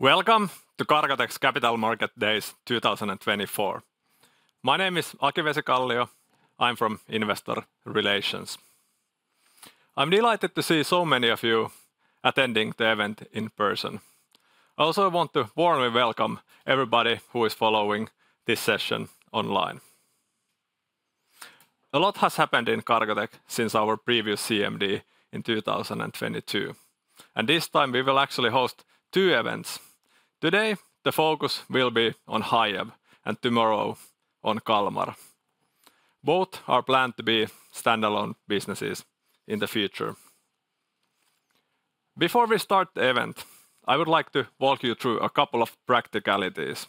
Welcome to Cargotec's Capital Market Days 2024. My name is Aki Vesikallio. I'm from Investor Relations. I'm delighted to see so many of you attending the event in person. I also want to warmly welcome everybody who is following this session online. A lot has happened in Cargotec since our previous CMD in 2022, and this time we will actually host two events. Today, the focus will be on Hiab, and tomorrow on Kalmar. Both are planned to be standalone businesses in the future. Before we start the event, I would like to walk you through a couple of practicalities.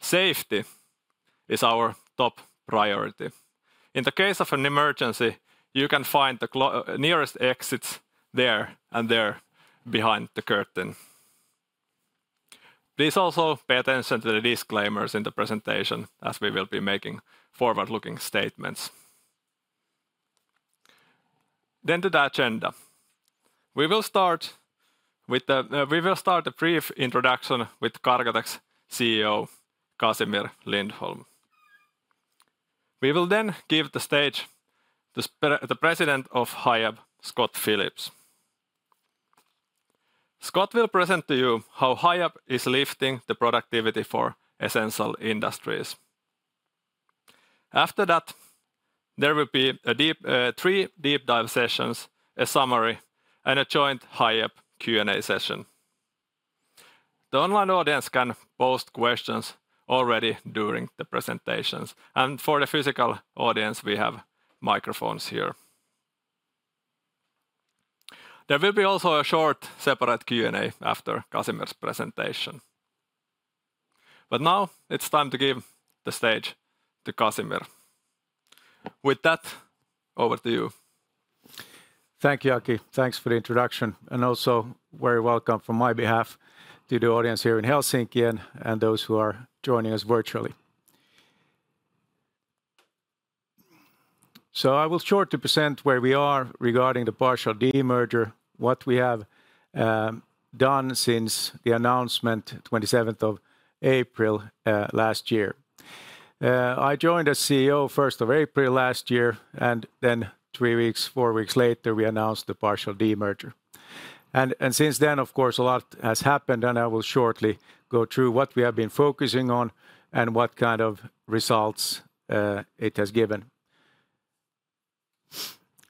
Safety is our top priority. In the case of an emergency, you can find the closest exits there and there behind the curtain. Please also pay attention to the disclaimers in the presentation, as we will be making forward-looking statements. Then to the agenda. We will start a brief introduction with Cargotec's CEO, Casimir Lindholm. We will then give the stage to the President of Hiab, Scott Phillips. Scott will present to you how Hiab is lifting the productivity for essential industries. After that, there will be a deep, three deep dive sessions, a summary, and a joint Hiab Q&A session. The online audience can post questions already during the presentations, and for the physical audience, we have microphones here. There will be also a short, separate Q&A after Casimir's presentation. But now, it's time to give the stage to Casimir. With that, over to you. Thank you, Aki. Thanks for the introduction, and also very welcome from my behalf to the audience here in Helsinki, and those who are joining us virtually. So I will shortly present where we are regarding the partial demerger, what we have done since the announcement, twenty-seventh of April, last year. I joined as CEO first of April last year, and then three weeks, four weeks later, we announced the partial demerger. And since then, of course, a lot has happened, and I will shortly go through what we have been focusing on and what kind of results it has given.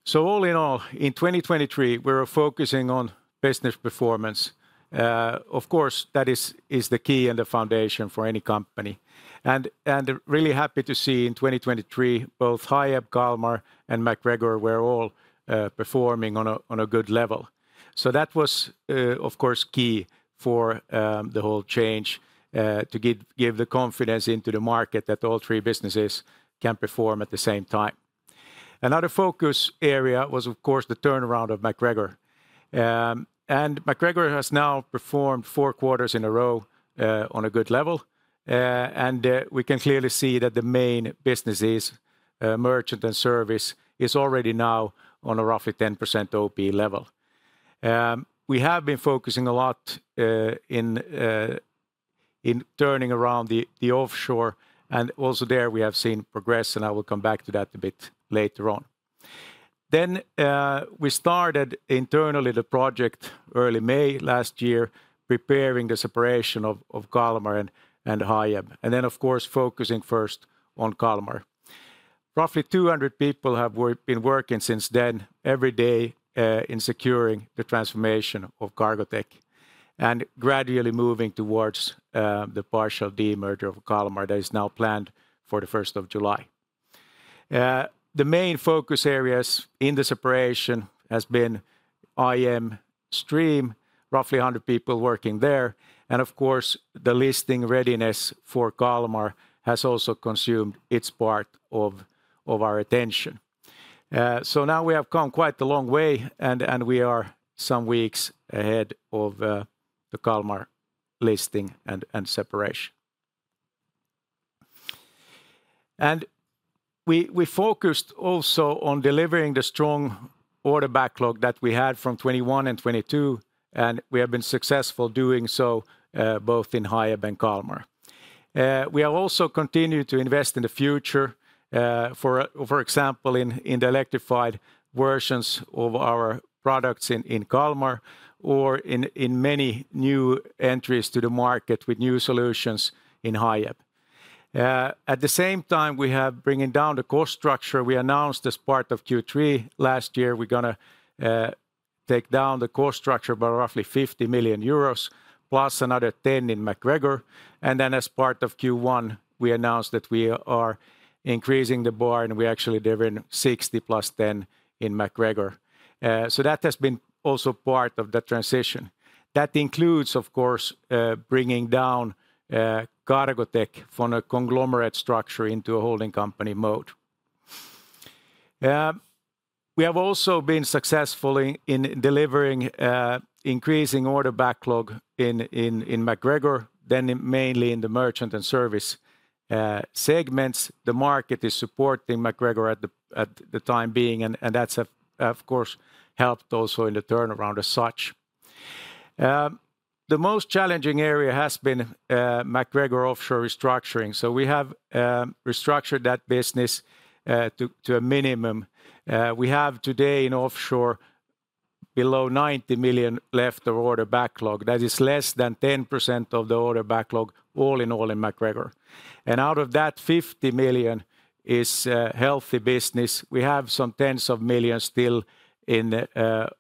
So all in all, in 2023, we were focusing on business performance. Of course, that is the key and the foundation for any company, and really happy to see in 2023, both Hiab, Kalmar, and MacGregor were all performing on a good level. So that was, of course, key for the whole change to give the confidence into the market that all three businesses can perform at the same time. Another focus area was, of course, the turnaround of MacGregor. And MacGregor has now performed four quarters in a row on a good level, and we can clearly see that the main businesses, merchant and service, is already now on a roughly 10% OP level. We have been focusing a lot in turning around the offshore, and also there we have seen progress, and I will come back to that a bit later on. Then, we started internally the project early May last year, preparing the separation of Kalmar and Hiab, and then, of course, focusing first on Kalmar. Roughly 200 people have been working since then, every day, in securing the transformation of Cargotec and gradually moving towards the partial demerger of Kalmar that is now planned for the first of July. The main focus areas in the separation has been IM stream, roughly 100 people working there, and of course, the listing readiness for Kalmar has also consumed its part of our attention. So now we have come quite a long way, and we are some weeks ahead of the Kalmar listing and separation. We focused also on delivering the strong order backlog that we had from 2021 and 2022, and we have been successful doing so, both in Hiab and Kalmar. We have also continued to invest in the future, for example, in the electrified versions of our products in Kalmar or in many new entries to the market with new solutions in Hiab. At the same time, we have bringing down the cost structure. We announced as part of Q3 last year, we're gonna take down the cost structure by roughly 50 million euros, plus another 10 million in MacGregor. As part of Q1, we announced that we are increasing the bar, and we're actually delivering 60 + 10 in MacGregor. So that has been also part of the transition. That includes, of course, bringing down Cargotec from a conglomerate structure into a holding company mode. We have also been successfully in delivering increasing order backlog in MacGregor, then mainly in the merchant and service segments. The market is supporting MacGregor for the time being, and that's of course helped also in the turnaround as such the most challenging area has been MacGregor Offshore restructuring. So we have restructured that business to a minimum. We have today in offshore below 90 million left of order backlog. That is less than 10% of the order backlog, all in all in MacGregor. And out of that, 50 million is healthy business. We have some tens of millions still in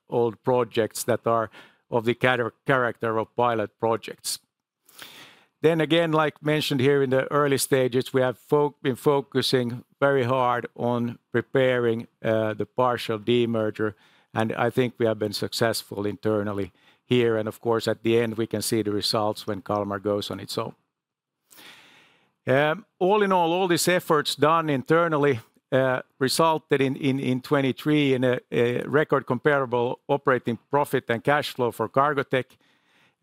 old projects that are of the character of pilot projects. Then again, like mentioned here in the early stages, we have been focusing very hard on preparing the partial demerger, and I think we have been successful internally here. And of course, at the end, we can see the results when Kalmar goes on its own. All in all, all these efforts done internally resulted in 2023 in a record comparable operating profit and cash flow for Cargotec,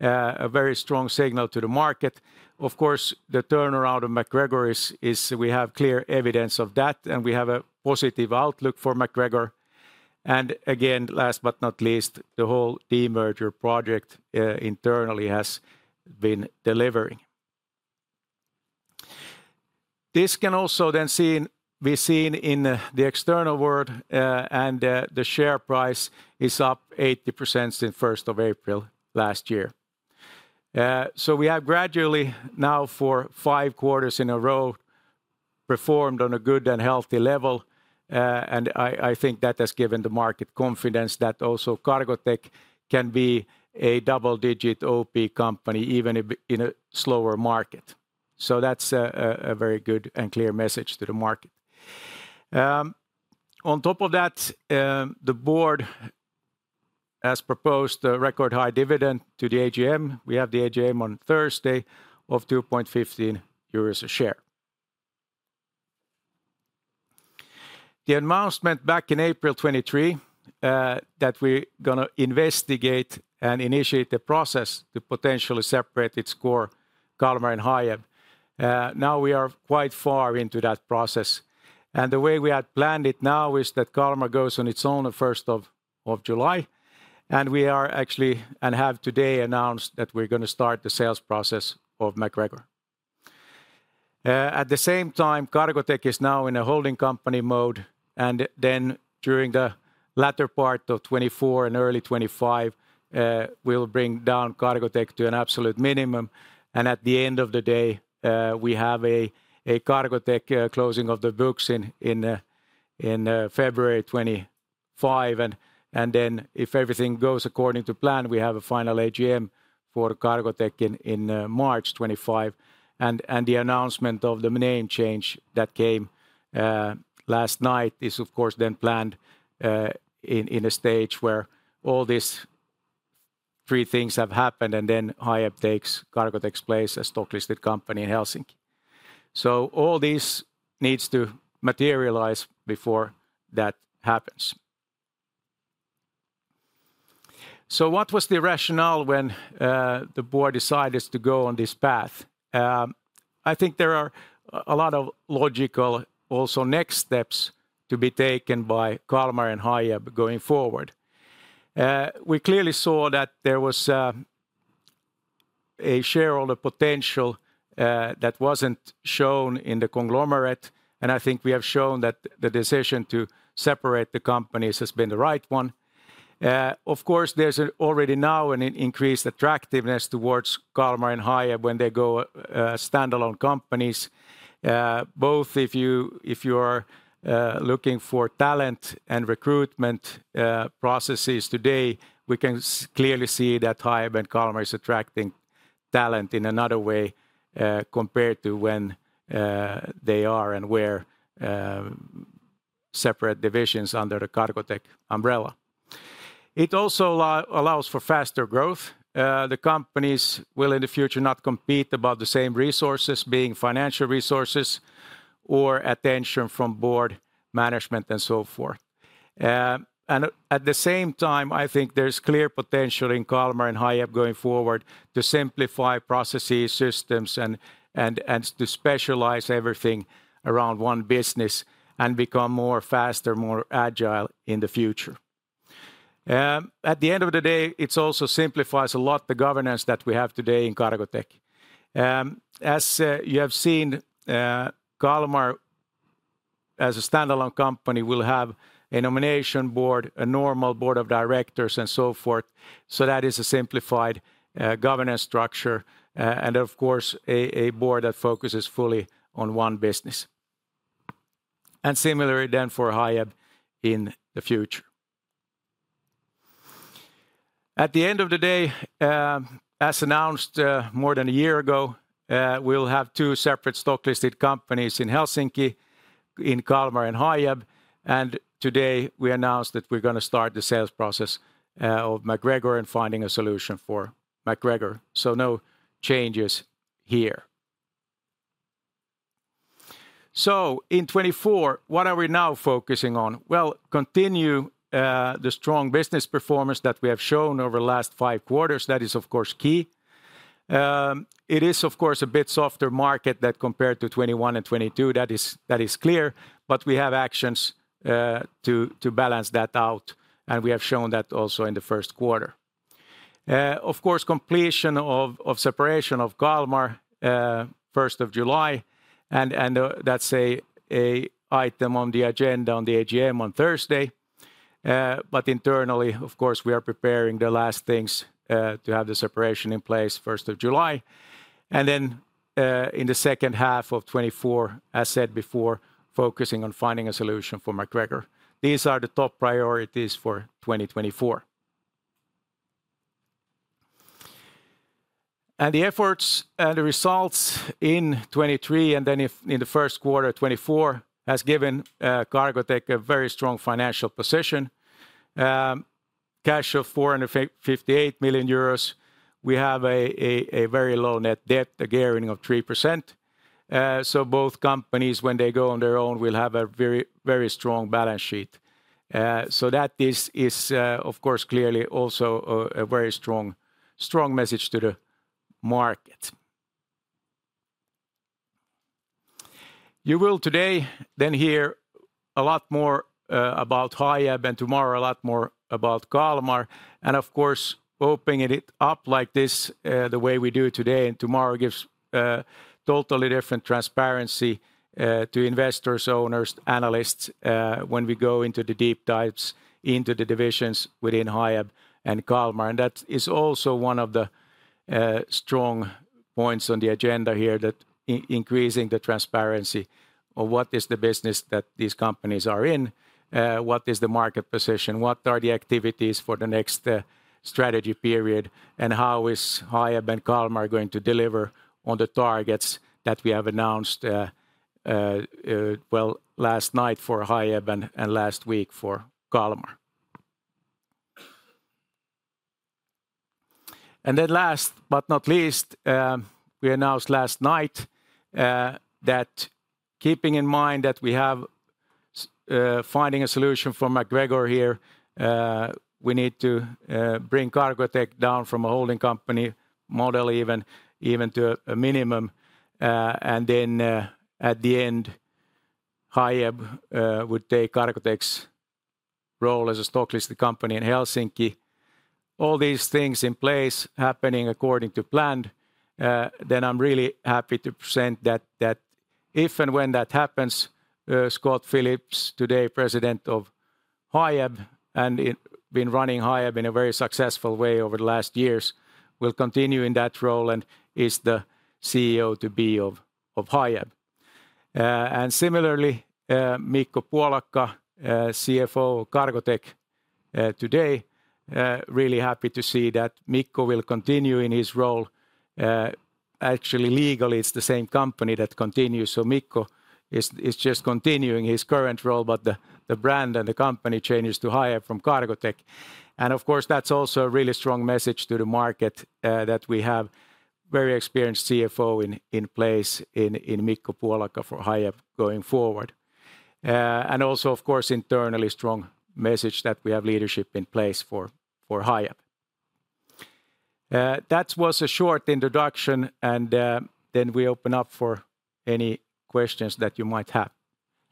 a very strong signal to the market. Of course, the turnaround of MacGregor is we have clear evidence of that, and we have a positive outlook for MacGregor. And again, last but not least, the whole demerger project internally has been delivering. This can also be seen in the external world, and the share price is up 80% since first of April last year. So we have gradually now for five quarters in a row performed on a good and healthy level, and I think that has given the market confidence that also Cargotec can be a double-digit OP company, even if in a slower market. So that's a very good and clear message to the market. On top of that, the board has proposed a record-high dividend to the AGM. We have the AGM on Thursday of 2.15 euros a share. The announcement back in April 2023, that we're gonna investigate and initiate the process to potentially separate its core, Kalmar and Hiab. Now we are quite far into that process, and the way we had planned it now is that Kalmar goes on its own on first of July, and we are actually, and have today announced that we're gonna start the sales process of MacGregor. At the same time, Cargotec is now in a holding company mode, and then during the latter part of 2024 and early 2025, we'll bring down Cargotec to an absolute minimum. At the end of the day, we have a Cargotec closing of the books in February 2025. Then if everything goes according to plan, we have a final AGM for Cargotec in March 2025. The announcement of the name change that came last night is of course then planned in a stage where all these three things have happened, and then Hiab takes Cargotec's place as stock listed company in Helsinki. So all this needs to materialize before that happens. So what was the rationale when the board decided to go on this path? I think there are a lot of logical, also next steps to be taken by Kalmar and Hiab going forward. We clearly saw that there was a shareholder potential that wasn't shown in the conglomerate, and I think we have shown that the decision to separate the companies has been the right one. Of course, there's already now an increased attractiveness towards Kalmar and Hiab when they go standalone companies. Both, if you are looking for talent and recruitment processes today, we can clearly see that Hiab and Kalmar is attracting talent in another way, compared to when they were separate divisions under the Cargotec umbrella. It also allows for faster growth. The companies will, in the future, not compete about the same resources being financial resources or attention from board management and so forth. And at the same time, I think there's clear potential in Kalmar and Hiab going forward to simplify processes, systems, and to specialize everything around one business and become more faster, more agile in the future. At the end of the day, it also simplifies a lot the governance that we have today in Cargotec. As you have seen, Kalmar, as a standalone company, will have a nomination board, a normal board of directors, and so forth. So that is a simplified governance structure, and of course, a board that focuses fully on one business. And similarly then for Hiab in the future. At the end of the day, as announced, more than a year ago, we'll have two separate stock listed companies in Helsinki, in Kalmar and Hiab, and today we announced that we're gonna start the sales process of MacGregor and finding a solution for MacGregor. So no changes here. So in 2024, what are we now focusing on? Well, continue the strong business performance that we have shown over the last five quarters. That is, of course, key. It is, of course, a bit softer market that compared to 2021 and 2022, that is, that is clear, but we have actions to balance that out, and we have shown that also in the first quarter. Of course, completion of separation of Kalmar 1st of July, and that's an item on the agenda on the AGM on Thursday. But internally, of course, we are preparing the last things to have the separation in place 1st of July. And then in the second half of 2024, as said before, focusing on finding a solution for MacGregor. These are the top priorities for 2024. And the efforts and the results in 2023, and then if in the first quarter 2024, has given Cargotec a very strong financial position. Cash of 458 million euros, we have a very low net debt, a gearing of 3%. So both companies, when they go on their own, will have a very, very strong balance sheet. So that is, of course, clearly also a very strong, strong message to the market. You will today then hear a lot more about Hiab and tomorrow a lot more about Kalmar. And of course, opening it up like this, the way we do today and tomorrow gives totally different transparency to investors, owners, analysts, when we go into the deep dives into the divisions within Hiab and Kalmar. That is also one of the strong points on the agenda here, that increasing the transparency of what is the business that these companies are in, what is the market position, what are the activities for the next strategy period, and how is Hiab and Kalmar going to deliver on the targets that we have announced, well, last night for Hiab and last week for Kalmar? And then last but not least, we announced last night that keeping in mind that we have finding a solution for MacGregor here, we need to bring Cargotec down from a holding company model, even to a minimum. And then at the end, Hiab would take Cargotec's role as a stock listed company in Helsinki. All these things in place, happening according to plan, then I'm really happy to present that if and when that happens, Scott Phillips, today President of Hiab, and has been running Hiab in a very successful way over the last years, will continue in that role and is the CEO-to-be of Hiab. And similarly, Mikko Puolakka, CFO Cargotec today, really happy to see that Mikko will continue in his role. Actually, legally, it's the same company that continues, so Mikko is just continuing his current role, but the brand and the company changes to Hiab from Cargotec. And of course, that's also a really strong message to the market, that we have very experienced CFO in place in Mikko Puolakka for Hiab going forward. And also, of course, internally strong message that we have leadership in place for Hiab. That was a short introduction, and then we open up for any questions that you might have.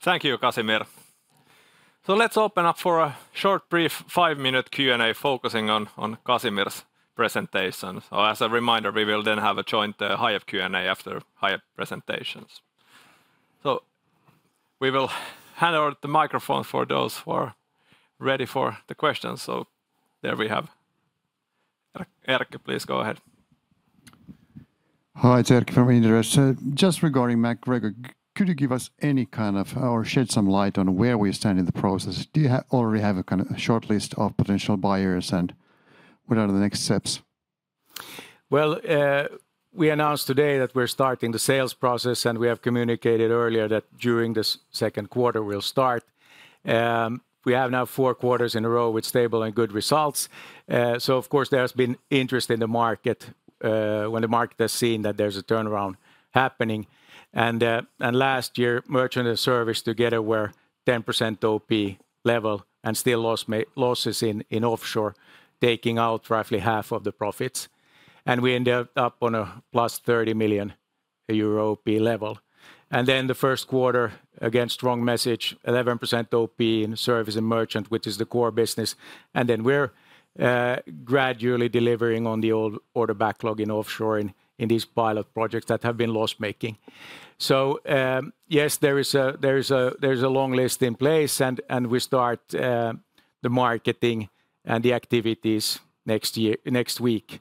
Thank you, Casimir. Let's open up for a short, brief 5-minute Q&A focusing on, on Casimir's presentation. As a reminder, we will then have a joint Hiab Q&A after Hiab presentations. We will hand over the microphone for those who are ready for the questions. There we have Erkki. Please go ahead. Hi, it's Erkki from Inderes. Just regarding MacGregor, could you give us any kind of, or shed some light on where we stand in the process? Do you already have a kind of a shortlist of potential buyers, and what are the next steps? Well, we announced today that we're starting the sales process, and we have communicated earlier that during this second quarter we'll start. We have now 4 quarters in a row with stable and good results, so of course, there has been interest in the market when the market has seen that there's a turnaround happening. Last year, merchant and service together were 10% OP level, and still losses in offshore, taking out roughly half of the profits. We ended up on a +30 million euro OP level. Then the first quarter, again, strong message, 11% OP in service and merchant, which is the core business. Then we're gradually delivering on the old order backlog in offshore in these pilot projects that have been loss-making. So, yes, there is a long list in place, and we start the marketing and the activities next year, next week.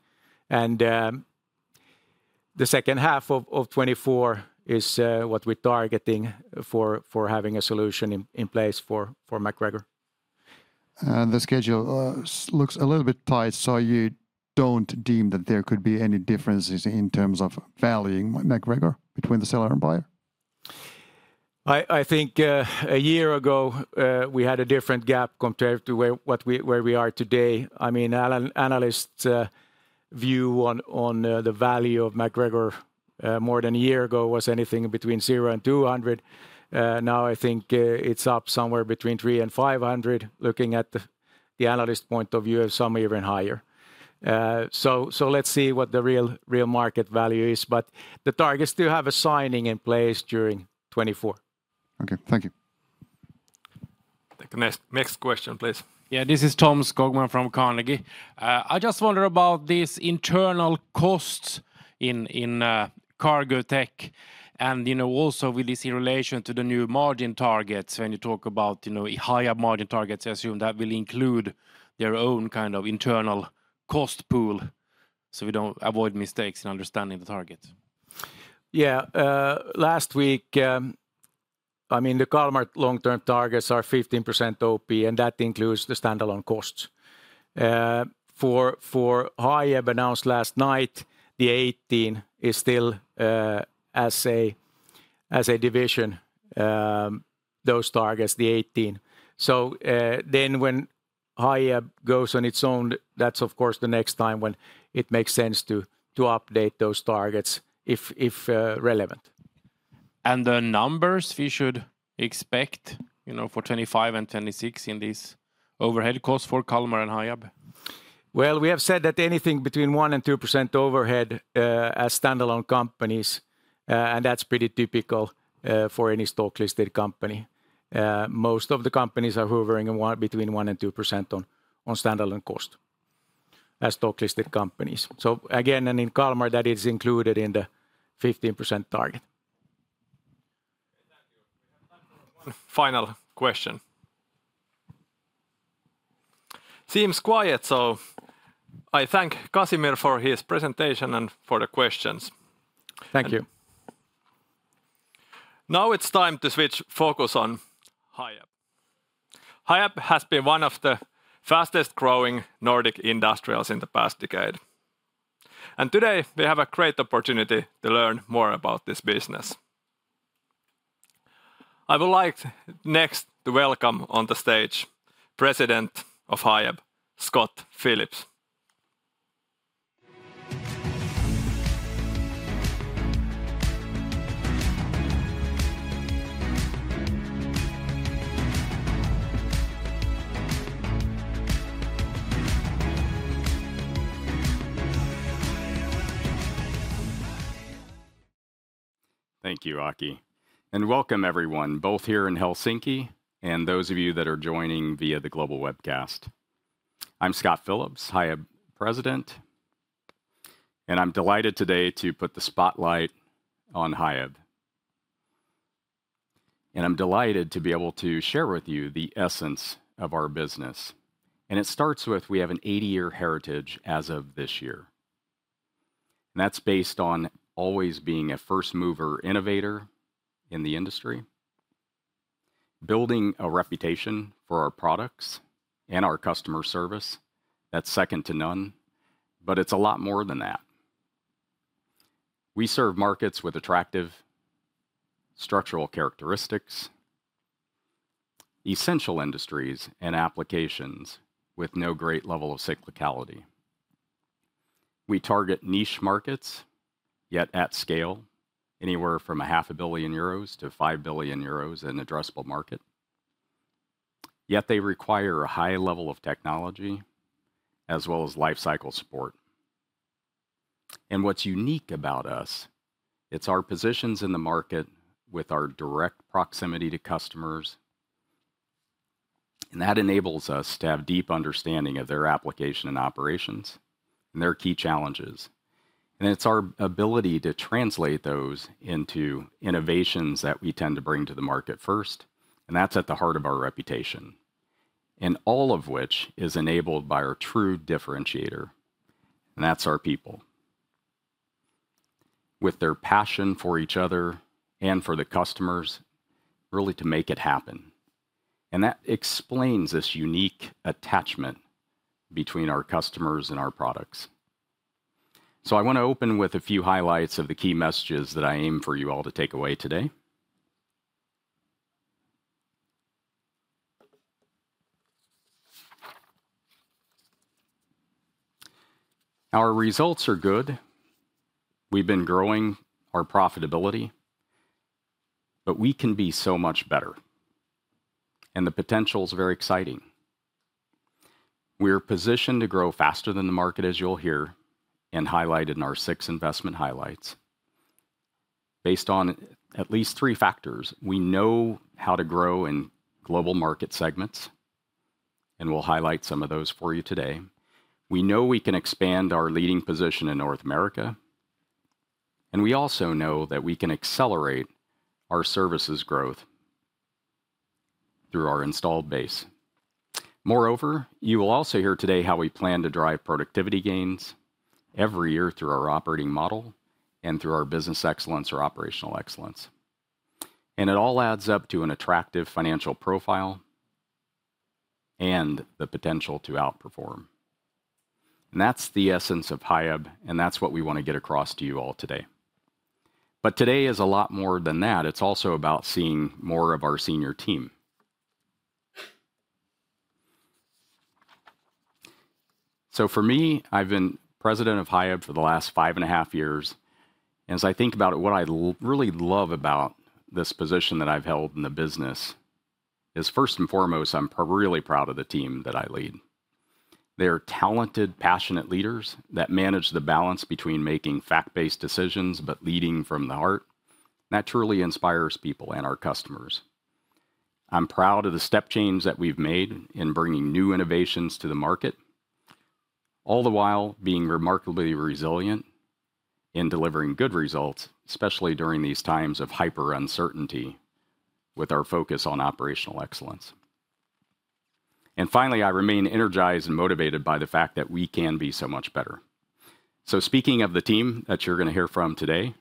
And, the second half of 2024 is what we're targeting for having a solution in place for MacGregor. The schedule looks a little bit tight, so you don't deem that there could be any differences in terms of valuing MacGregor between the seller and buyer? I think a year ago we had a different gap compared to where we are today. I mean, analyst view on the value of MacGregor more than a year ago was anything between 0 and 200. Now I think it's up somewhere between 300 and 500, looking at the analyst point of view, and some even higher. So let's see what the real market value is, but the target still have a signing in place during 2024. Okay, thank you. Take the next, next question, please. Yeah, this is Tom Skogman from Carnegie. I just wonder about these internal costs in Cargotec, and, you know, also with this in relation to the new margin targets. When you talk about, you know, higher margin targets, I assume that will include their own kind of internal cost pool, so we don't avoid mistakes in understanding the targets. Yeah, last week, I mean, the Kalmar long-term targets are 15% OP, and that includes the standalone costs. For Hiab announced last night, the 18 is still, as a division, those targets, the 18. So, then when Hiab goes on its own, that's of course, the next time when it makes sense to update those targets, if relevant. The numbers we should expect, you know, for 2025 and 2026 in these overhead costs for Kalmar and Hiab? Well, we have said that anything between 1% and 2% overhead, as standalone companies, and that's pretty typical, for any stock-listed company. Most of the companies are hovering between 1% and 2% on standalone cost, as stock-listed companies. So again, and in Kalmar, that is included in the 15% target. Thank you. We have time for one final question. Seems quiet, so I thank Casimir for his presentation and for the questions. Thank you. Now it's time to switch focus on Hiab. Hiab has been one of the fastest growing Nordic industrials in the past decade. Today, we have a great opportunity to learn more about this business. I would like next to welcome on the stage, President of Hiab, Scott Phillips. Thank you, Aki, and welcome everyone, both here in Helsinki and those of you that are joining via the global webcast. I'm Scott Phillips, Hiab President, and I'm delighted today to put the spotlight on Hiab. I'm delighted to be able to share with you the essence of our business, and it starts with we have an 80-year heritage as of this year. That's based on always being a first mover innovator in the industry, building a reputation for our products and our customer service that's second to none, but it's a lot more than that. We serve markets with attractive structural characteristics, essential industries, and applications with no great level of cyclicality. We target niche markets, yet at scale, anywhere from 500 million euros to 5 billion euros in addressable market. Yet they require a high level of technology, as well as life cycle support. What's unique about us is our positions in the market with our direct proximity to customers, and that enables us to have deep understanding of their application and operations and their key challenges. It's our ability to translate those into innovations that we tend to bring to the market first, and that's at the heart of our reputation. All of which is enabled by our true differentiator, and that's our people. With their passion for each other and for the customers, really to make it happen. That explains this unique attachment between our customers and our products. I wanna open with a few highlights of the key messages that I aim for you all to take away today. Our results are good. We've been growing our profitability, but we can be so much better, and the potential is very exciting. We're positioned to grow faster than the market, as you'll hear, and highlighted in our six investment highlights. Based on at least three factors, we know how to grow in global market segments, and we'll highlight some of those for you today. We know we can expand our leading position in North America, and we also know that we can accelerate our services growth through our installed base. Moreover, you will also hear today how we plan to drive productivity gains every year through our operating model and through our business excellence or operational excellence. It all adds up to an attractive financial profile and the potential to outperform. That's the essence of Hiab, and that's what we wanna get across to you all today. Today is a lot more than that. It's also about seeing more of our senior team. So for me, I've been president of Hiab for the last 5.5 years, and as I think about it, what I really love about this position that I've held in the business is, first and foremost, I'm really proud of the team that I lead. They are talented, passionate leaders that manage the balance between making fact-based decisions, but leading from the heart. That truly inspires people and our customers. I'm proud of the step change that we've made in bringing new innovations to the market, all the while being remarkably resilient in delivering good results, especially during these times of hyper uncertainty, with our focus on operational excellence. And finally, I remain energized and motivated by the fact that we can be so much better. So speaking of the team that you're gonna hear from today,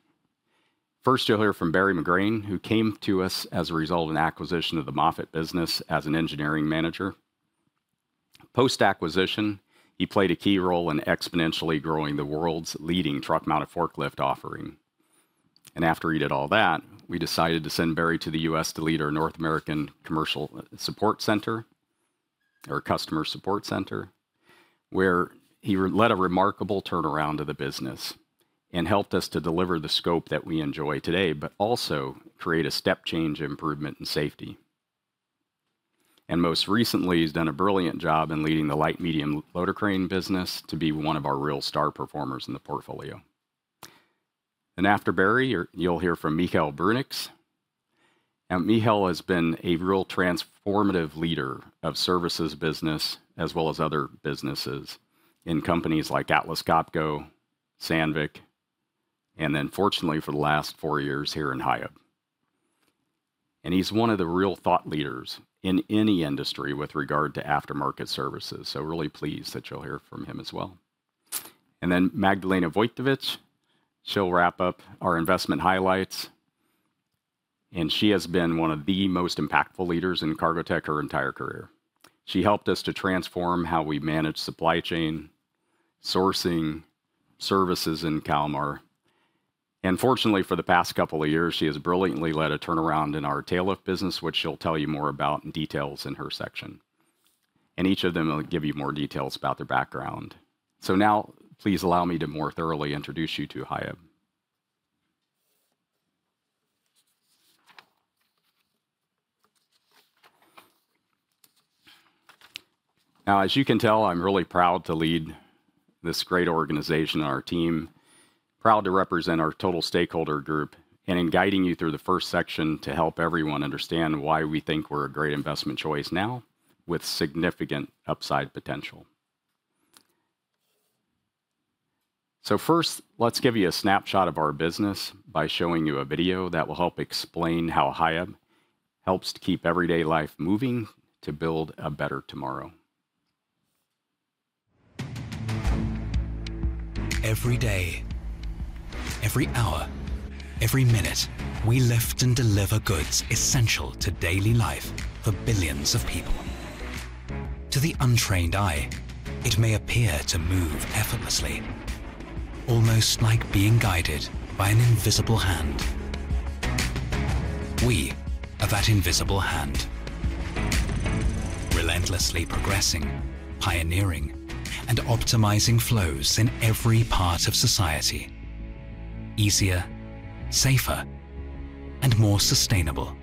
first, you'll hear from Barry McGrane, who came to us as a result of an acquisition of the Moffett business as an engineering manager. Post-acquisition, he played a key role in exponentially growing the world's leading truck mount and forklift offering. And after he did all that, we decided to send Barry to the US to lead our North American Commercial Support Center or Customer Support Center, where he led a remarkable turnaround of the business and helped us to deliver the scope that we enjoy today, but also create a step change, improvement, and safety. And most recently, he's done a brilliant job in leading the light-medium loader crane business to be one of our real star performers in the portfolio. And after Barry, you'll hear from Michael Berns. Now, Michal has been a real transformative leader of services business as well as other businesses in companies like Atlas Copco, Sandvik, and then fortunately, for the last 4 years here in Hiab. And he's one of the real thought leaders in any industry with regard to aftermarket services, so really pleased that you'll hear from him as well. And then MagDalena Wojtowicz, she'll wrap up our investment highlights, and she has been one of the most impactful leaders in Cargotec her entire career. She helped us to transform how we manage supply chain, sourcing, services in Kalmar. And fortunately, for the past couple of years, she has brilliantly led a turnaround in our tail lift business, which she'll tell you more about in detail in her section. And each of them will give you more details about their background. So now, please allow me to more thoroughly introduce you to Hiab. Now, as you can tell, I'm really proud to lead this great organization and our team, proud to represent our total stakeholder group, and in guiding you through the first section to help everyone understand why we think we're a great investment choice now, with significant upside potential. So first, let's give you a snapshot of our business by showing you a video that will help explain how Hiab helps to keep everyday life moving to build a better tomorrow. Every day, every hour, every minute, we lift and deliver goods essential to daily life for billions of people. To the untrained eye, it may appear to move effortlessly, almost like being guided by an invisible hand. We are that invisible hand, relentlessly progressing, pioneering, and optimizing flows in every part of society, easier, safer, and more sustainable.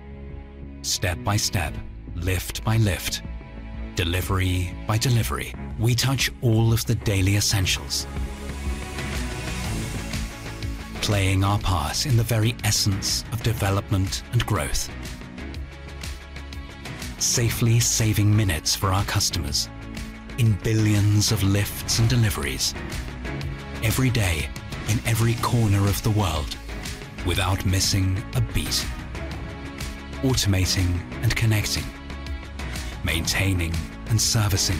Step by step, lift by lift, delivery by delivery, we touch all of the daily essentials playing our part in the very essence of development and growth. Safely saving minutes for our customers in billions of lifts and deliveries every day in every corner of the world, without missing a beat. Automating and connecting, maintaining and servicing,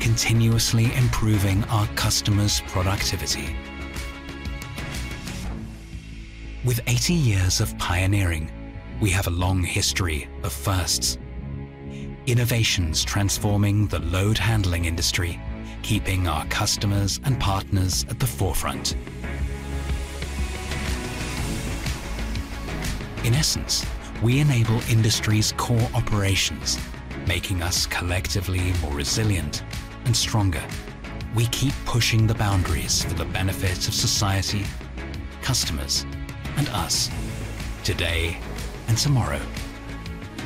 continuously improving our customers' productivity. With 80 years of pioneering, we have a long history of firsts, innovations transforming the load handling industry, keeping our customers and partners at the forefront. In essence, we enable industry's core operations, making us collectively more resilient and stronger. We keep pushing the boundaries for the benefit of society, customers, and us, today and tomorrow,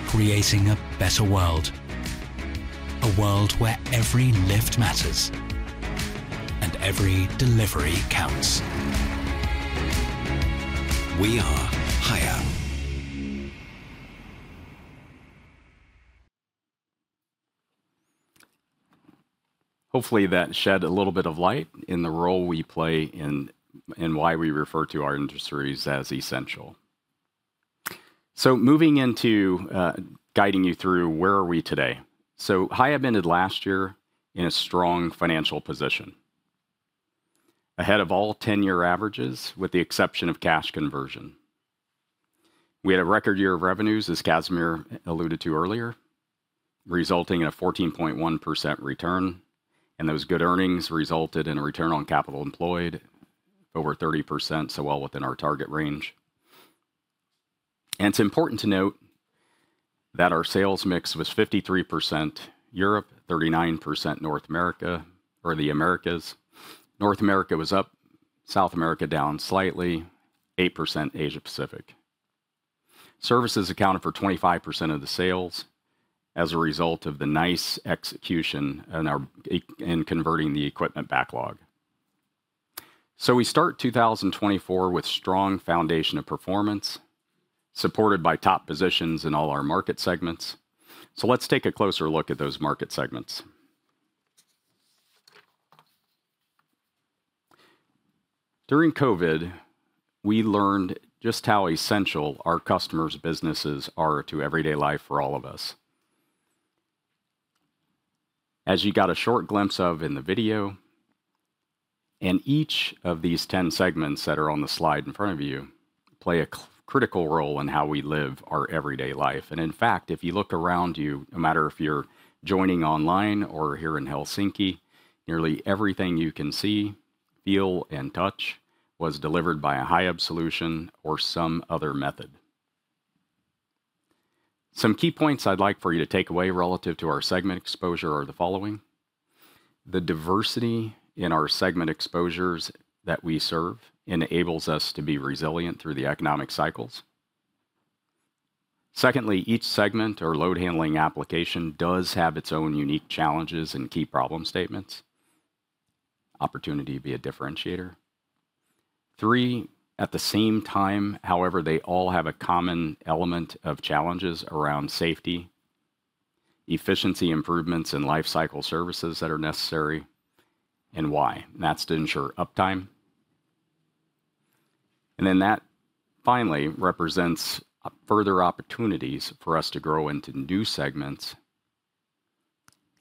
creating a better world, a world where every lift matters and every delivery counts. We are Hiab. Hopefully, that shed a little bit of light in the role we play and, and why we refer to our industries as essential. So moving into, guiding you through, where are we today? So Hiab ended last year in a strong financial position, ahead of all 10-year averages, with the exception of cash conversion. We had a record year of revenues, as Casimir alluded to earlier, resulting in a 14.1% return, and those good earnings resulted in a return on capital employed over 30%, so well within our target range. It's important to note that our sales mix was 53% Europe, 39% North America or the Americas. North America was up, South America down slightly, 8% Asia Pacific. Services accounted for 25% of the sales as a result of the nice execution in converting the equipment backlog. So we start 2024 with strong foundation of performance, supported by top positions in all our market segments. So let's take a closer look at those market segments. During COVID, we learned just how essential our customers' businesses are to everyday life for all of us. As you got a short glimpse of in the video, and each of these 10 segments that are on the slide in front of you play a critical role in how we live our everyday life. And in fact, if you look around you, no matter if you're joining online or here in Helsinki, nearly everything you can see, feel, and touch was delivered by a Hiab solution or some other method. Some key points I'd like for you to take away relative to our segment exposure are the following: The diversity in our segment exposures that we serve enables us to be resilient through the economic cycles. Secondly, each segment or load handling application does have its own unique challenges and key problem statements. Opportunity to be a differentiator. Three, at the same time, however, they all have a common element of challenges around safety, efficiency improvements and lifecycle services that are necessary, and why? That's to ensure uptime. And then that finally represents further opportunities for us to grow into new segments,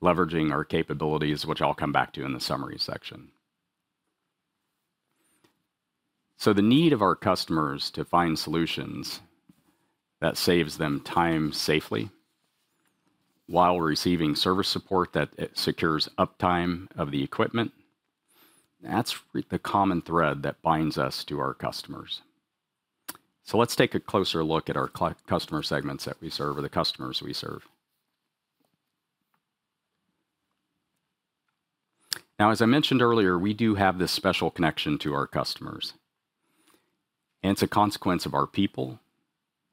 leveraging our capabilities, which I'll come back to in the summary section. So the need of our customers to find solutions that saves them time safely while receiving service support that secures uptime of the equipment, that's the common thread that binds us to our customers. So let's take a closer look at our customer segments that we serve or the customers we serve. Now, as I mentioned earlier, we do have this special connection to our customers. It's a consequence of our people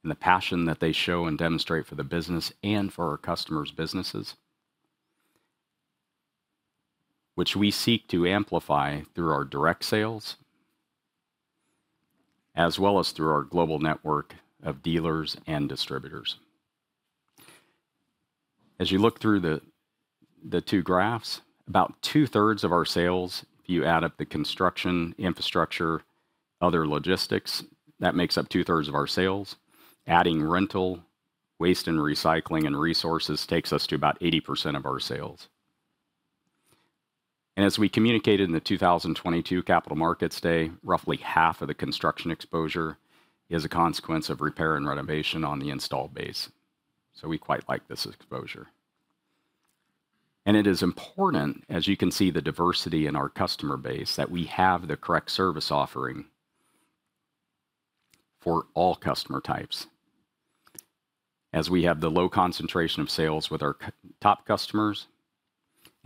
and the passion that they show and demonstrate for the business and for our customers' businesses, which we seek to amplify through our direct sales, as well as through our global network of dealers and distributors. As you look through the two graphs, about two-thirds of our sales, if you add up the construction, infrastructure, other logistics, that makes up two-thirds of our sales. Adding rental, waste and recycling, and resources takes us to about 80% of our sales. As we communicated in the 2022 Capital Markets Day, roughly half of the construction exposure is a consequence of repair and renovation on the installed base. We quite like this exposure. It is important, as you can see, the diversity in our customer base, that we have the correct service offering for all customer types. As we have the low concentration of sales with our top customers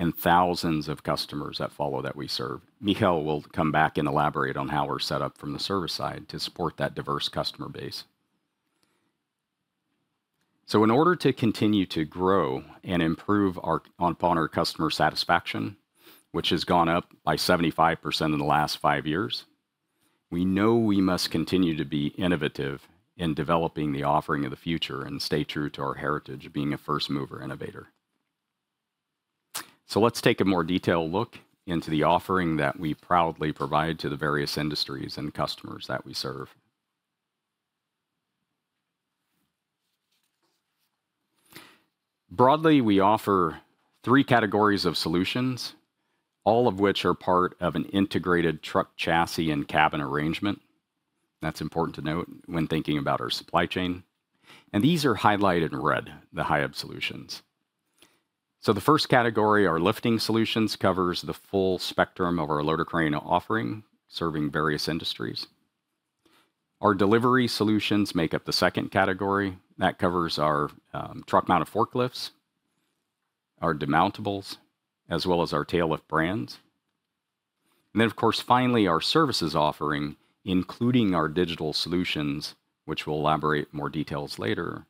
and thousands of customers that follow that we serve. Michael will come back and elaborate on how we're set up from the service side to support that diverse customer base. In order to continue to grow and improve upon our customer satisfaction, which has gone up by 75% in the last five years, we know we must continue to be innovative in developing the offering of the future and stay true to our heritage of being a first-mover innovator. Let's take a more detailed look into the offering that we proudly provide to the various industries and customers that we serve. Broadly, we offer three categories of solutions, all of which are part of an integrated truck, chassis, and cabin arrangement. That's important to note when thinking about our supply chain, and these are highlighted in red, the Hiab solutions. So the first category, our lifting solutions, covers the full spectrum of our loader crane offering, serving various industries. Our delivery solutions make up the second category. That covers our truck mounted forklifts, our demountables, as well as our tail lift brands. And then, of course, finally, our services offering, including our digital solutions, which we'll elaborate more details later,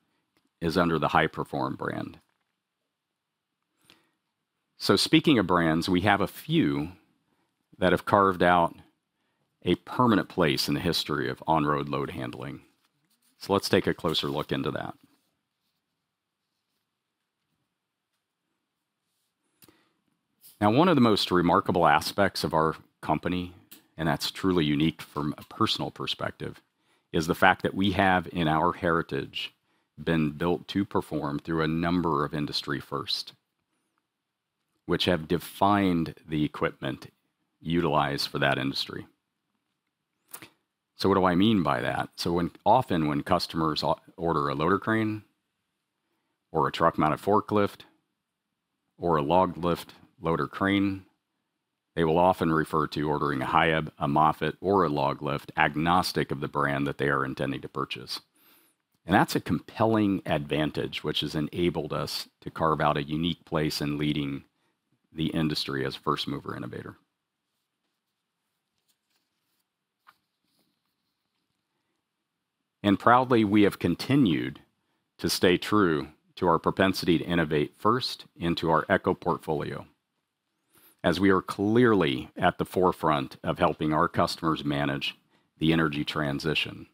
is under the HiPerform brand. So speaking of brands, we have a few that have carved out a permanent place in the history of on-road load handling. So let's take a closer look into that. Now, one of the most remarkable aspects of our company, and that's truly unique from a personal perspective, is the fact that we have, in our heritage, been built to perform through a number of industry first, which have defined the equipment utilized for that industry. So what do I mean by that? So, often, when customers order a loader crane or a truck-mounted forklift, or a Loglift loader crane, they will often refer to ordering a Hiab, a Moffett, or a Loglift, agnostic of the brand that they are intending to purchase. That's a compelling advantage, which has enabled us to carve out a unique place in leading the industry as a first mover innovator. Proudly, we have continued to stay true to our propensity to innovate first into our Eco portfolio, as we are clearly at the forefront of helping our customers manage the energy transition.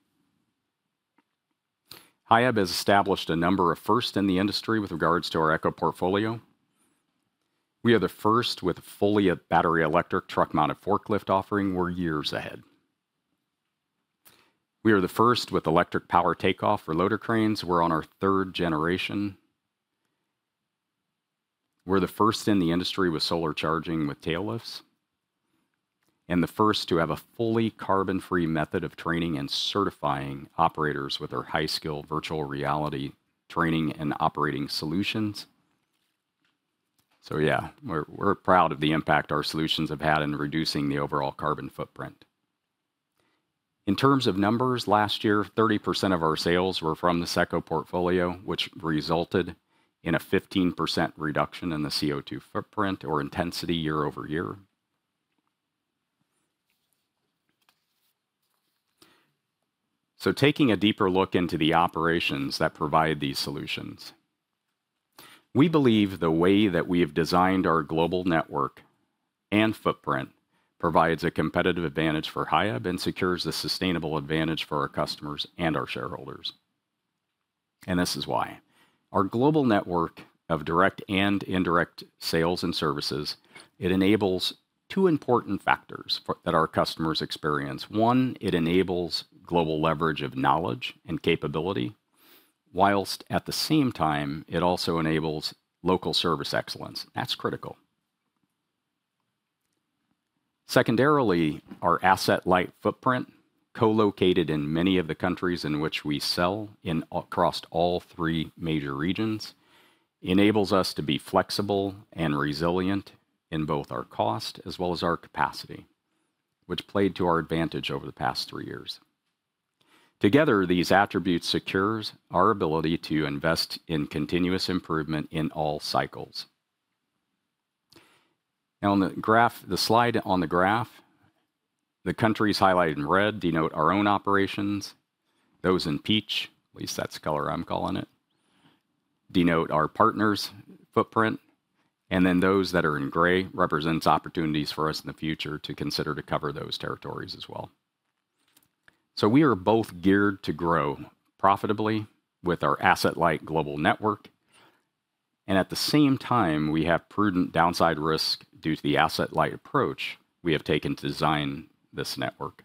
Hiab has established a number of firsts in the industry with regards to our Eco portfolio. We are the first with a fully battery electric truck-mounted forklift offering. We're years ahead. We are the first with electric power takeoff for loader cranes. We're on our third generation. We're the first in the industry with solar charging with tail lifts, and the first to have a fully carbon-free method of training and certifying operators with our HiSkill virtual reality training and operating solutions. So yeah, we're, we're proud of the impact our solutions have had in reducing the overall carbon footprint. In terms of numbers, last year, 30% of our sales were from this eco-portfolio, which resulted in a 15% reduction in the CO2 footprint or intensity year-over-year. So taking a deeper look into the operations that provide these solutions, we believe the way that we have designed our global network and footprint provides a competitive advantage for Hiab and secures a sustainable advantage for our customers and our shareholders. And this is why: Our global network of direct and indirect sales and services, it enables two important factors for that our customers experience. One, it enables global leverage of knowledge and capability, whilst at the same time, it also enables local service excellence. That's critical. Secondarily, our asset-light footprint, co-located in many of the countries in which we sell in across all three major regions, enables us to be flexible and resilient in both our cost as well as our capacity, which played to our advantage over the past three years. Together, these attributes secures our ability to invest in continuous improvement in all cycles. Now, on the graph, the slide on the graph, the countries highlighted in red denote our own operations. Those in peach, at least that's the color I'm calling it, denote our partners' footprint, and then those that are in gray represents opportunities for us in the future to consider to cover those territories as well. So we are both geared to grow profitably with our asset-light global network, and at the same time, we have prudent downside risk due to the asset-light approach we have taken to design this network.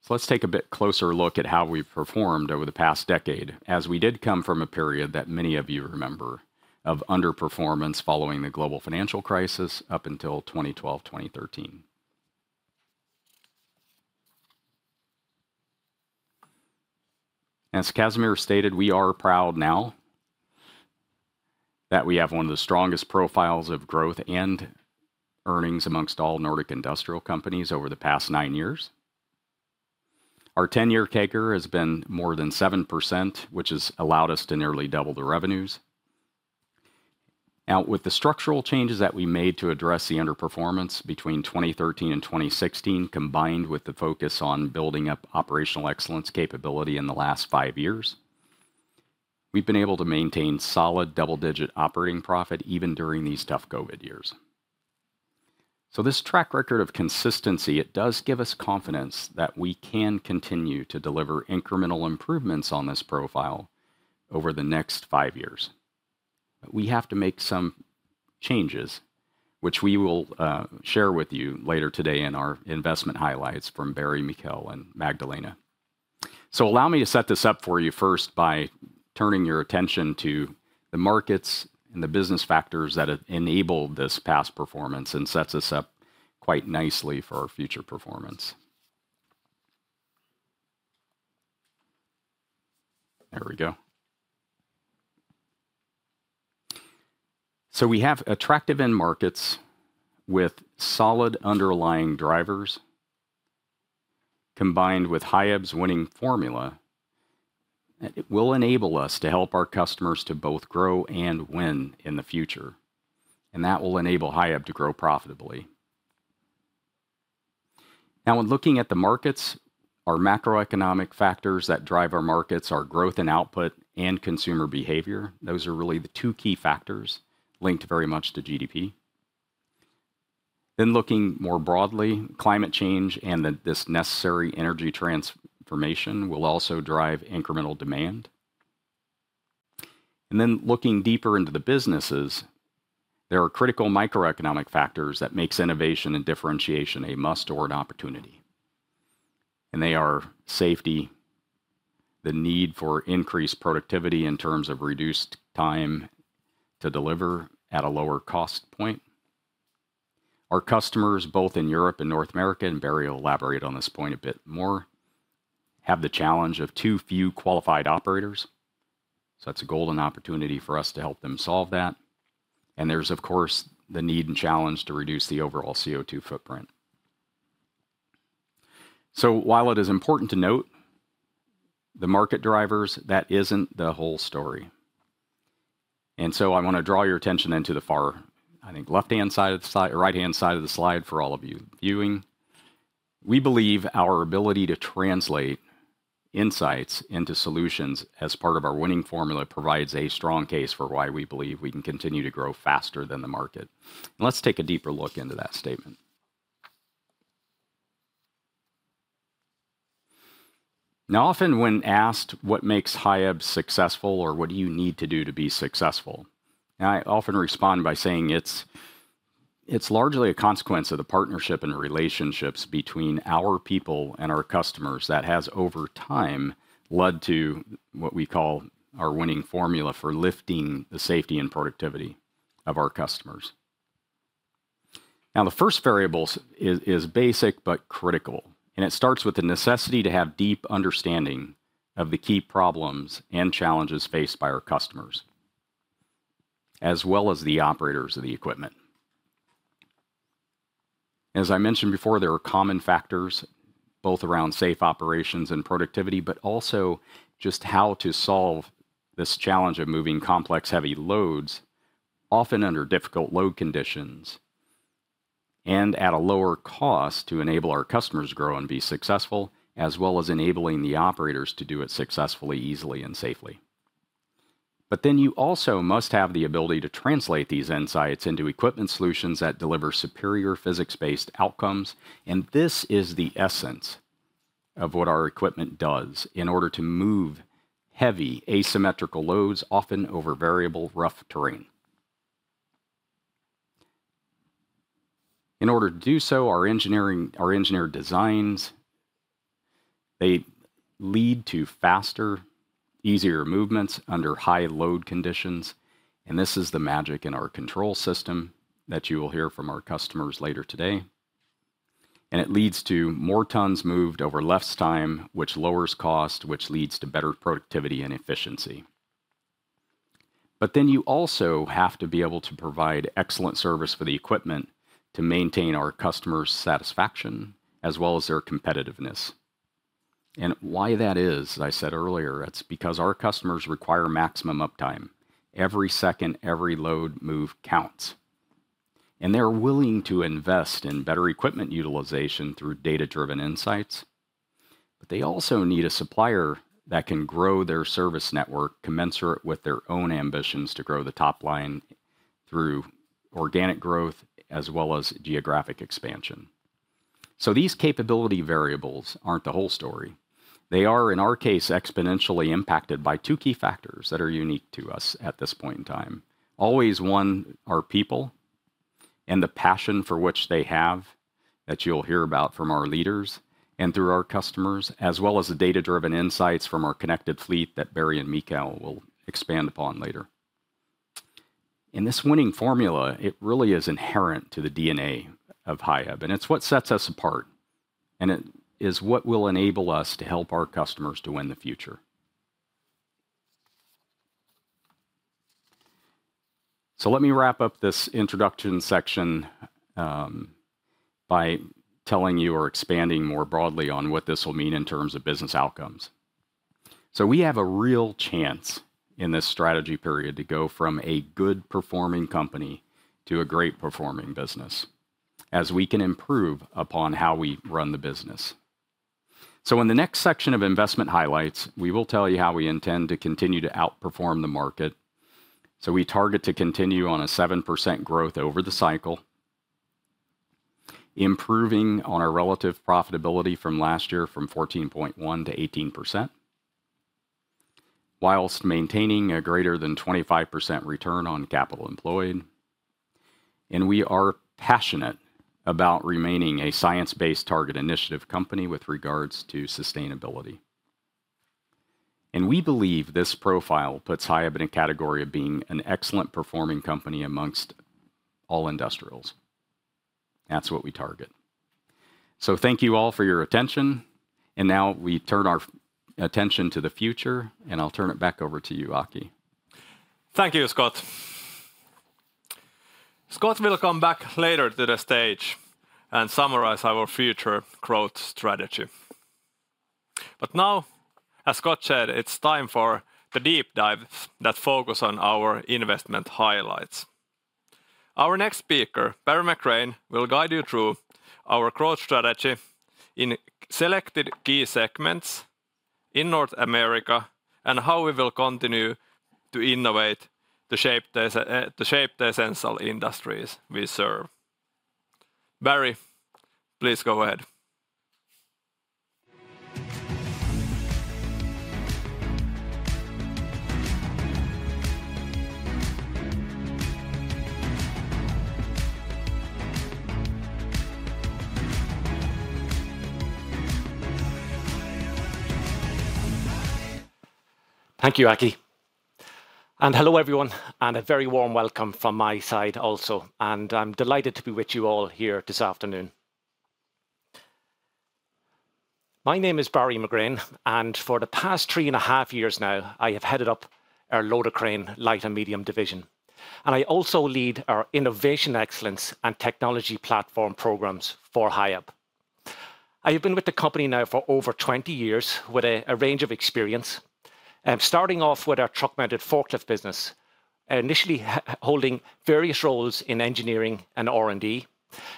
So let's take a bit closer look at how we've performed over the past decade, as we did come from a period that many of you remember of underperformance following the global financial crisis up until 2012, 2013. As Casimir stated, we are proud now that we have one of the strongest profiles of growth and earnings amongst all Nordic industrial companies over the past 9 years. Our 10-year CAGR has been more than 7%, which has allowed us to nearly double the revenues. Now, with the structural changes that we made to address the underperformance between 2013 and 2016, combined with the focus on building up operational excellence capability in the last 5 years, we've been able to maintain solid double-digit operating profit, even during these tough COVID years. So this track record of consistency, it does give us confidence that we can continue to deliver incremental improvements on this profile over the next 5 years. We have to make some changes, which we will share with you later today in our investment highlights from Barry, Mikko, and Magdalena. So allow me to set this up for you first by turning your attention to the markets and the business factors that have enabled this past performance and sets us up quite nicely for our future performance. There we go. So we have attractive end markets with solid underlying drivers, combined with Hiab's winning formula, and it will enable us to help our customers to both grow and win in the future, and that will enable Hiab to grow profitably. Now, when looking at the markets, our macroeconomic factors that drive our markets, our growth and output and consumer behavior, those are really the two key factors linked very much to GDP. Then looking more broadly, climate change and this necessary energy transformation will also drive incremental demand. Then looking deeper into the businesses, there are critical microeconomic factors that makes innovation and differentiation a must or an opportunity, and they are safety, the need for increased productivity in terms of reduced time to deliver at a lower cost point. Our customers, both in Europe and North America, and Barry will elaborate on this point a bit more, have the challenge of too few qualified operators. That's a golden opportunity for us to help them solve that, and there's, of course, the need and challenge to reduce the overall CO2 footprint. So while it is important to note the market drivers, that isn't the whole story, and so I wanna draw your attention then to the far, I think, left-hand side of the slide, or right-hand side of the slide for all of you viewing. We believe our ability to translate insights into solutions as part of our winning formula provides a strong case for why we believe we can continue to grow faster than the market. Let's take a deeper look into that statement. Now, often, when asked what makes Hiab successful or what do you need to do to be successful, I often respond by saying it's largely a consequence of the partnership and the relationships between our people and our customers that has, over time, led to what we call our winning formula for lifting the safety and productivity of our customers. Now, the first variable is basic but critical, and it starts with the necessity to have deep understanding of the key problems and challenges faced by our customers, as well as the operators of the equipment. As I mentioned before, there are common factors, both around safe operations and productivity, but also just how to solve this challenge of moving complex, heavy loads, often under difficult load conditions, and at a lower cost to enable our customers to grow and be successful, as well as enabling the operators to do it successfully, easily and safely. But then you also must have the ability to translate these insights into equipment solutions that deliver superior physics-based outcomes, and this is the essence of what our equipment does in order to move heavy, asymmetrical loads, often over variable, rough terrain. In order to do so, our engineering, our engineered designs, they lead to faster, easier movements under high load conditions, and this is the magic in our control system that you will hear from our customers later today. It leads to more tons moved over less time, which lowers cost, which leads to better productivity and efficiency. Then you also have to be able to provide excellent service for the equipment to maintain our customers' satisfaction, as well as their competitiveness. Why that is, as I said earlier, it's because our customers require maximum uptime. Every second, every load move counts, and they're willing to invest in better equipment utilization through data-driven insights. But they also need a supplier that can grow their service network commensurate with their own ambitions to grow the top line through organic growth, as well as geographic expansion. So these capability variables aren't the whole story. They are, in our case, exponentially impacted by two key factors that are unique to us at this point in time. Always, one, our people and the passion for which they have, that you'll hear about from our leaders and through our customers, as well as the data-driven insights from our connected fleet that Barry and Michael will expand upon later. And this winning formula, it really is inherent to the DNA of Hiab, and it's what sets us apart, and it is what will enable us to help our customers to win the future. So let me wrap up this introduction section, by telling you or expanding more broadly on what this will mean in terms of business outcomes. So we have a real chance in this strategy period to go from a good-performing company to a great-performing business, as we can improve upon how we run the business. In the next section of investment highlights, we will tell you how we intend to continue to outperform the market. We target to continue on a 7% growth over the cycle, improving on our relative profitability from last year, from 14.1% to 18%, while maintaining a greater than 25% return on capital employed. We are passionate about remaining a Science Based Targets initiative company with regards to sustainability. We believe this profile puts Hiab in a category of being an excellent-performing company amongst all industrials. That's what we target. Thank you all for your attention, and now we turn our attention to the future, and I'll turn it back over to you, Aki. Thank you, Scott. Scott will come back later to the stage and summarize our future growth strategy. But now, as Scott said, it's time for the deep dive that focus on our investment highlights. Our next speaker, Barry McGrane, will guide you through our growth strategy in selected key segments in North America, and how we will continue to innovate to shape the essential industries we serve. Barry, please go ahead. Thank you, Aki. Hello, everyone, and a very warm welcome from my side also, and I'm delighted to be with you all here this afternoon. My name is Barry McGrane, and for the past 3.5 years now, I have headed up our Loader Crane Light and Medium division, and I also lead our innovation excellence and technology platform programs for Hiab. I have been with the company now for over 20 years, with a range of experience, starting off with our truck-mounted forklift business, initially holding various roles in engineering and R&D.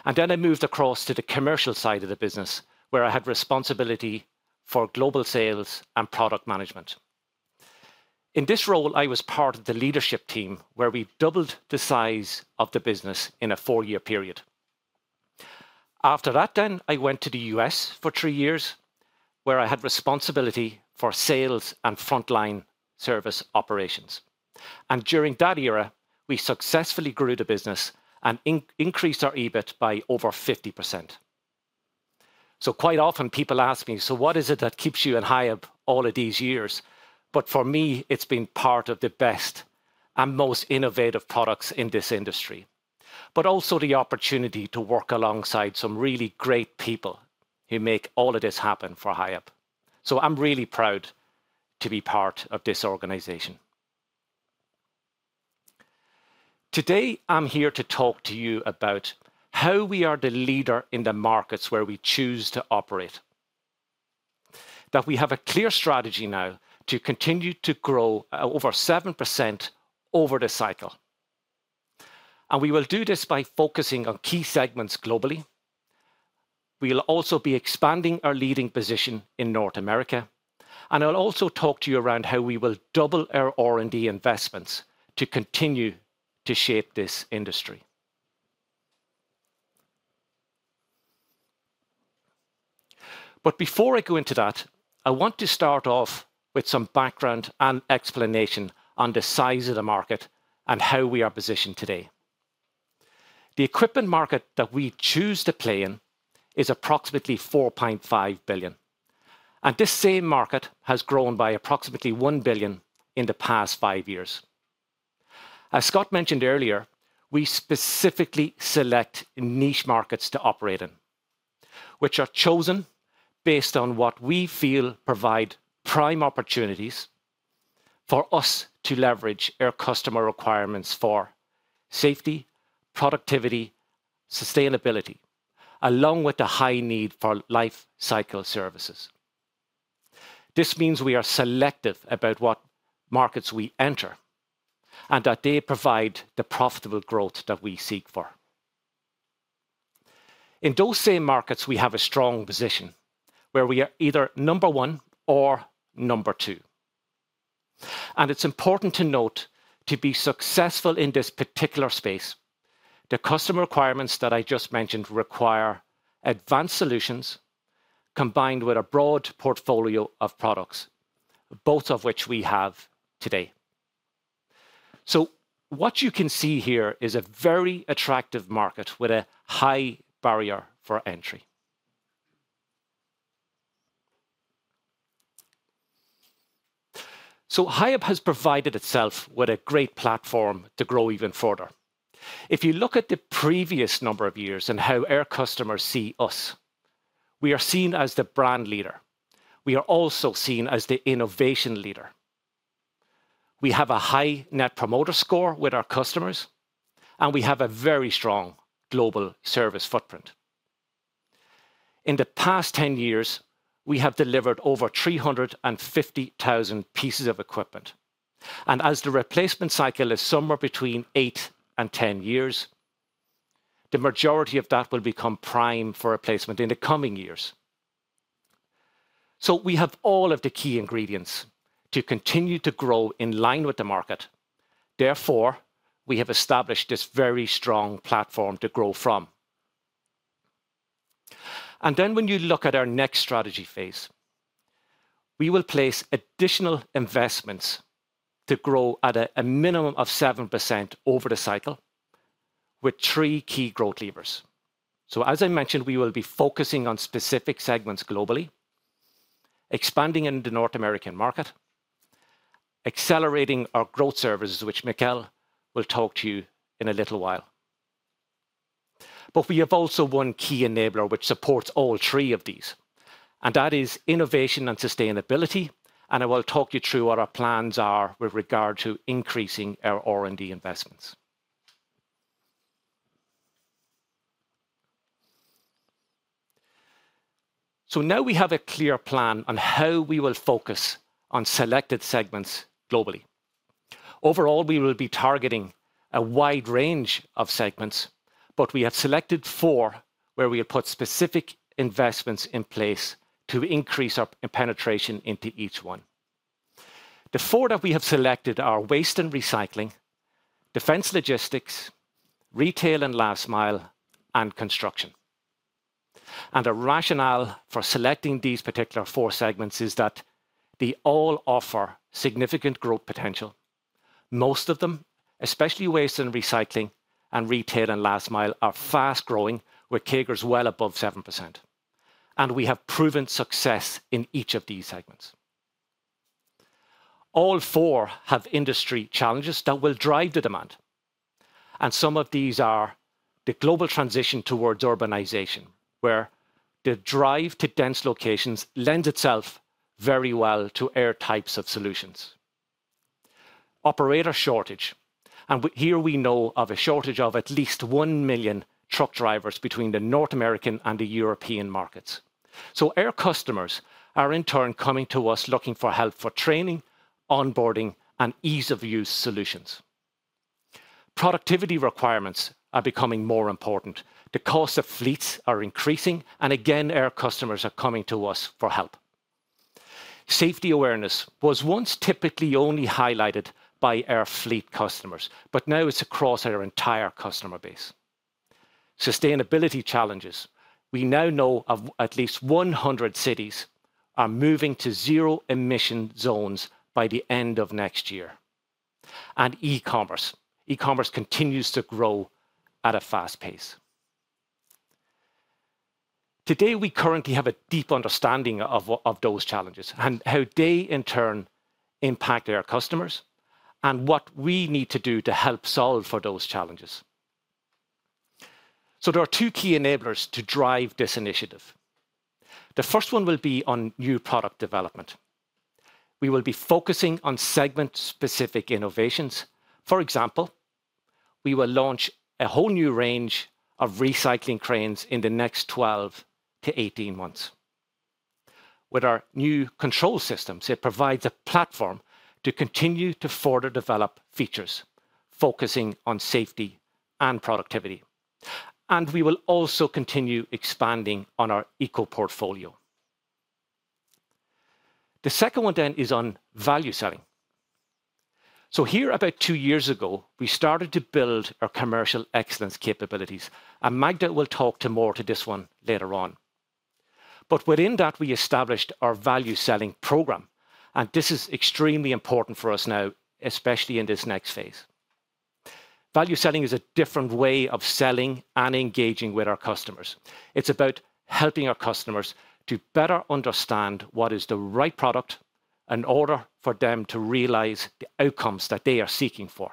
And then I moved across to the commercial side of the business, where I had responsibility for global sales and product management. In this role, I was part of the leadership team, where we doubled the size of the business in a 4-year period. After that then, I went to the U.S. for three years, where I had responsibility for sales and frontline service operations, and during that era, we successfully grew the business and increased our EBIT by over 50%. So quite often people ask me: "So what is it that keeps you at Hiab all of these years?" But for me, it's been part of the best and most innovative products in this industry, but also the opportunity to work alongside some really great people who make all of this happen for Hiab. So I'm really proud to be part of this organization. Today, I'm here to talk to you about how we are the leader in the markets where we choose to operate. That we have a clear strategy now to continue to grow over 7% over the cycle, and we will do this by focusing on key segments globally. We'll also be expanding our leading position in North America, and I'll also talk to you around how we will double our R&D investments to continue to shape this industry. But before I go into that, I want to start off with some background and explanation on the size of the market and how we are positioned today. The equipment market that we choose to play in is approximately 4.5 billion, and this same market has grown by approximately 1 billion in the past five years. As Scott mentioned earlier, we specifically select niche markets to operate in, which are chosen based on what we feel provide prime opportunities for us to leverage our customer requirements for safety, productivity, sustainability, along with the high need for life cycle services. This means we are selective about what markets we enter, and that they provide the profitable growth that we seek for. In those same markets, we have a strong position, where we are either number one or number two. It's important to note, to be successful in this particular space, the customer requirements that I just mentioned require advanced solutions, combined with a broad portfolio of products, both of which we have today. What you can see here is a very attractive market with a high barrier for entry. Hiab has provided itself with a great platform to grow even further. If you look at the previous number of years and how our customers see us, we are seen as the brand leader. We are also seen as the innovation leader. We have a high net promoter score with our customers, and we have a very strong global service footprint. In the past 10 years, we have delivered over 350,000 pieces of equipment, and as the replacement cycle is somewhere between 8 and 10 years, the majority of that will become prime for replacement in the coming years. So we have all of the key ingredients to continue to grow in line with the market. Therefore, we have established this very strong platform to grow from. Then, when you look at our next strategy phase, we will place additional investments to grow at a minimum of 7% over the cycle, with 3 key growth levers. So as I mentioned, we will be focusing on specific segments globally, expanding in the North American market, accelerating our growth services, which Mikko will talk to you in a little while. But we have also one key enabler which supports all three of these, and that is innovation and sustainability, and I will talk you through what our plans are with regard to increasing our R&D investments. So now we have a clear plan on how we will focus on selected segments globally. Overall, we will be targeting a wide range of segments, but we have selected 4, where we have put specific investments in place to increase our penetration into each one. The four that we have selected are waste and recycling, defense logistics, retail and last mile, and construction. The rationale for selecting these particular four segments is that they all offer significant growth potential. Most of them, especially waste and recycling and retail and last mile, are fast-growing, with CAGRs well above 7% and we have proven success in each of these segments. All four have industry challenges that will drive the demand, and some of these are the global transition towards urbanization, where the drive to dense locations lends itself very well to our types of solutions. Operator shortage, and where we know of a shortage of at least 1 million truck drivers between the North American and the European markets. So our customers are in turn coming to us looking for help for training, onboarding, and ease-of-use solutions. Productivity requirements are becoming more important. The cost of fleets are increasing, and again, our customers are coming to us for help. Safety awareness was once typically only highlighted by our fleet customers, but now it's across our entire customer base. Sustainability challenges. We now know of at least 100 cities are moving to zero-emission zones by the end of next year. And e-commerce. E-commerce continues to grow at a fast pace. Today, we currently have a deep understanding of of those challenges, and how they, in turn, impact our customers, and what we need to do to help solve for those challenges. So there are two key enablers to drive this initiative. The first one will be on new product development. We will be focusing on segment-specific innovations. For example, we will launch a whole new range of recycling cranes in the next 12-18 months. With our new control systems, it provides a platform to continue to further develop features, focusing on safety and productivity, and we will also continue expanding on our Eco portfolio. The second one, then, is on value selling. Here, about two years ago, we started to build our commercial excellence capabilities, and Magda will talk more to this one later on. But within that, we established our value selling program, and this is extremely important for us now, especially in this next phase. Value selling is a different way of selling and engaging with our customers. It's about helping our customers to better understand what is the right product in order for them to realize the outcomes that they are seeking for.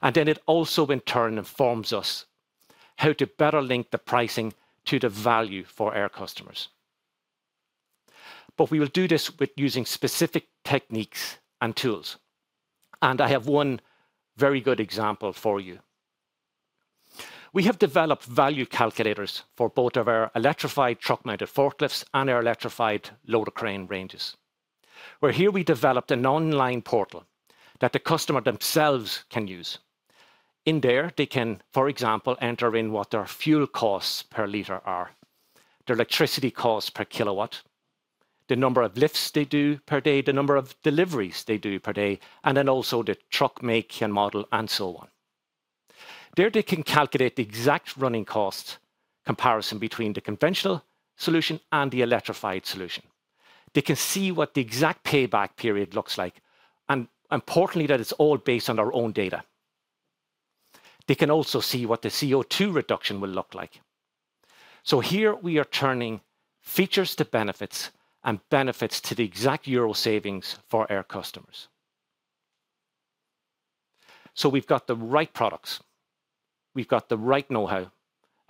And then it also, in turn, informs us how to better link the pricing to the value for our customers. But we will do this with using specific techniques and tools, and I have one very good example for you. We have developed value calculators for both of our electrified truck-mounted forklifts and our electrified loader crane ranges, where here we developed an online portal that the customer themselves can use. In there, they can, for example, enter in what their fuel costs per liter are, their electricity costs per kilowatt, the number of lifts they do per day, the number of deliveries they do per day, and then also the truck make and model, and so on. There, they can calculate the exact running cost comparison between the conventional solution and the electrified solution. They can see what the exact payback period looks like, and importantly, that it's all based on our own data. They can also see what the CO2 reduction will look like. So here we are turning features to benefits, and benefits to the exact euro savings for our customers. So we've got the right products, we've got the right know-how,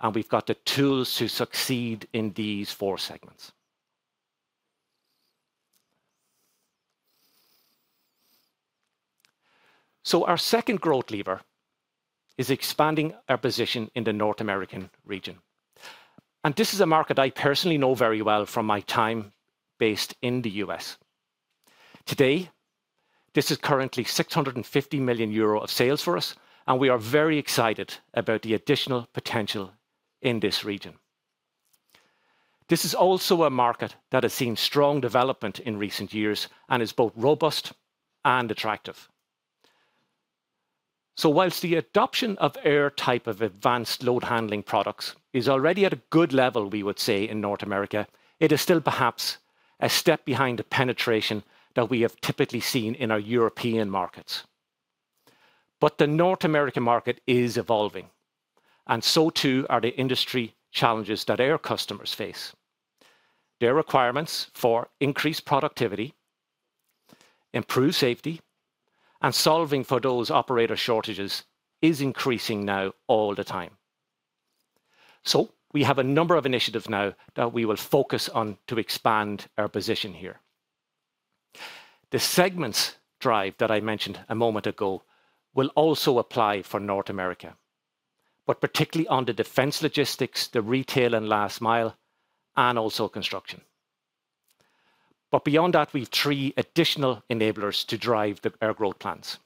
and we've got the tools to succeed in these four segments. So our second growth lever is expanding our position in the North American region, and this is a market I personally know very well from my time based in the U.S. Today, this is currently 650 million euro of sales for us, and we are very excited about the additional potential in this region. This is also a market that has seen strong development in recent years and is both robust and attractive. So whilst the adoption of our type of advanced load-handling products is already at a good level, we would say, in North America, it is still perhaps a step behind the penetration that we have typically seen in our European markets. But the North American market is evolving, and so too are the industry challenges that our customers face. Their requirements for increased productivity, improved safety, and solving for those operator shortages is increasing now all the time. So we have a number of initiatives now that we will focus on to expand our position here. The segments drive that I mentioned a moment ago will also apply for North America, but particularly on the defense logistics, the retail and last mile, and also construction. But beyond that, we've three additional enablers to drive our growth plans.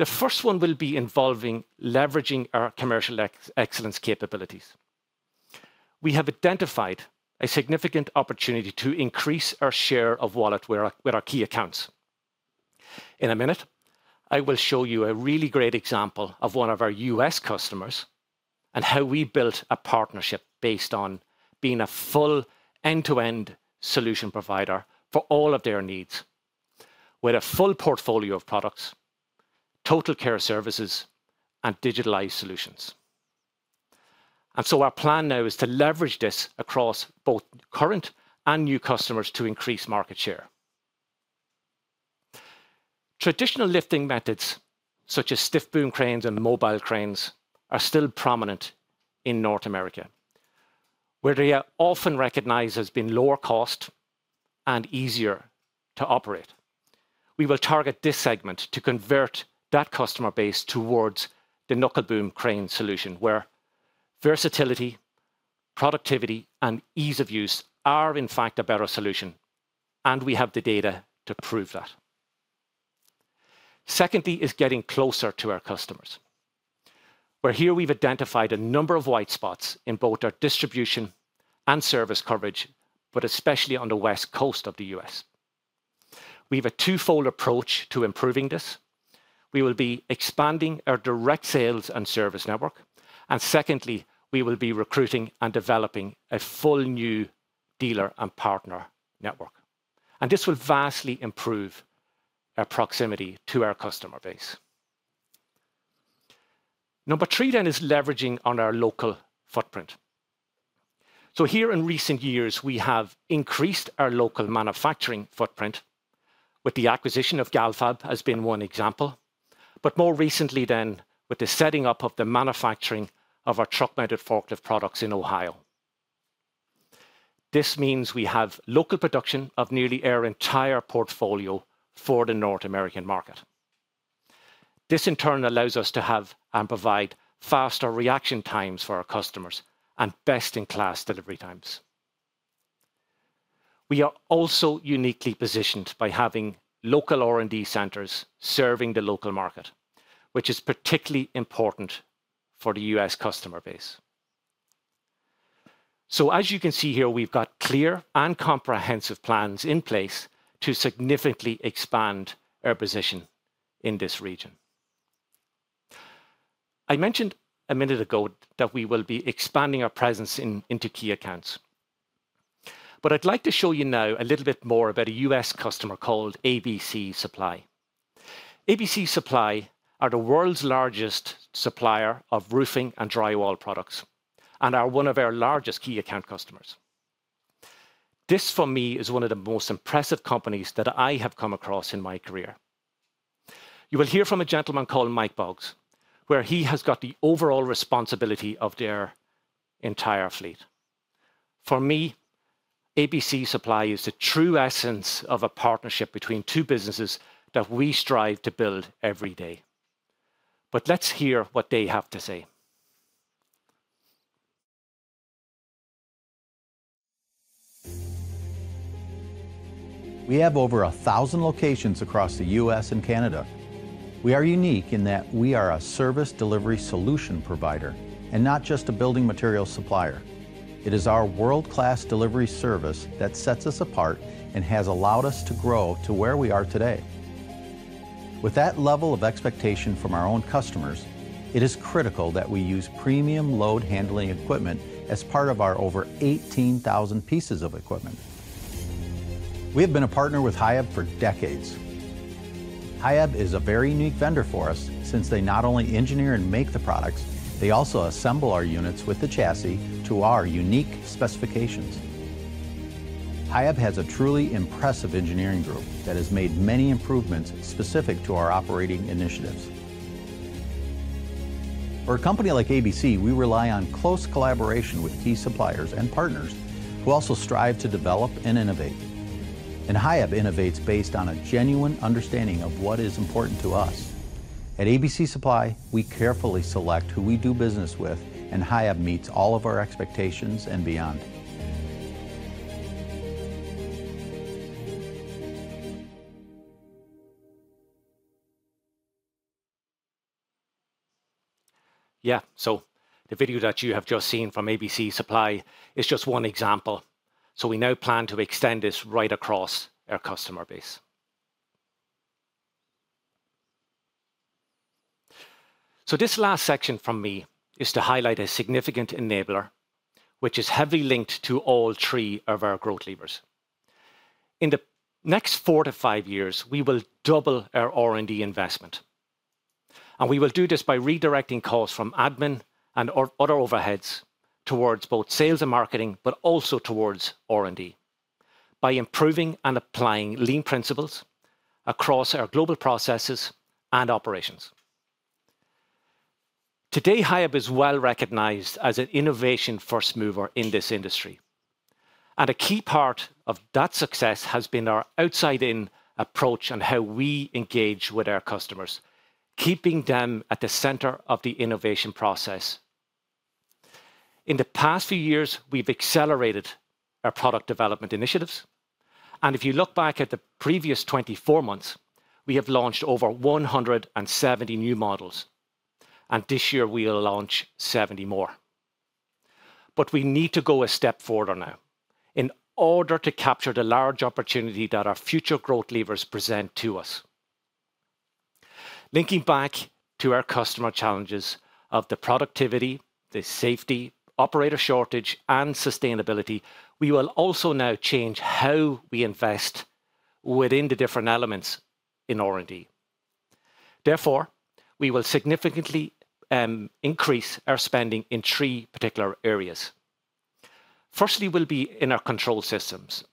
The first one will be involving leveraging our commercial excellence capabilities. We have identified a significant opportunity to increase our share of wallet with our, with our key accounts. In a minute, I will show you a really great example of one of our U.S. customers and how we built a partnership based on being a full end-to-end solution provider for all of their needs with a full portfolio of products, total care services, and digitalized solutions. So our plan now is to leverage this across both current and new customers to increase market share. Traditional lifting methods, such as stiff boom cranes and mobile cranes, are still prominent in North America, where they are often recognized as being lower cost and easier to operate. We will target this segment to convert that customer base towards the knuckle boom crane solution, where versatility, productivity, and ease of use are, in fact, a better solution, and we have the data to prove that. Secondly is getting closer to our customers, where here we've identified a number of white spots in both our distribution and service coverage, but especially on the West Coast of the U.S. We have a twofold approach to improving this. We will be expanding our direct sales and service network, and secondly, we will be recruiting and developing a full new dealer and partner network, and this will vastly improve our proximity to our customer base. Number three, then, is leveraging on our local footprint. So here in recent years, we have increased our local manufacturing footprint, with the acquisition of Galfab has been one example. But more recently than, with the setting up of the manufacturing of our truck-mounted forklift products in Ohio. This means we have local production of nearly our entire portfolio for the North American market. This, in turn, allows us to have and provide faster reaction times for our customers and best-in-class delivery times. We are also uniquely positioned by having local R&D centers serving the local market, which is particularly important for the U.S. customer base. So as you can see here, we've got clear and comprehensive plans in place to significantly expand our position in this region. I mentioned a minute ago that we will be expanding our presence in, into key accounts. But I'd like to show you now a little bit more about a U.S. customer called ABC Supply. ABC Supply are the world's largest supplier of roofing and drywall products and are one of our largest key account customers. This, for me, is one of the most impressive companies that I have come across in my career. You will hear from a gentleman called Mike Boggs, where he has got the overall responsibility of their entire fleet. For me, ABC Supply is the true essence of a partnership between two businesses that we strive to build every day. But let's hear what they have to say. We have over 1,000 locations across the U.S. and Canada. We are unique in that we are a service delivery solution provider and not just a building material supplier. It is our world-class delivery service that sets us apart and has allowed us to grow to where we are today. With that level of expectation from our own customers, it is critical that we use premium load handling equipment as part of our over 18,000 pieces of equipment. We have been a partner with Hiab for decades. Hiab is a very unique vendor for us since they not only engineer and make the products, they also assemble our units with the chassis to our unique specifications. Hiab has a truly impressive engineering group that has made many improvements specific to our operating initiatives. For a company like ABC, we rely on close collaboration with key suppliers and partners who also strive to develop and innovate. Hiab innovates based on a genuine understanding of what is important to us. At ABC Supply, we carefully select who we do business with, and Hiab meets all of our expectations and beyond. Yeah. The video that you have just seen from ABC Supply is just one example. We now plan to extend this right across our customer base. This last section from me is to highlight a significant enabler, which is heavily linked to all three of our growth levers. In the next 4-5 years, we will double our R&D investment, and we will do this by redirecting costs from admin and or other overheads towards both sales and marketing, but also towards R&D, by improving and applying lean principles across our global processes and operations. Today, Hiab is well recognized as an innovation first mover in this industry, and a key part of that success has been our outside-in approach on how we engage with our customers, keeping them at the center of the innovation process. In the past few years, we've accelerated our product development initiatives, and if you look back at the previous 24 months, we have launched over 170 new models, and this year we'll launch 70 more. But we need to go a step further now in order to capture the large opportunity that our future growth levers present to us linking back to our customer challenges of the productivity, the safety, operator shortage, and sustainability, we will also now change how we invest within the different elements in R&D. Therefore, we will significantly increase our spending in three particular areas. Firstly, will be in our control systems,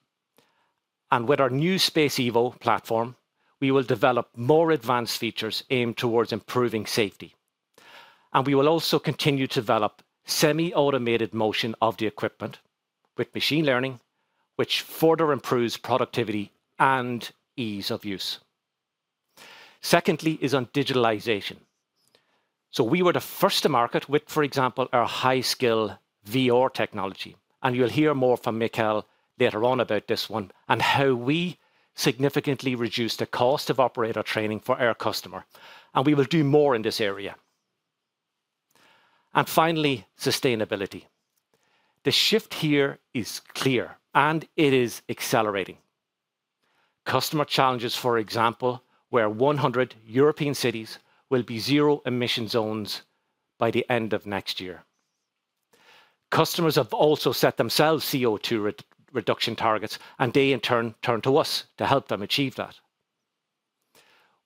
and with our new SPACEevo platform, we will develop more advanced features aimed towards improving safety. We will also continue to develop semi-automated motion of the equipment with machine learning, which further improves productivity and ease of use. Secondly, is on digitalization. So we were the first to market with, for example, our high-skill VR technology, and you'll hear more from Mikko later on about this one, and how we significantly reduced the cost of operator training for our customer, and we will do more in this area. And finally, sustainability. The shift here is clear, and it is accelerating. Customer challenges, for example, where 100 European cities will be zero-emission zones by the end of next year. Customers have also set themselves CO2 reduction targets, and they in turn, turn to us to help them achieve that.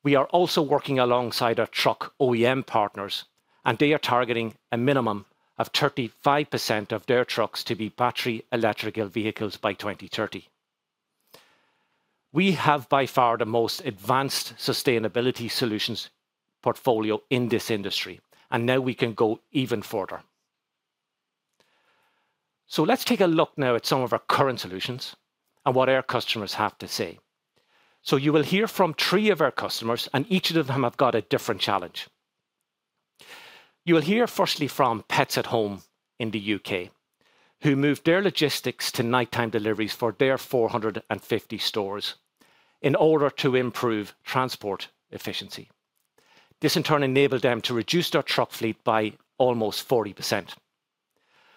We are also working alongside our truck OEM partners, and they are targeting a minimum of 35% of their trucks to be battery electrical vehicles by 2030. We have, by far, the most advanced sustainability solutions portfolio in this industry, and now we can go even further. Let's take a look now at some of our current solutions and what our customers have to say. You will hear from three of our customers, and each of them have got a different challenge. You will hear firstly from Pets at Home in the U.K., who moved their logistics to nighttime deliveries for their 450 stores in order to improve transport efficiency. This, in turn, enabled them to reduce their truck fleet by almost 40%.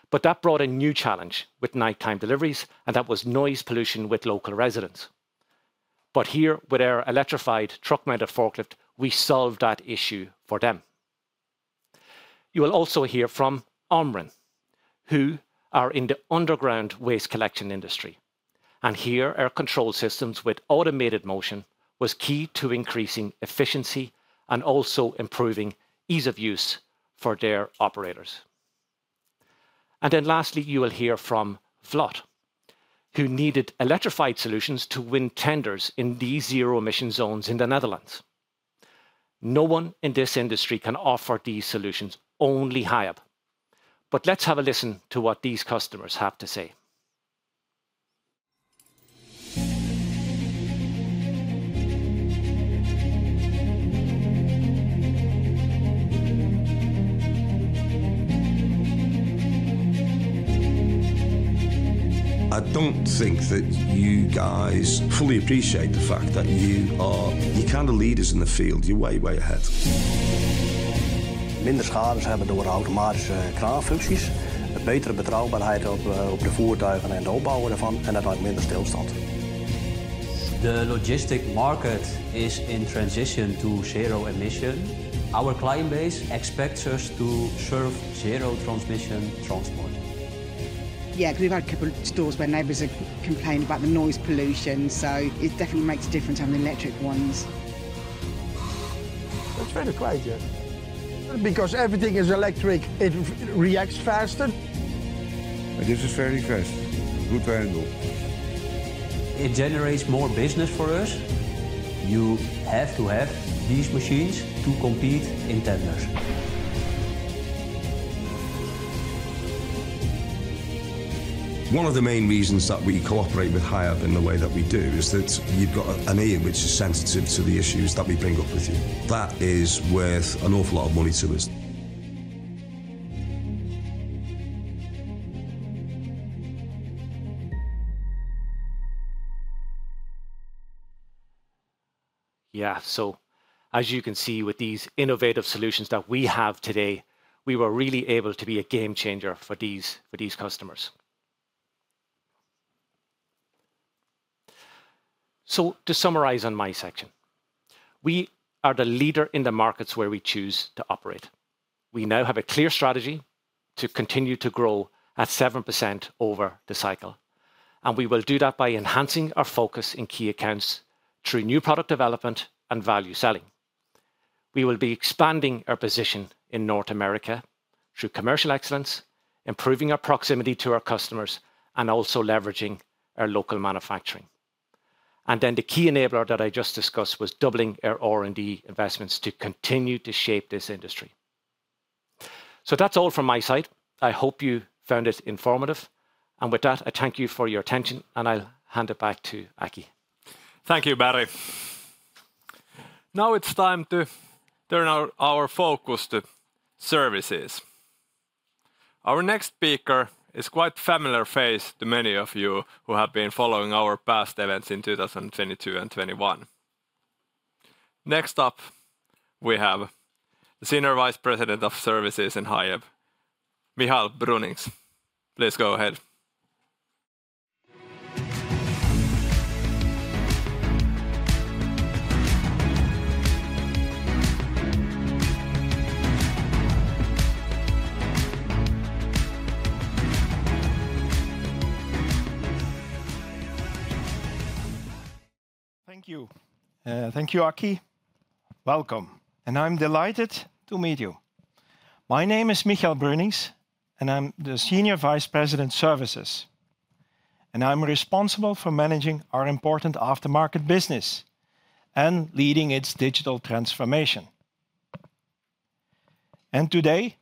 But that brought a new challenge with nighttime deliveries, and that was noise pollution with local residents. But here, with our electrified truck-mounted forklift, we solved that issue for them. You will also hear from Omrin, who are in the underground waste collection industry, and here our control systems with automated motion was key to increasing efficiency and also improving ease of use for their operators. And then lastly, you will hear from Vlot, who needed electrified solutions to win tenders in the zero-emission zones in the Netherlands. No one in this industry can offer these solutions, only Hiab. But let's have a listen to what these customers have to say. I don't think that you guys fully appreciate the fact that you are. You're kind of leaders in the field. You're way, way ahead. The logistics market is in transition to zero-emission. Our client base expects us to serve zero-emission transport. Yeah, we've had a couple of stores where neighbors have complained about the noise pollution, so it definitely makes a difference having the electric ones. It's very quiet, yeah. Because everything is electric, it reacts faster. This is very fast, good handle. It generates more business for us. You have to have these machines to compete in tenders. One of the main reasons that we cooperate with Hiab in the way that we do, is that you've got an ear which is sensitive to the issues that we bring up with you. That is worth an awful lot of money to us. Yeah. So as you can see, with these innovative solutions that we have today, we were really able to be a game changer for these, for these customers. So to summarize on my section, we are the leader in the markets where we choose to operate. We now have a clear strategy to continue to grow at 7% over the cycle, and we will do that by enhancing our focus in key accounts through new product development and value selling. We will be expanding our position in North America through commercial excellence, improving our proximity to our customers, and also leveraging our local manufacturing. And then, the key enabler that I just discussed was doubling our R&D investments to continue to shape this industry. So that's all from my side. I hope you found it informative, and with that, I thank you for your attention, and I'll hand it back to Aki. Thank you, Barry. Now it's time to turn our focus to services. Our next speaker is quite familiar face to many of you who have been following our past events in 2022 and 2021. Next up, we have the Senior Vice President of Services in Hiab, Michel Bruyninckx. Please go ahead. Thank you. Thank you, Aki. Welcome, and I'm delighted to meet you. My name is Michel Bruyninckx, and I'm the Senior Vice President, Services. I'm responsible for managing our important aftermarket business and leading its digital transformation. Today,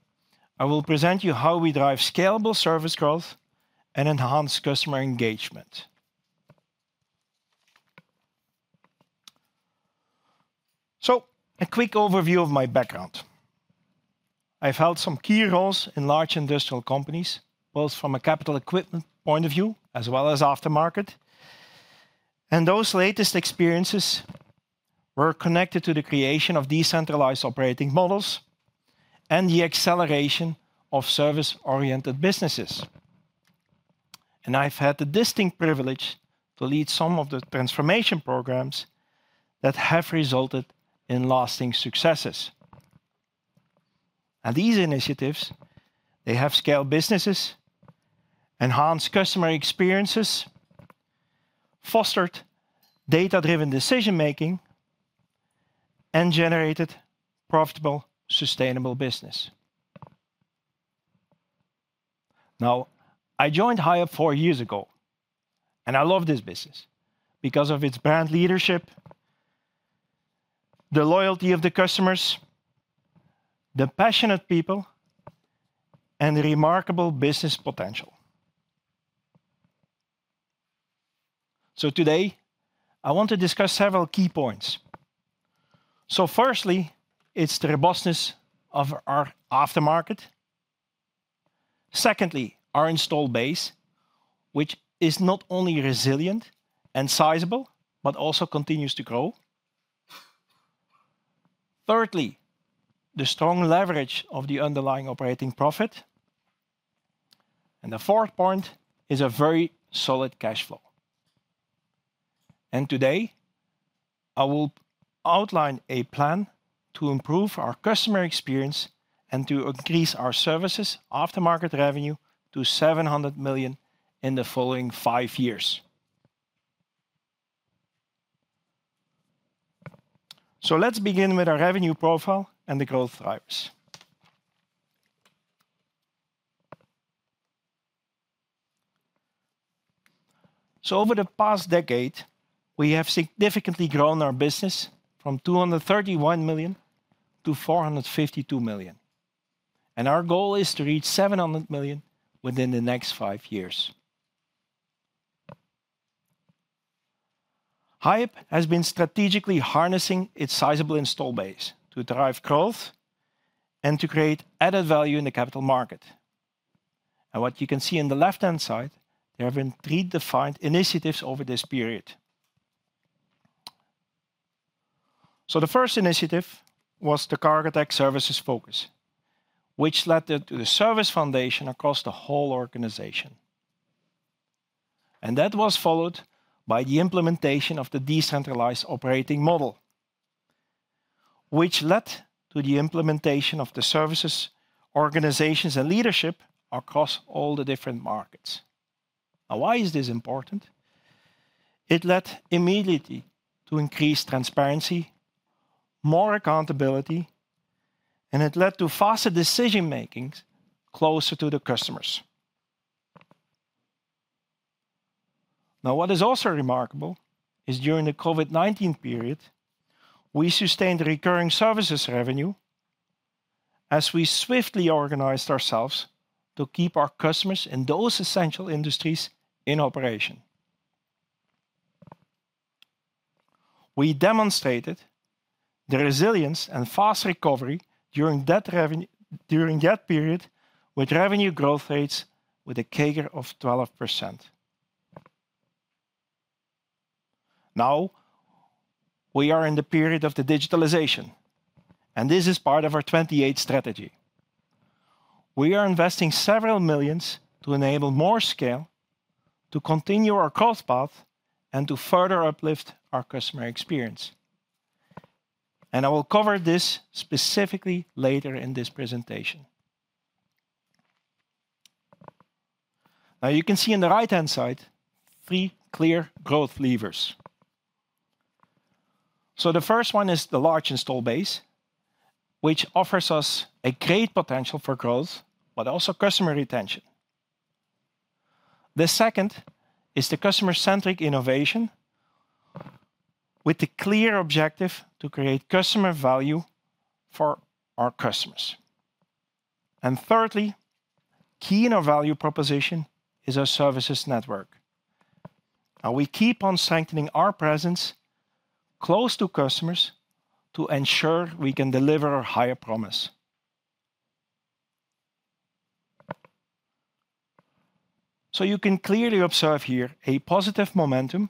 I will present you how we drive scalable service growth and enhance customer engagement. A quick overview of my background. I've held some key roles in large industrial companies, both from a capital equipment point of view, as well as aftermarket. Those latest experiences were connected to the creation of decentralized operating models and the acceleration of service-oriented businesses. I've had the distinct privilege to lead some of the transformation programs that have resulted in lasting successes. These initiatives, they have scaled businesses, enhanced customer experiences, fostered data-driven decision-making, and generated profitable, sustainable business. Now, I joined Hiab 4 years ago, and I love this business because of its brand leadership, the loyalty of the customers, the passionate people, and the remarkable business potential. Today, I want to discuss several key points. Firstly, it's the robustness of our aftermarket. Secondly, our installed base, which is not only resilient and sizable, but also continues to grow. Thirdly, the strong leverage of the underlying operating profit. The fourth point is a very solid cash flow. Today, I will outline a plan to improve our customer experience and to increase our services aftermarket revenue to 700 million in the following five years. Let's begin with our revenue profile and the growth drivers. So over the past decade, we have significantly grown our business from 231 million to 452 million, and our goal is to reach 700 million within the next 5 years. Hiab has been strategically harnessing its sizable installed base to drive growth and to create added value in the capital market. And what you can see in the left-hand side, there have been 3 defined initiatives over this period. So the first initiative was the Cargotec services focus, which led to the service foundation across the whole organization. And that was followed by the implementation of the decentralized operating model, which led to the implementation of the services organizations and leadership across all the different markets. Now, why is this important? It led immediately to increased transparency, more accountability, and it led to faster decision making closer to the customers. Now, what is also remarkable is, during the COVID-19 period, we sustained recurring services revenue as we swiftly organized ourselves to keep our customers in those essential industries in operation. We demonstrated the resilience and fast recovery during that period, with revenue growth rates with a CAGR of 12%. Now, we are in the period of the digitalization, and this is part of our 2028 strategy. We are investing several million EUR to enable more scale, to continue our growth path, and to further uplift our customer experience, and I will cover this specifically later in this presentation. Now, you can see in the right-hand side, three clear growth levers. So the first one is the large installed base, which offers us a great potential for growth, but also customer retention. The second is the customer-centric innovation, with the clear objective to create customer value for our customers. And thirdly, key in our value proposition is our services network. Now, we keep on strengthening our presence close to customers to ensure we can deliver our higher promise. So you can clearly observe here a positive momentum,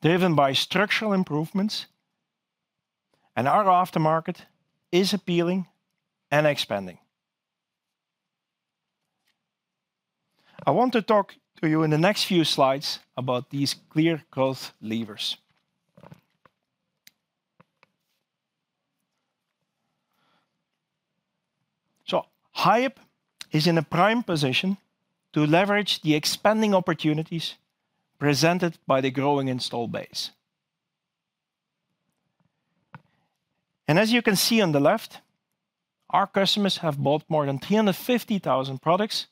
driven by structural improvements, and our aftermarket is appealing and expanding. I want to talk to you in the next few slides about these clear growth levers. So Hiab is in a prime position to leverage the expanding opportunities presented by the growing installed base. And as you can see on the left, our customers have bought more than 350,000 products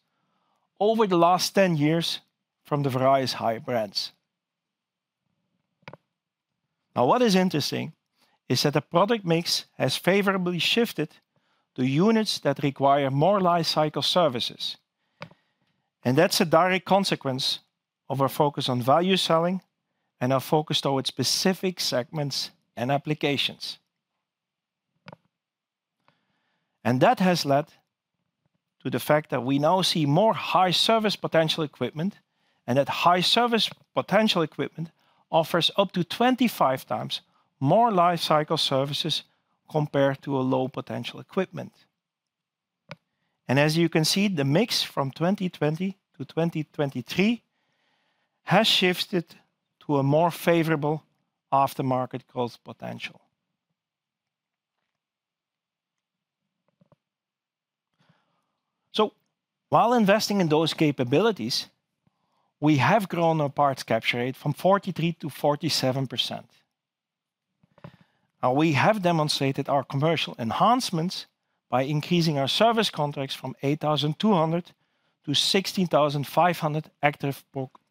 over the last 10 years from the various Hiab brands. Now, what is interesting, is that the product mix has favorably shifted to units that require more lifecycle services, and that's a direct consequence of our focus on value selling and our focus towards specific segments and applications. That has led to the fact that we now see more high service potential equipment, and that high service potential equipment offers up to 25 times more lifecycle services compared to a low potential equipment. As you can see, the mix from 2020 to 2023 has shifted to a more favorable aftermarket growth potential. While investing in those capabilities, we have grown our parts capture rate from 43%-47%. Now, we have demonstrated our commercial enhancements by increasing our service contracts from 8,200 to 16,500 active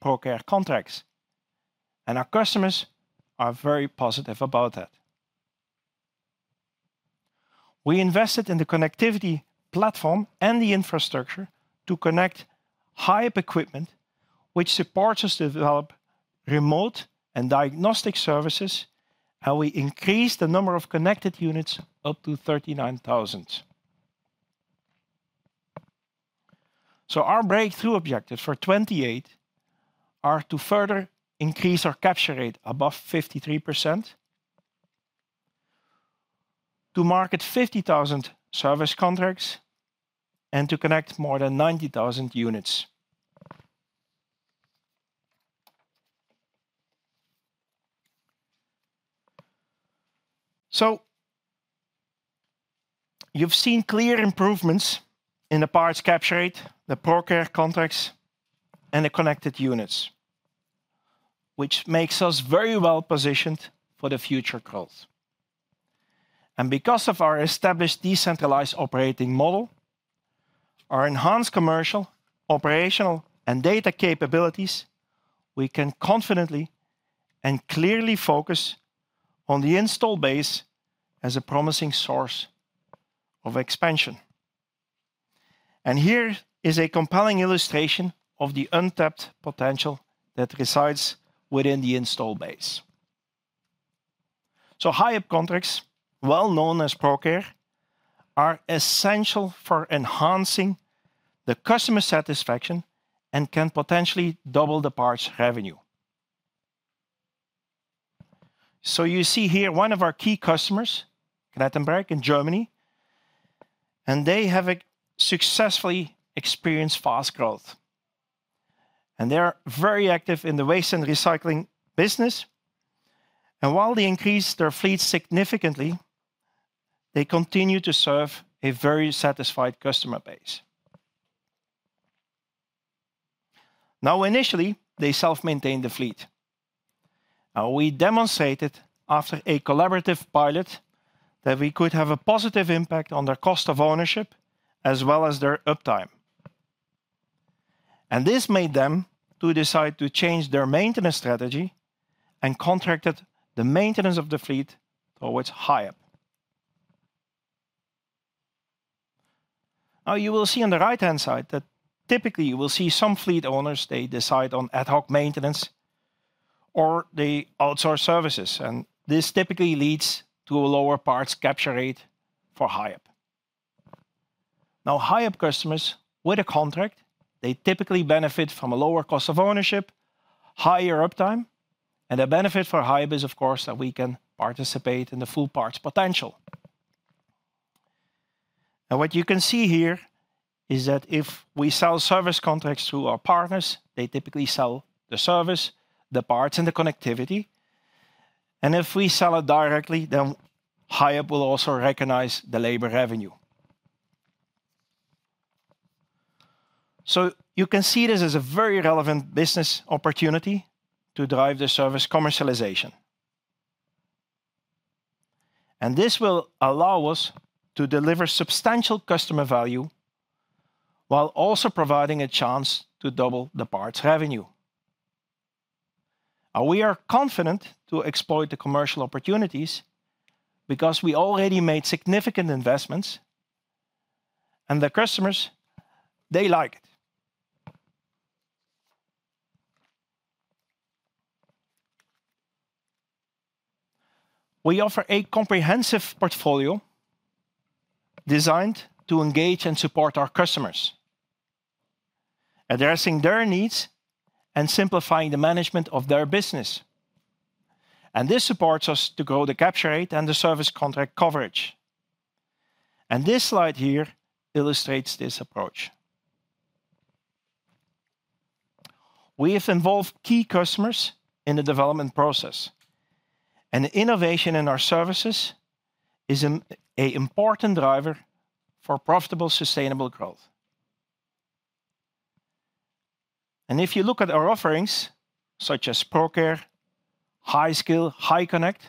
ProCare contracts, and our customers are very positive about that. We invested in the connectivity platform and the infrastructure to connect Hiab equipment, which supports us to develop remote and diagnostic services, and we increased the number of connected units up to 39,000. So our breakthrough objectives for 2028 are to further increase our capture rate above 53%, to market 50,000 service contracts, and to connect more than 90,000 units. So you've seen clear improvements in the parts capture rate, the ProCare contracts, and the connected units, which makes us very well-positioned for the future growth. And because of our established decentralized operating model, our enhanced commercial, operational, and data capabilities, we can confidently and clearly focus on the install base as a promising source of expansion. And here is a compelling illustration of the untapped potential that resides within the install base. So Hiab contracts, well known as ProCare, are essential for enhancing the customer satisfaction and can potentially double the parts revenue. So you see here one of our key customers, Knettenbrech in Germany, and they have successfully experienced fast growth, and they are very active in the waste and recycling business. And while they increased their fleet significantly, they continue to serve a very satisfied customer base. Now, initially, they self-maintained the fleet. Now, we demonstrated after a collaborative pilot, that we could have a positive impact on their cost of ownership, as well as their uptime. And this made them to decide to change their maintenance strategy and contracted the maintenance of the fleet towards Hiab. Now, you will see on the right-hand side that typically, you will see some fleet owners, they decide on ad hoc maintenance or they outsource services, and this typically leads to a lower parts capture rate for Hiab. Now, Hiab customers with a contract, they typically benefit from a lower cost of ownership, higher uptime, and the benefit for Hiab is, of course, that we can participate in the full parts potential. Now, what you can see here is that if we sell service contracts to our partners, they typically sell the service, the parts, and the connectivity. If we sell it directly, then Hiab will also recognize the labor revenue. So you can see this as a very relevant business opportunity to drive the service commercialization. This will allow us to deliver substantial customer value while also providing a chance to double the parts revenue. We are confident to exploit the commercial opportunities because we already made significant investments, and the customers, they like it. We offer a comprehensive portfolio designed to engage and support our customers, addressing their needs and simplifying the management of their business and this supports us to grow the capture rate and the service contract coverage. This slide here illustrates this approach. We have involved key customers in the development process, and innovation in our services is an important driver for profitable, sustainable growth. If you look at our offerings, such as ProCare, HiSkill, HiConnect,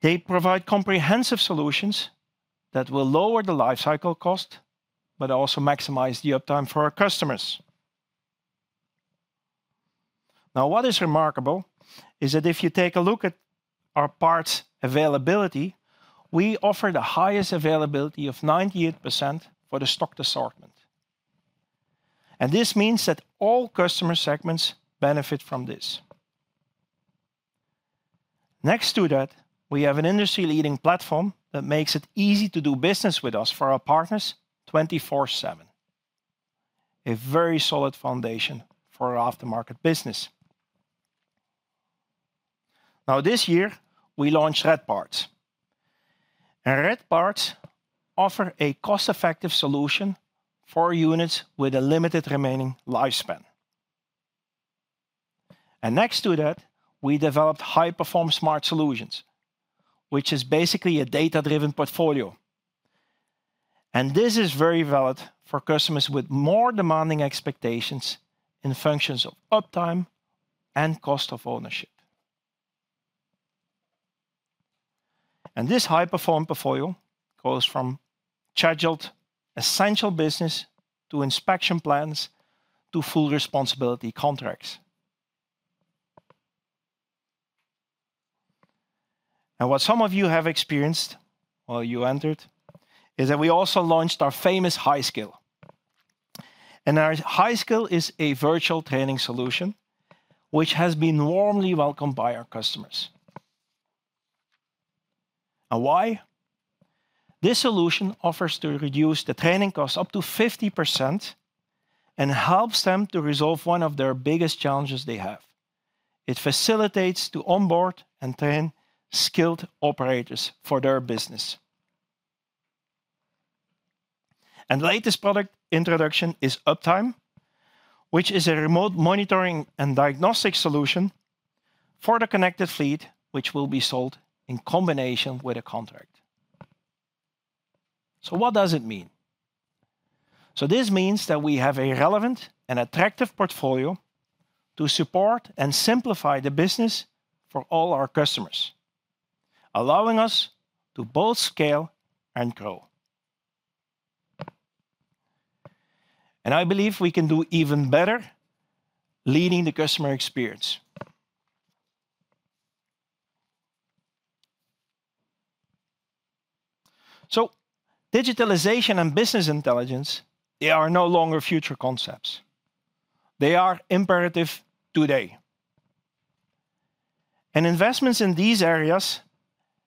they provide comprehensive solutions that will lower the life cycle cost, but also maximize the uptime for our customers. Now, what is remarkable is that if you take a look at our parts availability, we offer the highest availability of 98% for the stock assortment, and this means that all customer segments benefit from this. Next to that, we have an industry-leading platform that makes it easy to do business with us, for our partners, 24/7. A very solid foundation for our aftermarket business. Now, this year, we launched Red Parts, and Red Parts offer a cost-effective solution for units with a limited remaining lifespan. And next to that, we developed high-performance smart solutions, which is basically a data-driven portfolio, and this is very valid for customers with more demanding expectations in functions of uptime and cost of ownership. And this high-performance portfolio goes from scheduled, essential business, to inspection plans, to full responsibility contracts. What some of you have experienced while you entered is that we also launched our famous HiSkill. Our HiSkill is a virtual training solution, which has been warmly welcomed by our customers. And why? This solution offers to reduce the training costs up to 50% and helps them to resolve one of their biggest challenges they have. It facilitates to onboard and train skilled operators for their business. And latest product introduction is Uptime, which is a remote monitoring and diagnostic solution for the connected fleet, which will be sold in combination with a contract. So what does it mean? So this means that we have a relevant and attractive portfolio to support and simplify the business for all our customers, allowing us to both scale and grow. And I believe we can do even better, leading the customer experience. So, digitalization and business intelligence, they are no longer future concepts, they are imperative today. Investments in these areas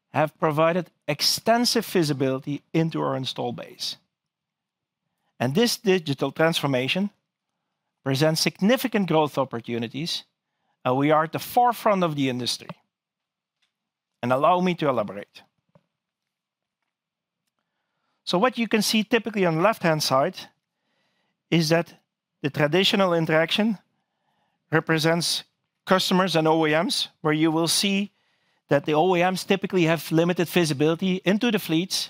have provided extensive visibility into our install base, and this digital transformation presents significant growth opportunities, and we are at the forefront of the industry. Allow me to elaborate. So what you can see typically on the left-hand side is that the traditional interaction represents customers and OEMs, where you will see that the OEMs typically have limited visibility into the fleets,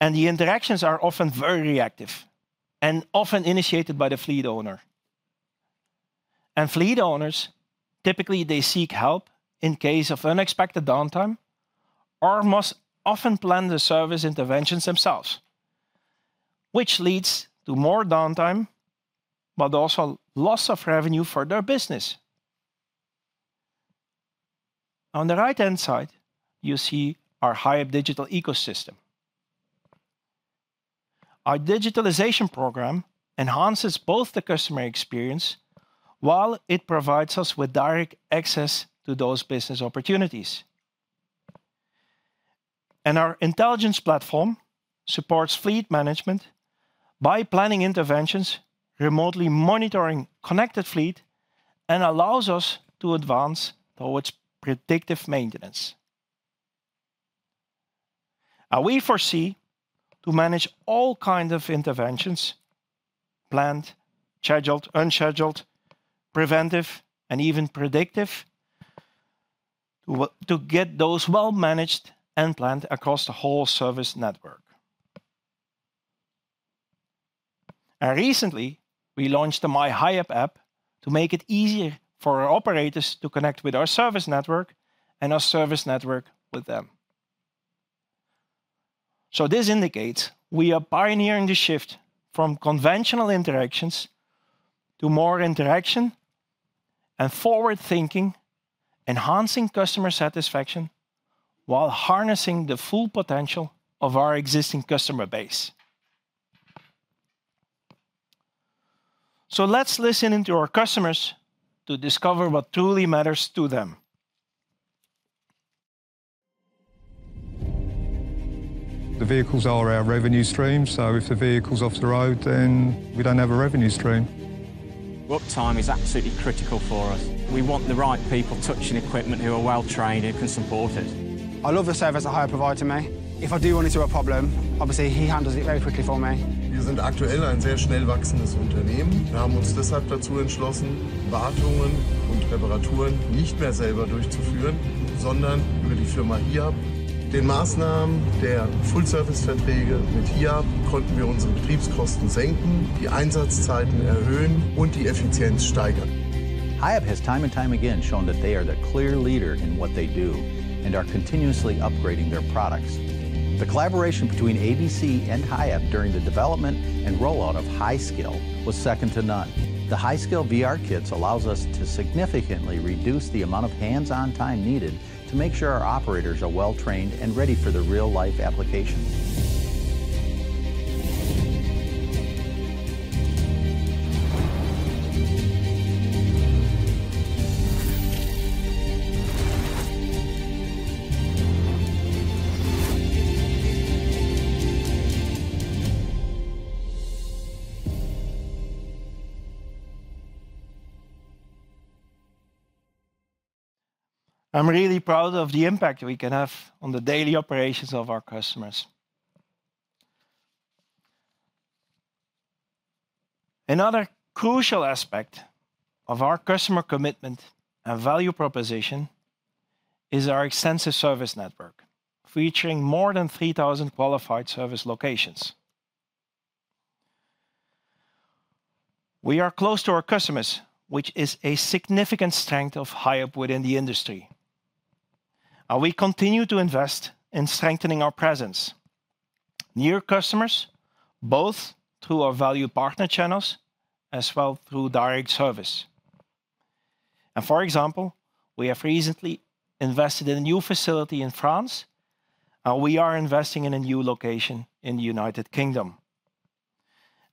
and the interactions are often very reactive and often initiated by the fleet owner. Fleet owners, typically, they seek help in case of unexpected downtime, or must often plan the service interventions themselves, which leads to more downtime, but also loss of revenue for their business. On the right-hand side, you see our Hiab digital ecosystem. Our digitalization program enhances both the customer experience, while it provides us with direct access to those business opportunities. Our intelligence platform supports fleet management by planning interventions, remotely monitoring connected fleet, and allows us to advance towards predictive maintenance. We foresee to manage all kinds of interventions: planned, scheduled, unscheduled, preventive, and even predictive, to get those well-managed and planned across the whole service network. Recently, we launched the MyHiab app to make it easier for our operators to connect with our service network and our service network with them. This indicates we are pioneering the shift from conventional interactions to more interaction and forward-thinking, enhancing customer satisfaction, while harnessing the full potential of our existing customer base. Let's listen in to our customers to discover what truly matters to them. The vehicles are our revenue stream, so if the vehicle's off the road, then we don't have a revenue stream. Uptime is absolutely critical for us. We want the right people touching equipment, who are well-trained, who can support it. I love the service that Hiab provide to me. If I do run into a problem, obviously, he handles it very quickly for me. We are currently a very fast-growing company. That is why we decided not to carry out maintenance and repairs ourselves, but through the company Hiab. With the measures of the full service contracts with Hiab, we were able to reduce our operating costs, increase uptime, and increase efficiency. Hiab has time and time again shown that they are the clear leader in what they do, and are continuously upgrading their products. The collaboration between ABC and Hiab during the development and rollout of HiSkill was second to none. The HiSkill VR kits allows us to significantly reduce the amount of hands-on time needed to make sure our operators are well-trained and ready for the real-life application. I'm really proud of the impact we can have on the daily operations of our customers. Another crucial aspect of our customer commitment and value proposition is our extensive service network, featuring more than 3,000 qualified service locations. We are close to our customers, which is a significant strength of Hiab within the industry, and we continue to invest in strengthening our presence near customers, both through our value partner channels, as well through direct service. For example, we have recently invested in a new facility in France, and we are investing in a new location in the United Kingdom.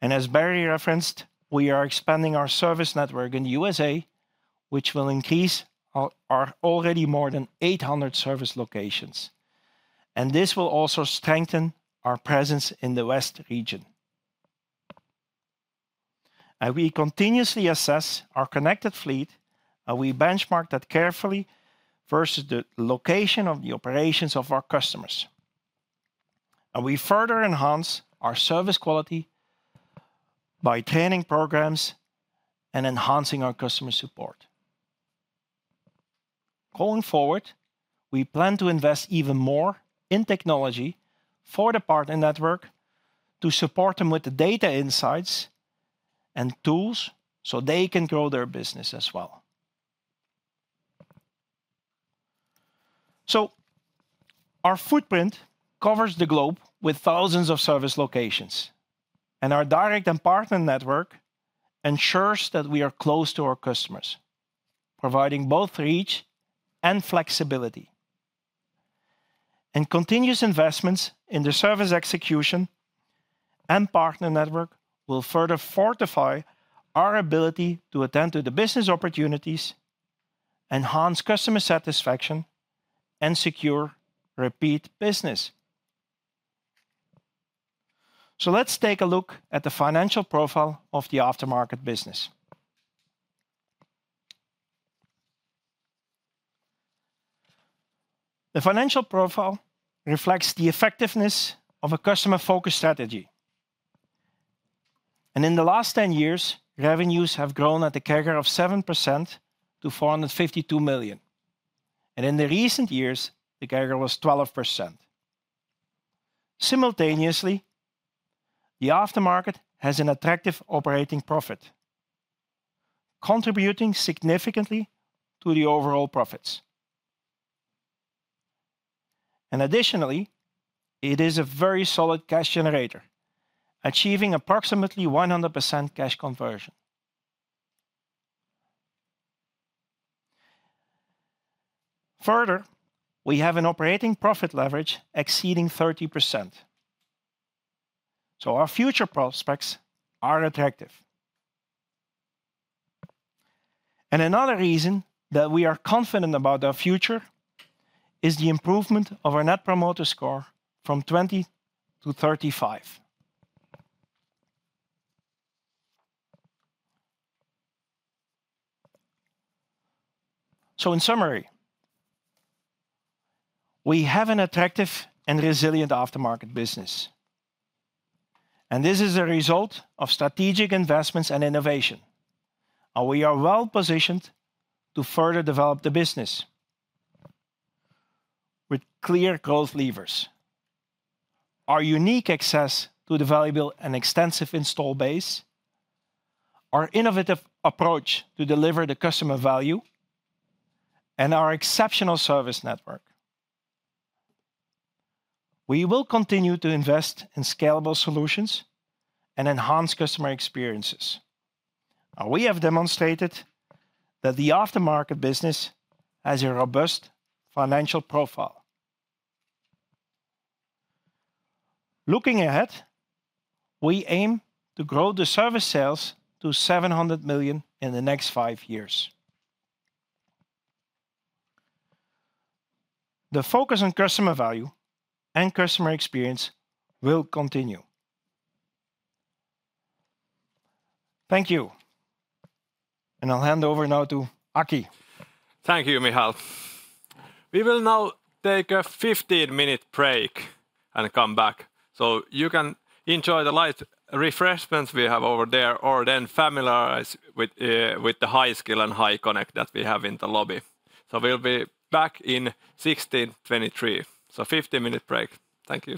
As Barry referenced, we are expanding our service network in the USA, which will increase our already more than 800 service locations, and this will also strengthen our presence in the West region. We continuously assess our connected fleet, and we benchmark that carefully versus the location of the operations of our customers. We further enhance our service quality by training programs and enhancing our customer support. Going forward, we plan to invest even more in technology for the partner network to support them with the data insights and tools so they can grow their business as well. Our footprint covers the globe with thousands of service locations, and our direct and partner network ensures that we are close to our customers, providing both reach and flexibility. Continuous investments in the service execution and partner network will further fortify our ability to attend to the business opportunities, enhance customer satisfaction, and secure repeat business. Let's take a look at the financial profile of the aftermarket business. The financial profile reflects the effectiveness of a customer-focused strategy. In the last 10 years, revenues have grown at a CAGR of 7% to 452 million, and in the recent years, the CAGR was 12%. Simultaneously, the aftermarket has an attractive operating profit, contributing significantly to the overall profits. Additionally, it is a very solid cash generator, achieving approximately 100% cash conversion. Further, we have an operating profit leverage exceeding 30%, so our future prospects are attractive. Another reason that we are confident about our future is the improvement of our Net Promoter Score from 20 to 35. In summary, we have an attractive and resilient aftermarket business, and this is a result of strategic investments and innovation, and we are well-positioned to further develop the business with clear growth levers: our unique access to the valuable and extensive install base, our innovative approach to deliver the customer value, and our exceptional service network. We will continue to invest in scalable solutions and enhance customer experiences. We have demonstrated that the aftermarket business has a robust financial profile. Looking ahead, we aim to grow the service sales to 700 million in the next five years. The focus on customer value and customer experience will continue. Thank you, and I'll hand over now to Aki. Thank you, Michal. We will now take a 15-minute break and come back, so you can enjoy the light refreshments we have over there, or then familiarize with, with the HiSkill and HiConnect that we have in the lobby. So we'll be back in 4:23 P.M. So 15-minute break. Thank you.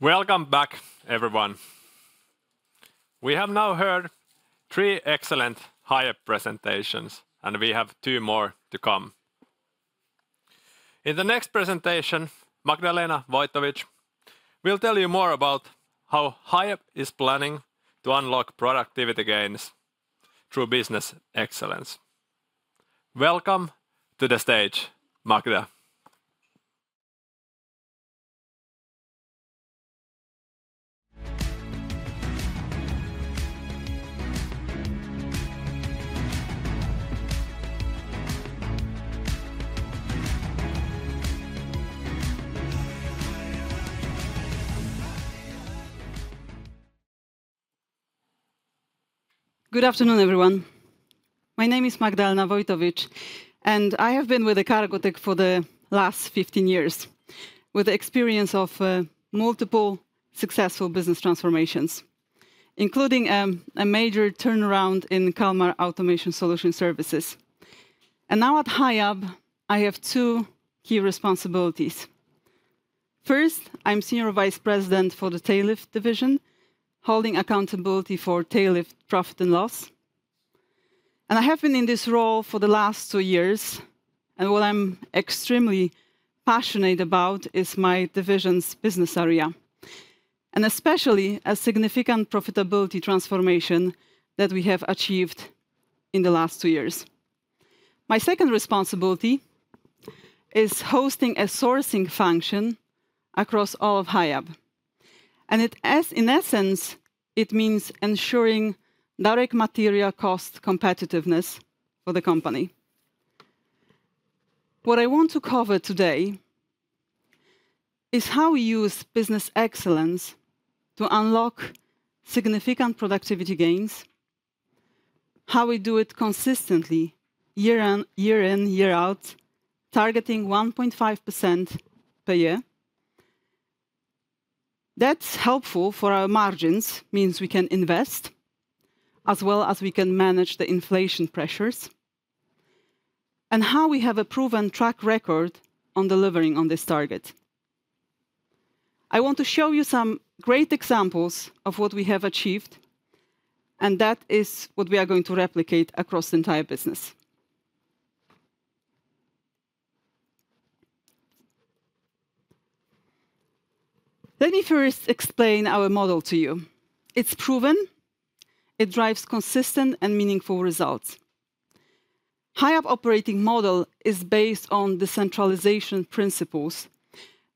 Welcome back, everyone. We have now heard three excellent Hiab presentations, and we have two more to come. In the next presentation, Magdalena Woytowicz will tell you more about how Hiab is planning to unlock productivity gains through business excellence. Welcome to the stage, Magda. Good afternoon, everyone. My name is Magdalena Woytowicz, and I have been with the Cargotec for the last 15 years, with experience of multiple successful business transformations, including a major turnaround in Kalmar Automation Solution services. Now at Hiab, I have two key responsibilities. First, I'm Senior Vice President for the tail lift division, holding accountability for tail lift profit and loss. I have been in this role for the last two years, and what I'm extremely passionate about is my division's business area, and especially a significant profitability transformation that we have achieved in the last two years. My second responsibility is hosting a sourcing function across all of Hiab, and in essence, it means ensuring direct material cost competitiveness for the company. What I want to cover today is how we use business excellence to unlock significant productivity gains, how we do it consistently, year on year in, year out, targeting 1.5% per year. That's helpful for our margins, means we can invest, as well as we can manage the inflation pressures, and how we have a proven track record on delivering on this target. I want to show you some great examples of what we have achieved, and that is what we are going to replicate across the entire business. Let me first explain our model to you. It's proven, it drives consistent and meaningful results. Hiab operating model is based on the centralization principles,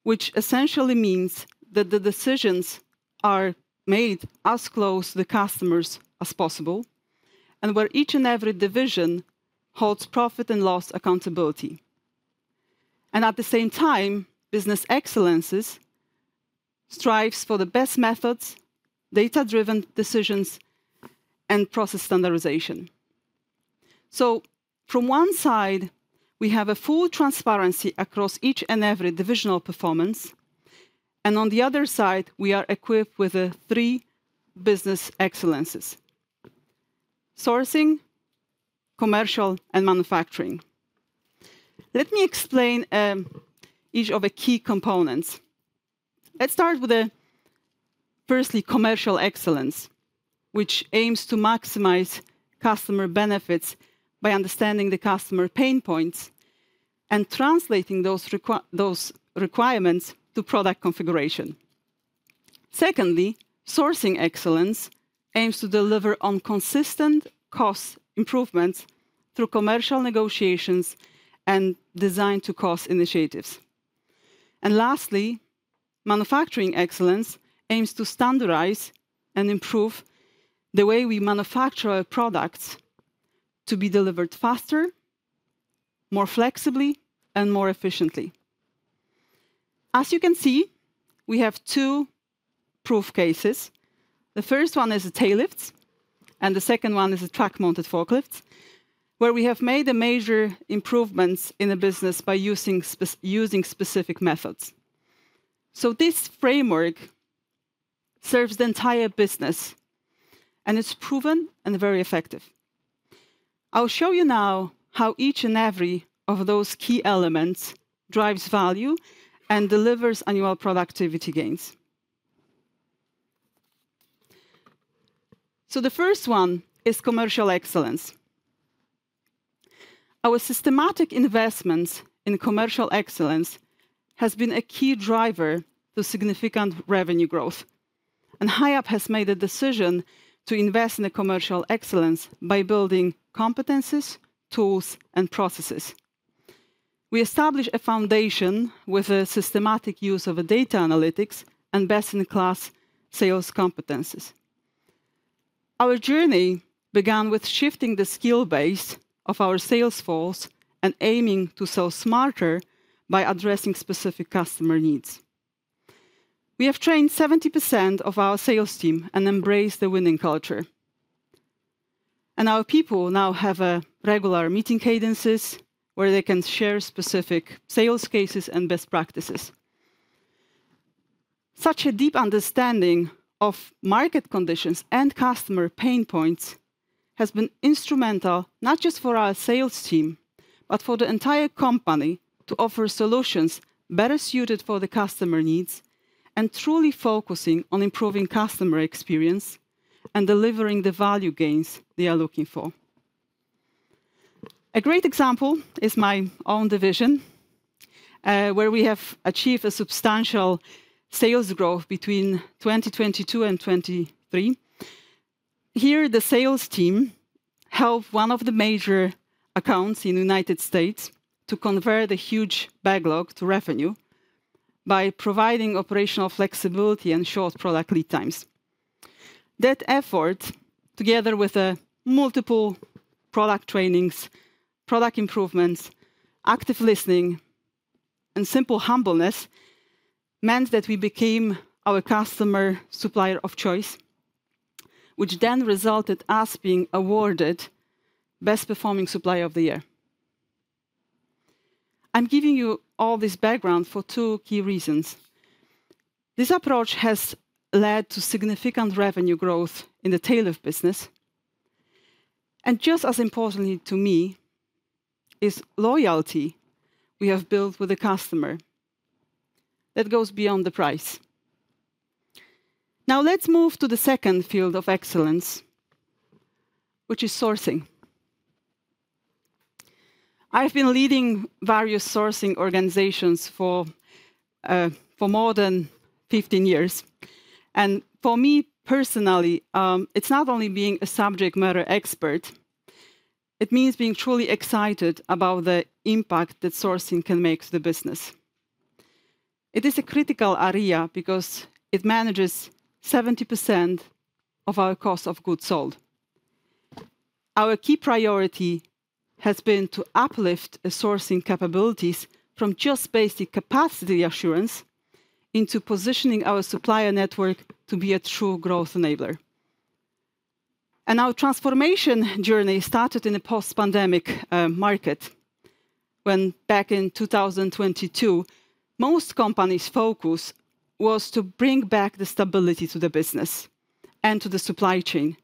which essentially means that the decisions are made as close to the customers as possible, and where each and every division holds profit and loss accountability. At the same time, business excellences strives for the best methods, data-driven decisions, and process standardization. From one side, we have a full transparency across each and every divisional performance, and on the other side, we are equipped with three business excellences: sourcing, commercial, and manufacturing. Let me explain each of the key components. Let's start with firstly, commercial excellence, which aims to maximize customer benefits by understanding the customer pain points and translating those requirements to product configuration. Secondly, sourcing excellence aims to deliver on consistent cost improvements through commercial negotiations and design-to-cost initiatives. And lastly, manufacturing excellence aims to standardize and improve the way we manufacture our products to be delivered faster, more flexibly, and more efficiently. As you can see, we have two proof cases. The first one is the tail lifts, and the second one is the truck-mounted forklifts, where we have made a major improvements in the business by using specific methods. So this framework serves the entire business, and it's proven and very effective. I'll show you now how each and every of those key elements drives value and delivers annual productivity gains. So the first one is commercial excellence. Our systematic investments in commercial excellence has been a key driver to significant revenue growth, and Hiab has made a decision to invest in the commercial excellence by building competencies, tools, and processes. We establish a foundation with a systematic use of data analytics and best-in-class sales competencies. Our journey began with shifting the skill base of our sales force and aiming to sell smarter by addressing specific customer needs. We have trained 70% of our sales team and embraced the winning culture. Our people now have a regular meeting cadences, where they can share specific sales cases and best practices. Such a deep understanding of market conditions and customer pain points has been instrumental, not just for our sales team, but for the entire company to offer solutions better suited for the customer needs, and truly focusing on improving customer experience and delivering the value gains they are looking for. A great example is my own division, where we have achieved a substantial sales growth between 2022 and 2023. Here, the sales team helped one of the major accounts in the United States to convert a huge backlog to revenue by providing operational flexibility and short product lead times. That effort, together with multiple product trainings, product improvements, active listening, and simple humbleness, meant that we became our customer supplier of choice, which then resulted us being awarded Best Performing Supplier of the Year. I'm giving you all this background for two key reasons. This approach has led to significant revenue growth in the tail lift business, and just as importantly to me, is loyalty we have built with the customer that goes beyond the price. Now, let's move to the second field of excellence, which is sourcing. I've been leading various sourcing organizations for more than 15 years, and for me, personally, it's not only being a subject matter expert, it means being truly excited about the impact that sourcing can make to the business. It is a critical area because it manages 70% of our cost of goods sold. Our key priority has been to uplift the sourcing capabilities from just basic capacity assurance into positioning our supplier network to be a true growth enabler. Our transformation journey started in a post-pandemic market, when back in 2022, most companies' focus was to bring back the stability to the business and to the supply chain,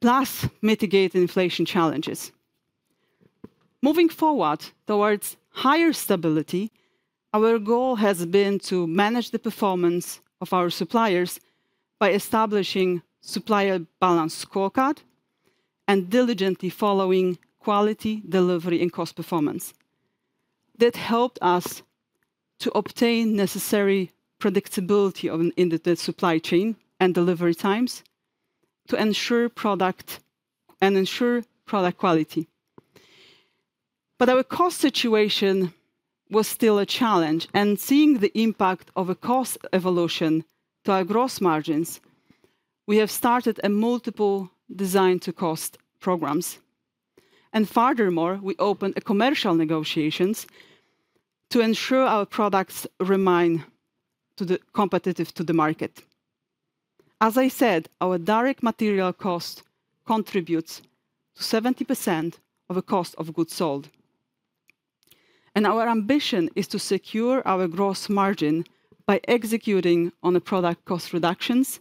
plus mitigate inflation challenges. Moving forward towards higher stability, our goal has been to manage the performance of our suppliers by establishing supplier balance scorecard and diligently following quality, delivery, and cost performance. That helped us to obtain necessary predictability in the supply chain and delivery times to ensure product, and ensure product quality. Our cost situation was still a challenge, and seeing the impact of a cost evolution to our gross margins We have started multiple design to cost programs, and furthermore, we opened commercial negotiations to ensure our products remain competitive to the market. As I said, our direct material cost contributes to 70% of the cost of goods sold. Our ambition is to secure our gross margin by executing on the product cost reductions,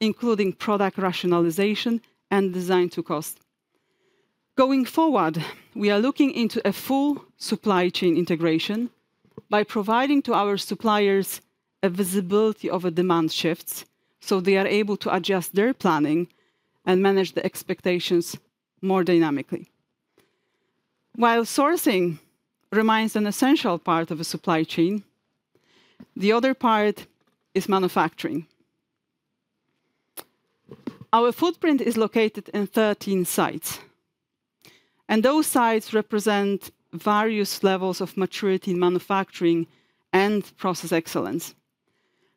including product rationalization and design to cost. Going forward, we are looking into a full supply chain integration by providing to our suppliers a visibility of demand shifts, so they are able to adjust their planning and manage the expectations more dynamically. While sourcing remains an essential part of a supply chain, the other part is manufacturing. Our footprint is located in 13 sites, and those sites represent various levels of maturity in manufacturing and process excellence.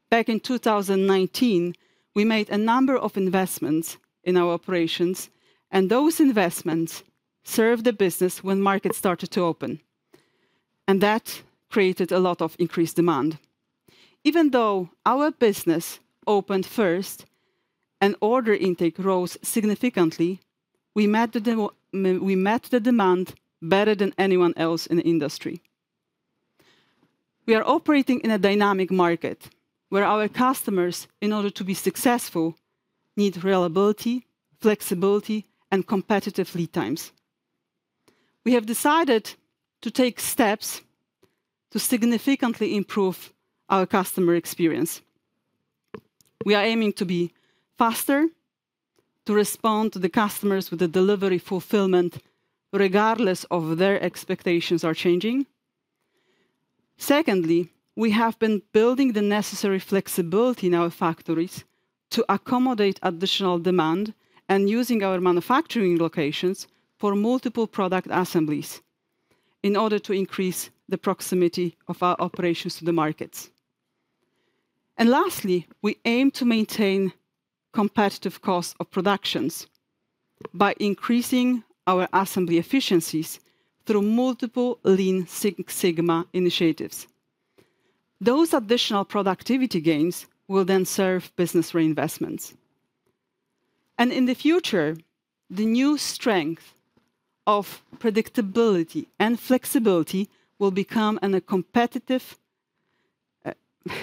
Back in 2019, we made a number of investments in our operations, and those investments served the business when markets started to open, and that created a lot of increased demand. Even though our business opened first and order intake rose significantly, we met the demand better than anyone else in the industry. We are operating in a dynamic market, where our customers, in order to be successful, need reliability, flexibility, and competitive lead times. We have decided to take steps to significantly improve our customer experience. We are aiming to be faster, to respond to the customers with the delivery fulfillment, regardless of their expectations are changing. Secondly, we have been building the necessary flexibility in our factories to accommodate additional demand and using our manufacturing locations for multiple product assemblies in order to increase the proximity of our operations to the markets. Lastly, we aim to maintain competitive cost of productions by increasing our assembly efficiencies through multiple Lean Six Sigma initiatives. Those additional productivity gains will then serve business reinvestments, and in the future, the new strength of predictability and flexibility will become an competitive,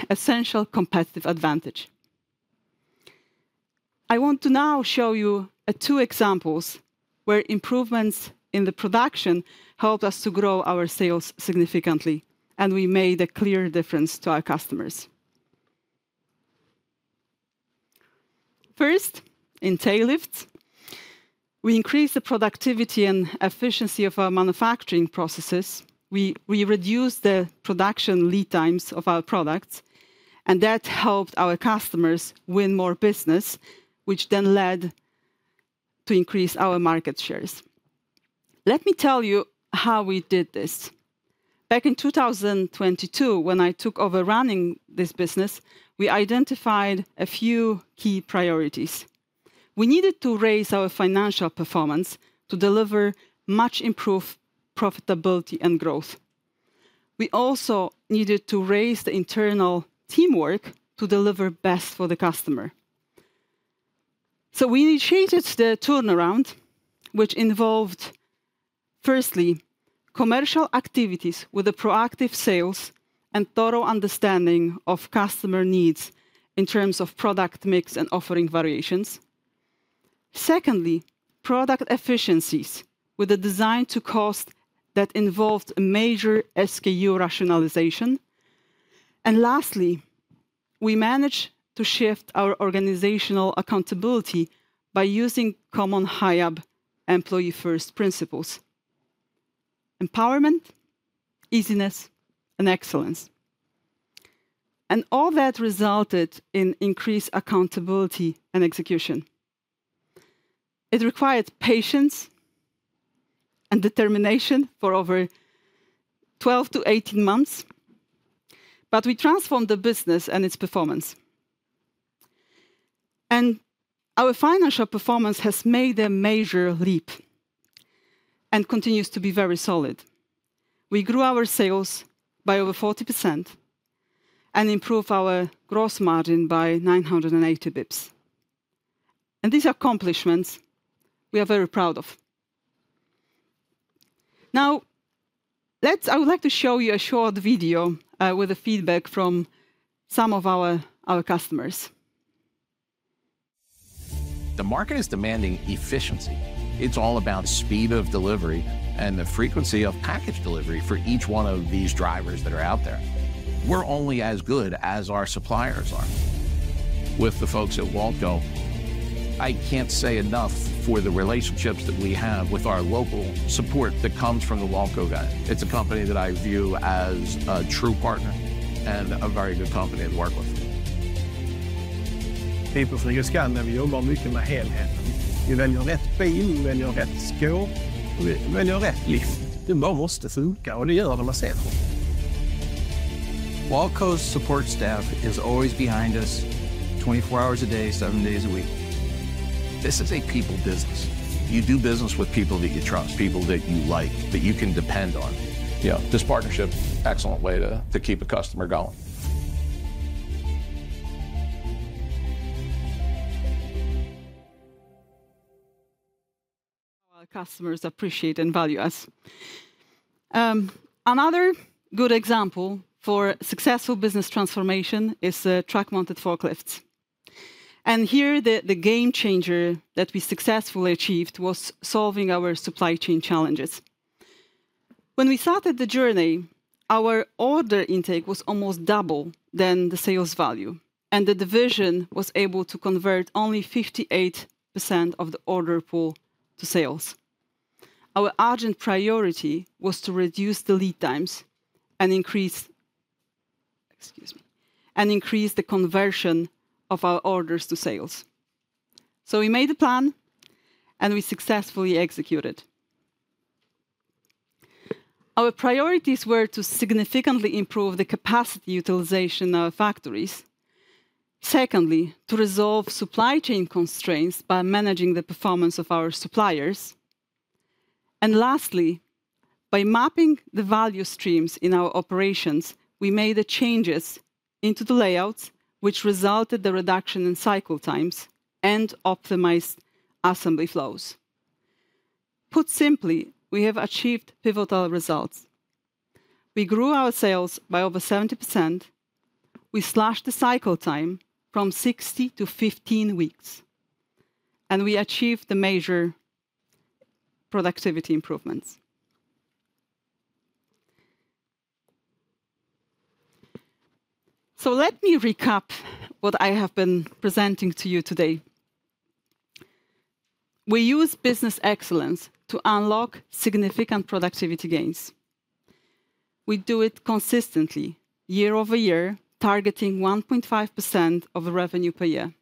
essential competitive advantage. I want to now show you, two examples where improvements in the production helped us to grow our sales significantly, and we made a clear difference to our customers. First, in tail lifts, we increased the productivity and efficiency of our manufacturing processes. We reduced the production lead times of our products, and that helped our customers win more business, which then led to increase our market shares. Let me tell you how we did this. Back in 2022, when I took over running this business, we identified a few key priorities. We needed to raise our financial performance to deliver much improved profitability and growth. We also needed to raise the internal teamwork to deliver best for the customer. So we initiated the turnaround, which involved, firstly, commercial activities with the proactive sales and thorough understanding of customer needs in terms of product mix and offering variations. Secondly, product efficiencies with a design to cost that involved a major SKU rationalization. And lastly, we managed to shift our organizational accountability by using common Hiab Employee First principles: empowerment, easiness, and excellence. And all that resulted in increased accountability and execution. It required patience and determination for over 12-18 months, but we transformed the business and its performance. Our financial performance has made a major leap and continues to be very solid. We grew our sales by over 40% and improved our gross margin by 980 basis points. These accomplishments, we are very proud of. Now, I would like to show you a short video with the feedback from some of our customers. The market is demanding efficiency. It's all about speed of delivery and the frequency of package delivery for each one of these drivers that are out there. We're only as good as our suppliers are. With the folks at Waltco, I can't say enough for the relationships that we have with our local support that comes from the Waltco guy. It's a company that I view as a true partner and a very good company to work with Waltco's support staff is always behind us, 24 hours a day, 7 days a week. This is a people business. You do business with people that you trust, people that you like, that you can depend on. Yeah, this partnership, excellent way to keep a customer going. Our customers appreciate and value us. Another good example for successful business transformation is truck-mounted forklifts. Here, the game changer that we successfully achieved was solving our supply chain challenges. When we started the journey, our order intake was almost double than the sales value, and the division was able to convert only 58% of the order pool to sales. Our urgent priority was to reduce the lead times and increase excuse me, and increase the conversion of our orders to sales. We made a plan, and we successfully executed. Our priorities were to significantly improve the capacity utilization of our factories. Secondly, to resolve supply chain constraints by managing the performance of our suppliers. Lastly, by mapping the value streams in our operations, we made the changes into the layouts, which resulted the reduction in cycle times and optimized assembly flows. Put simply, we have achieved pivotal results. We grew our sales by over 70%, we slashed the cycle time from 60 to 15 weeks, and we achieved the major productivity improvements. So let me recap what I have been presenting to you today. We use business excellence to unlock significant productivity gains. We do it consistently, year-over-year, targeting 1.5% of the revenue per year.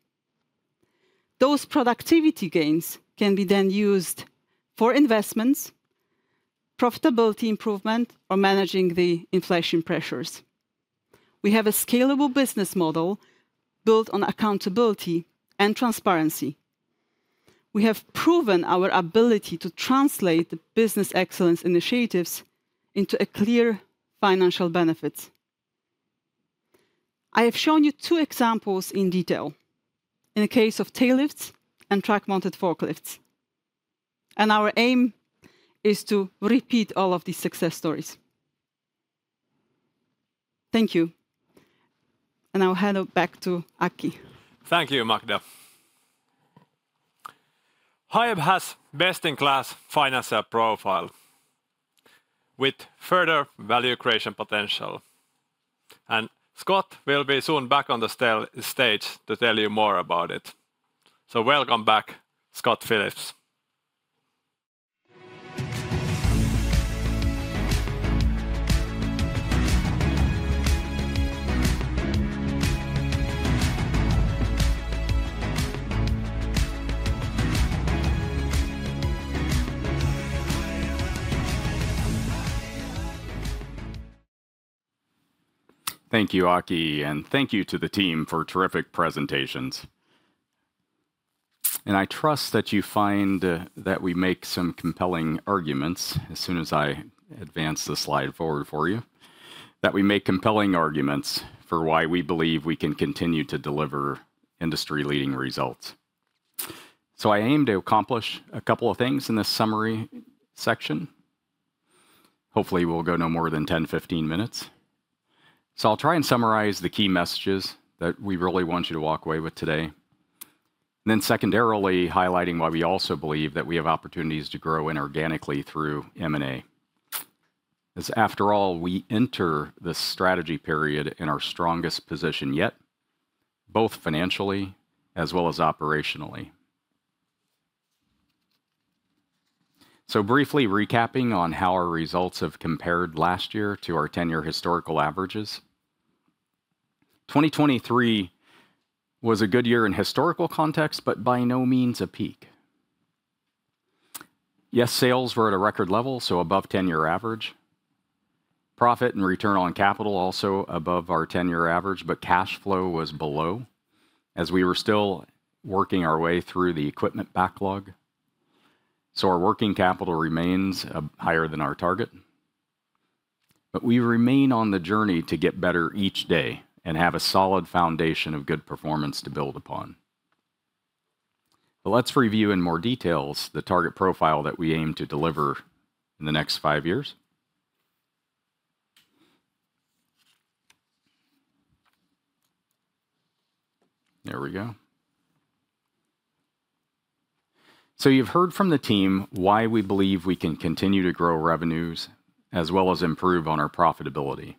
Those productivity gains can be then used for investments, profitability improvement, or managing the inflation pressures. We have a scalable business model built on accountability and transparency. We have proven our ability to translate the business excellence initiatives into a clear financial benefit. I have shown you two examples in detail, in the case of tail lifts and truck-mounted forklifts, and our aim is to repeat all of these success stories. Thank you, and I'll hand it back to Aki. Thank you, Magda. Hiab has best-in-class financial profile, with further value creation potential. And Scott will be soon back on the stage to tell you more about it. So welcome back, Scott Phillips. Thank you, Aki, and thank you to the team for terrific presentations. And I trust that you find that we make some compelling arguments, as soon as I advance the slide forward for you, that we make compelling arguments for why we believe we can continue to deliver industry-leading results. So I aim to accomplish a couple of things in this summary section. Hopefully, we'll go no more than 10, 15 minutes. So I'll try and summarize the key messages that we really want you to walk away with today, and then secondarily, highlighting why we also believe that we have opportunities to grow inorganically through M&A. As after all, we enter this strategy period in our strongest position yet, both financially as well as operationally. So briefly recapping on how our results have compared last year to our 10-year historical averages. 2023 was a good year in historical context, but by no means a peak. Yes, sales were at a record level, so above 10-year average. Profit and return on capital also above our 10-year average, but cash flow was below, as we were still working our way through the equipment backlog, so our working capital remains higher than our target. But we remain on the journey to get better each day and have a solid foundation of good performance to build upon. But let's review in more details the target profile that we aim to deliver in the next 5 years. There we go. So you've heard from the team why we believe we can continue to grow revenues, as well as improve on our profitability.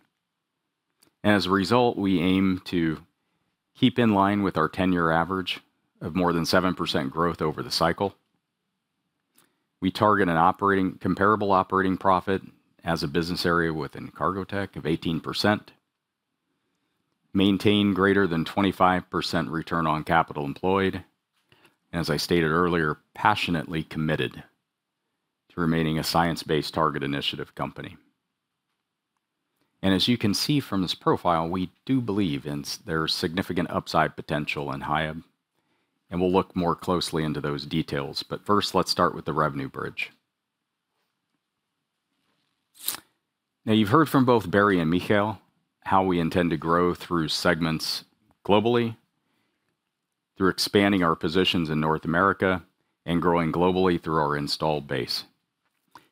As a result, we aim to keep in line with our 10-year average of more than 7% growth over the cycle. We target an operating, comparable operating profit as a business area within Cargotec of 18%, maintain greater than 25% return on capital employed, and as I stated earlier, passionately committed to remaining a Science Based Targets initiative company. As you can see from this profile, we do believe there's significant upside potential in Hiab, and we'll look more closely into those details. But first, let's start with the revenue bridge. Now, you've heard from both Barry and Mikhail how we intend to grow through segments globally, through expanding our positions in North America, and growing globally through our installed base.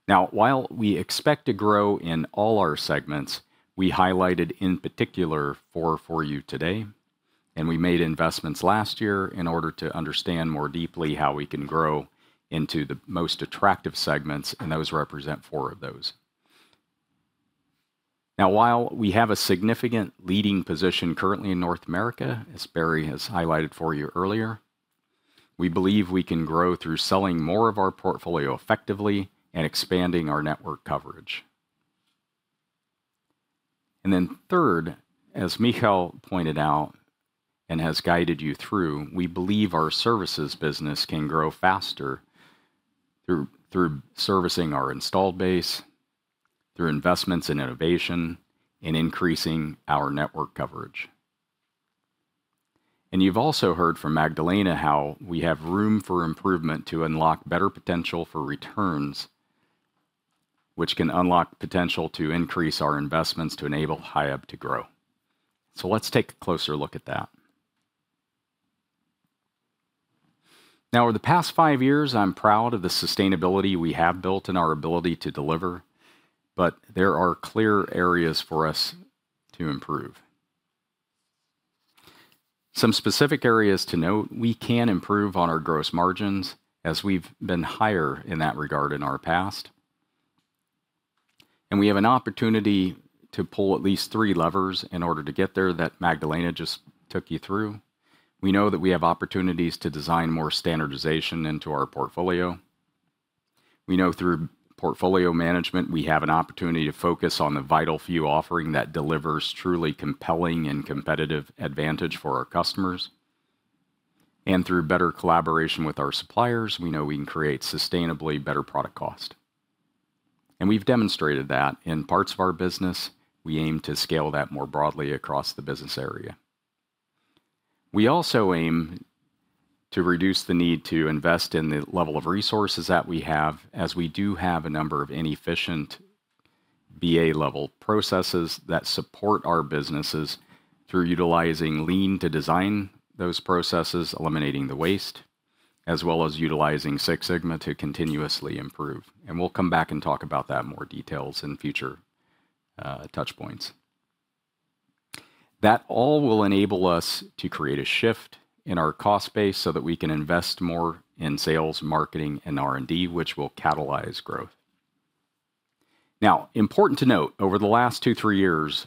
Now, while we expect to grow in all our segments, we highlighted in particular four for you today, and we made investments last year in order to understand more deeply how we can grow into the most attractive segments, and those represent four of those. Now, while we have a significant leading position currently in North America, as Barry has highlighted for you earlier, we believe we can grow through selling more of our portfolio effectively and expanding our network coverage. And then third, as Mikhail pointed out and has guided you through, we believe our services business can grow faster through servicing our installed base, through investments in innovation, and increasing our network coverage. And you've also heard from Magdalena how we have room for improvement to unlock better potential for returns, which can unlock potential to increase our investments to enable Hiab to grow. So let's take a closer look at that. Now, over the past 5 years, I'm proud of the sustainability we have built and our ability to deliver, but there are clear areas for us to improve. Some specific areas to note, we can improve on our gross margins, as we've been higher in that regard in our past. We have an opportunity to pull at least 3 levers in order to get there that Magdalena just took you through. We know that we have opportunities to design more standardization into our portfolio. We know through portfolio management, we have an opportunity to focus on the vital few offering that delivers truly compelling and competitive advantage for our customers. And through better collaboration with our suppliers, we know we can create sustainably better product cost. And we've demonstrated that in parts of our business. We aim to scale that more broadly across the business area. We also aim to reduce the need to invest in the level of resources that we have, as we do have a number of inefficient BA-level processes that support our businesses through utilizing Lean to design those processes, eliminating the waste, as well as utilizing Six Sigma to continuously improve. And we'll come back and talk about that in more details in future touch points. That all will enable us to create a shift in our cost base so that we can invest more in sales, marketing, and R&D, which will catalyze growth. Now, important to note, over the last 2, 3 years,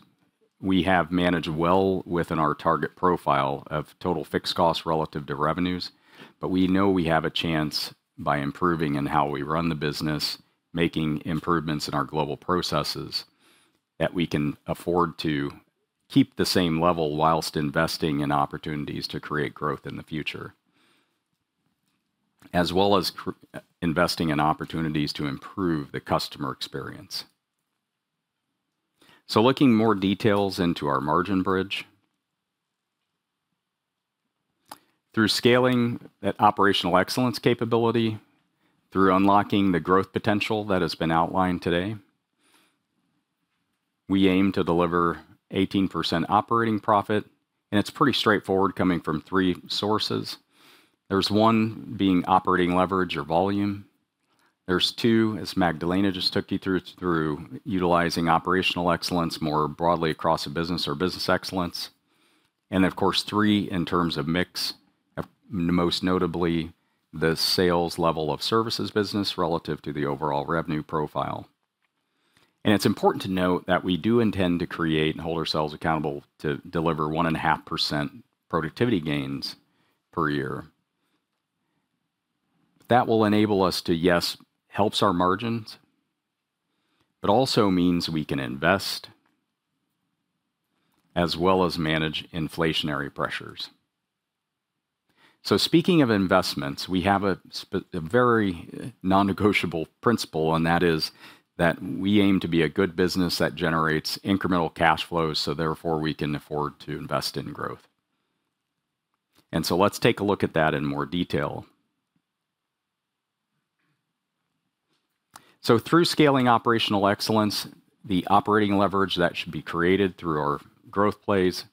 we have managed well within our target profile of total fixed costs relative to revenues, but we know we have a chance by improving in how we run the business, making improvements in our global processes, that we can afford to keep the same level whilst investing in opportunities to create growth in the future, as well as investing in opportunities to improve the customer experience. So looking more details into our margin bridge. Through scaling that operational excellence capability, through unlocking the growth potential that has been outlined today, we aim to deliver 18% operating profit, and it's pretty straightforward, coming from 3 sources. There's 1 being operating leverage or volume. There's 2, as Magdalena just took you through, through utilizing operational excellence more broadly across a business or business excellence. Of course, three, in terms of mix, most notably the sales level of services business relative to the overall revenue profile. It's important to note that we do intend to create and hold ourselves accountable to deliver 1.5% productivity gains per year. That will enable us to, yes, helps our margins, but also means we can invest as well as manage inflationary pressures. Speaking of investments, we have a very non-negotiable principle, and that is that we aim to be a good business that generates incremental cash flows, so therefore, we can afford to invest in growth. Let's take a look at that in more detail. Through scaling operational excellence, the operating leverage that should be created through our growth plays,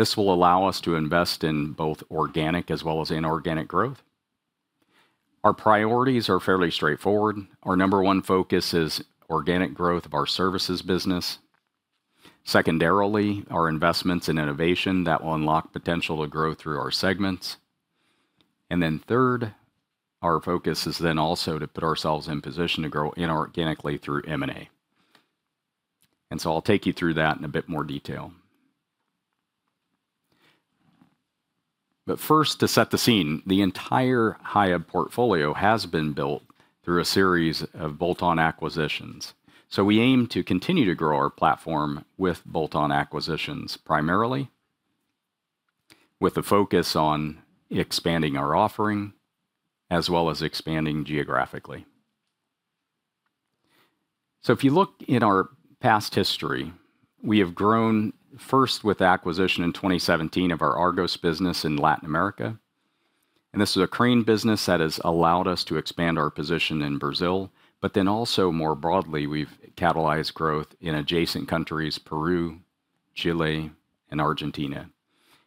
this will allow us to invest in both organic as well as inorganic growth. Our priorities are fairly straightforward. Our number one focus is organic growth of our services business. Secondarily, our investments in innovation that will unlock potential to grow through our segments. Then third, our focus is then also to put ourselves in position to grow inorganically through M&A. So I'll take you through that in a bit more detail. But first, to set the scene, the entire Hiab portfolio has been built through a series of bolt-on acquisitions. We aim to continue to grow our platform with bolt-on acquisitions primarily with a focus on expanding our offering, as well as expanding geographically. So if you look in our past history, we have grown first with acquisition in 2017 of our Argos business in Latin America, and this is a crane business that has allowed us to expand our position in Brazil, but then also more broadly, we've catalyzed growth in adjacent countries, Peru, Chile, and Argentina.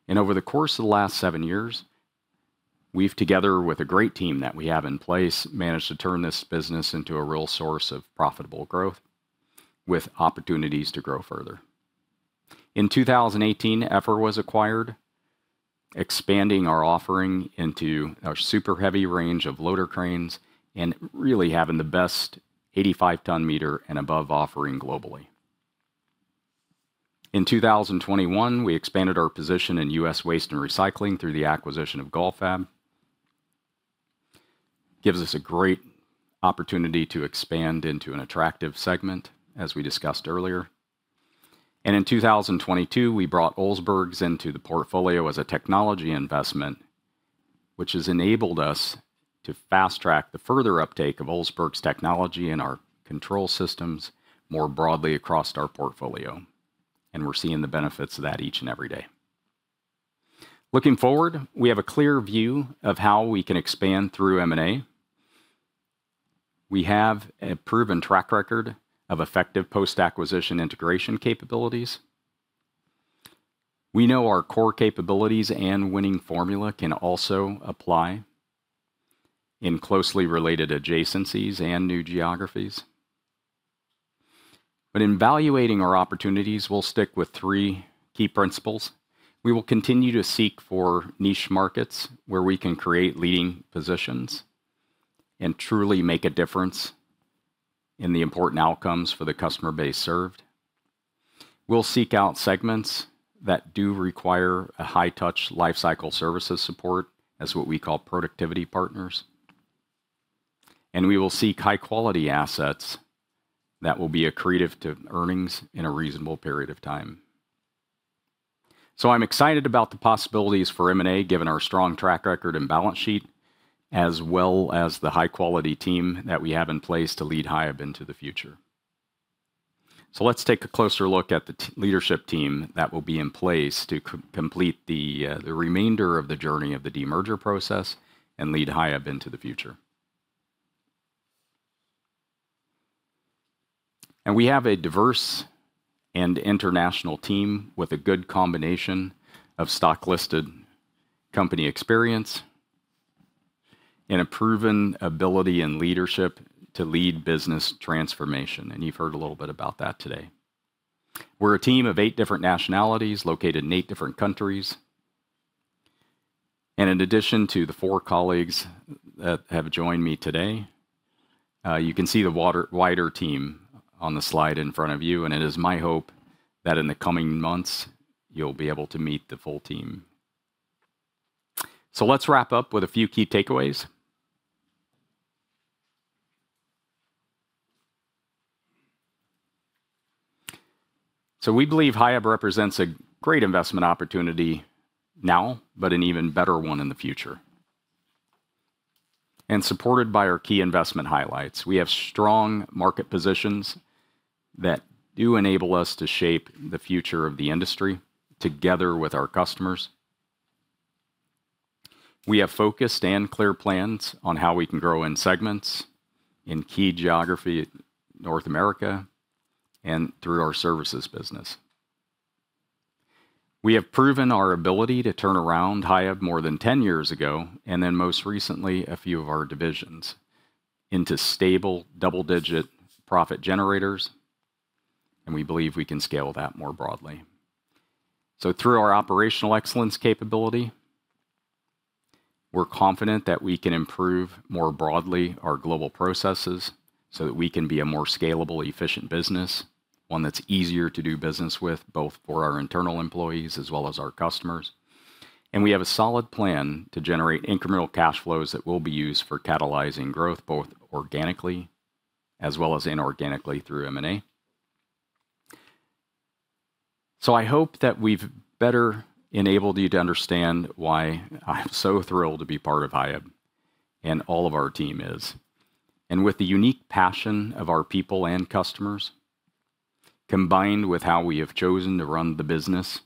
Over the course of the last seven years, we've, together with a great team that we have in place, managed to turn this business into a real source of profitable growth, with opportunities to grow further. In 2018, Effer was acquired, expanding our offering into our super heavy range of loader cranes and really having the best 85 ton meter and above offering globally. In 2021, we expanded our position in U.S. waste and recycling through the acquisition of Galfab. Gives us a great opportunity to expand into an attractive segment, as we discussed earlier. In 2022, we brought Olsbergs into the portfolio as a technology investment, which has enabled us to fast-track the further uptake of Olsbergs' technology and our control systems more broadly across our portfolio, and we're seeing the benefits of that each and every day. Looking forward, we have a clear view of how we can expand through M&A. We have a proven track record of effective post-acquisition integration capabilities. We know our core capabilities and winning formula can also apply in closely related adjacencies and new geographies. In evaluating our opportunities, we'll stick with three key principles. We will continue to seek for niche markets where we can create leading positions and truly make a difference in the important outcomes for the customer base served. We'll seek out segments that do require a high-touch life cycle services support, as what we call productivity partners. We will seek high-quality assets that will be accretive to earnings in a reasonable period of time. I'm excited about the possibilities for M&A, given our strong track record and balance sheet, as well as the high-quality team that we have in place to lead Hiab into the future. Let's take a closer look at the leadership team that will be in place to complete the, the remainder of the journey of the demerger process and lead Hiab into the future. We have a diverse and international team with a good combination of stock-listed company experience and a proven ability and leadership to lead business transformation, and you've heard a little bit about that today. We're a team of eight different nationalities, located in eight different countries. In addition to the four colleagues that have joined me today, you can see the wider team on the slide in front of you, and it is my hope that in the coming months, you'll be able to meet the full team. Let's wrap up with a few key takeaways. We believe Hiab represents a great investment opportunity now, but an even better one in the future. Supported by our key investment highlights, we have strong market positions that do enable us to shape the future of the industry together with our customers. We have focused and clear plans on how we can grow in segments, in key geography, North America, and through our services business. We have proven our ability to turn around Hiab more than 10 years ago, and then most recently, a few of our divisions, into stable, double-digit profit generators, and we believe we can scale that more broadly. So through our operational excellence capability, we're confident that we can improve more broadly our global processes, so that we can be a more scalable, efficient business, one that's easier to do business with, both for our internal employees as well as our customers. And we have a solid plan to generate incremental cash flows that will be used for catalyzing growth, both organically as well as inorganically through M&A. So I hope that we've better enabled you to understand why I'm so thrilled to be part of Hiab, and all of our team is. With the unique passion of our people and customers, combined with how we have chosen to run the business,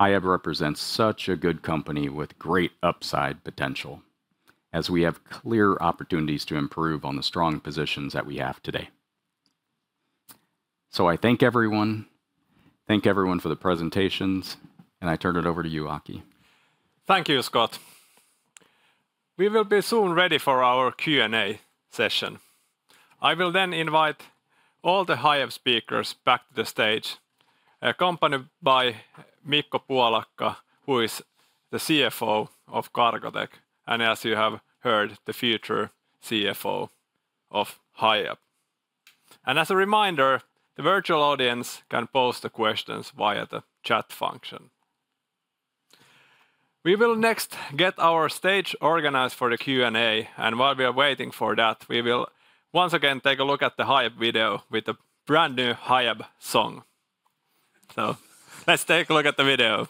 Hiab represents such a good company with great upside potential, as we have clear opportunities to improve on the strong positions that we have today. I thank everyone, thank everyone for the presentations, and I turn it over to you, Aki. Thank you, Scott. We will be soon ready for our Q&A session. I will then invite all the Hiab speakers back to the stage, accompanied by Mikko Puolakka, who is the CFO of Cargotec, and as you have heard, the future CFO of Hiab. As a reminder, the virtual audience can pose the questions via the chat function. We will next get our stage organized for the Q&A, and while we are waiting for that, we will once again take a look at the Hiab video with the brand-new Hiab song. Let's take a look at the video.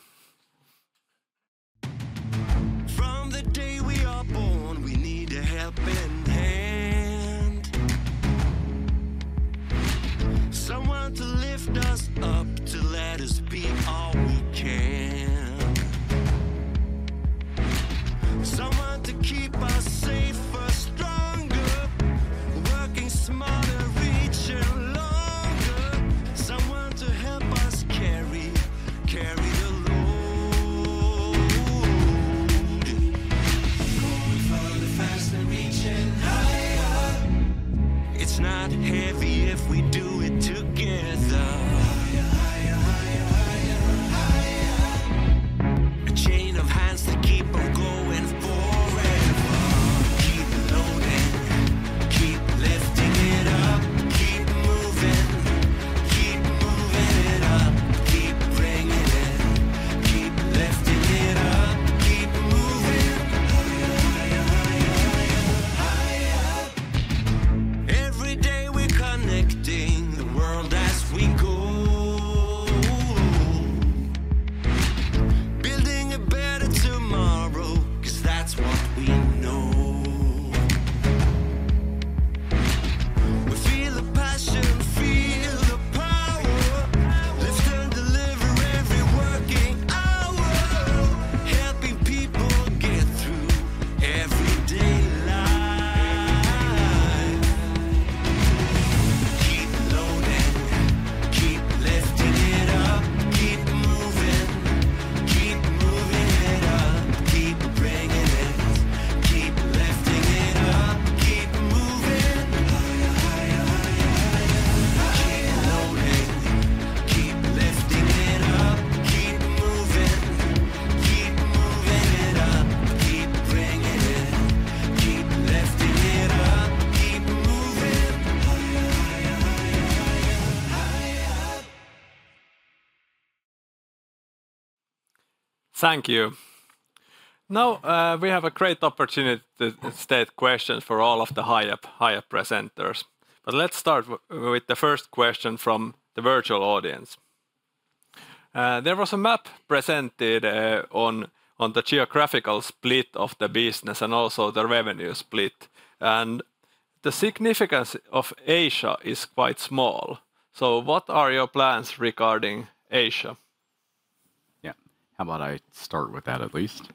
Yeah. How about I start with that, at least?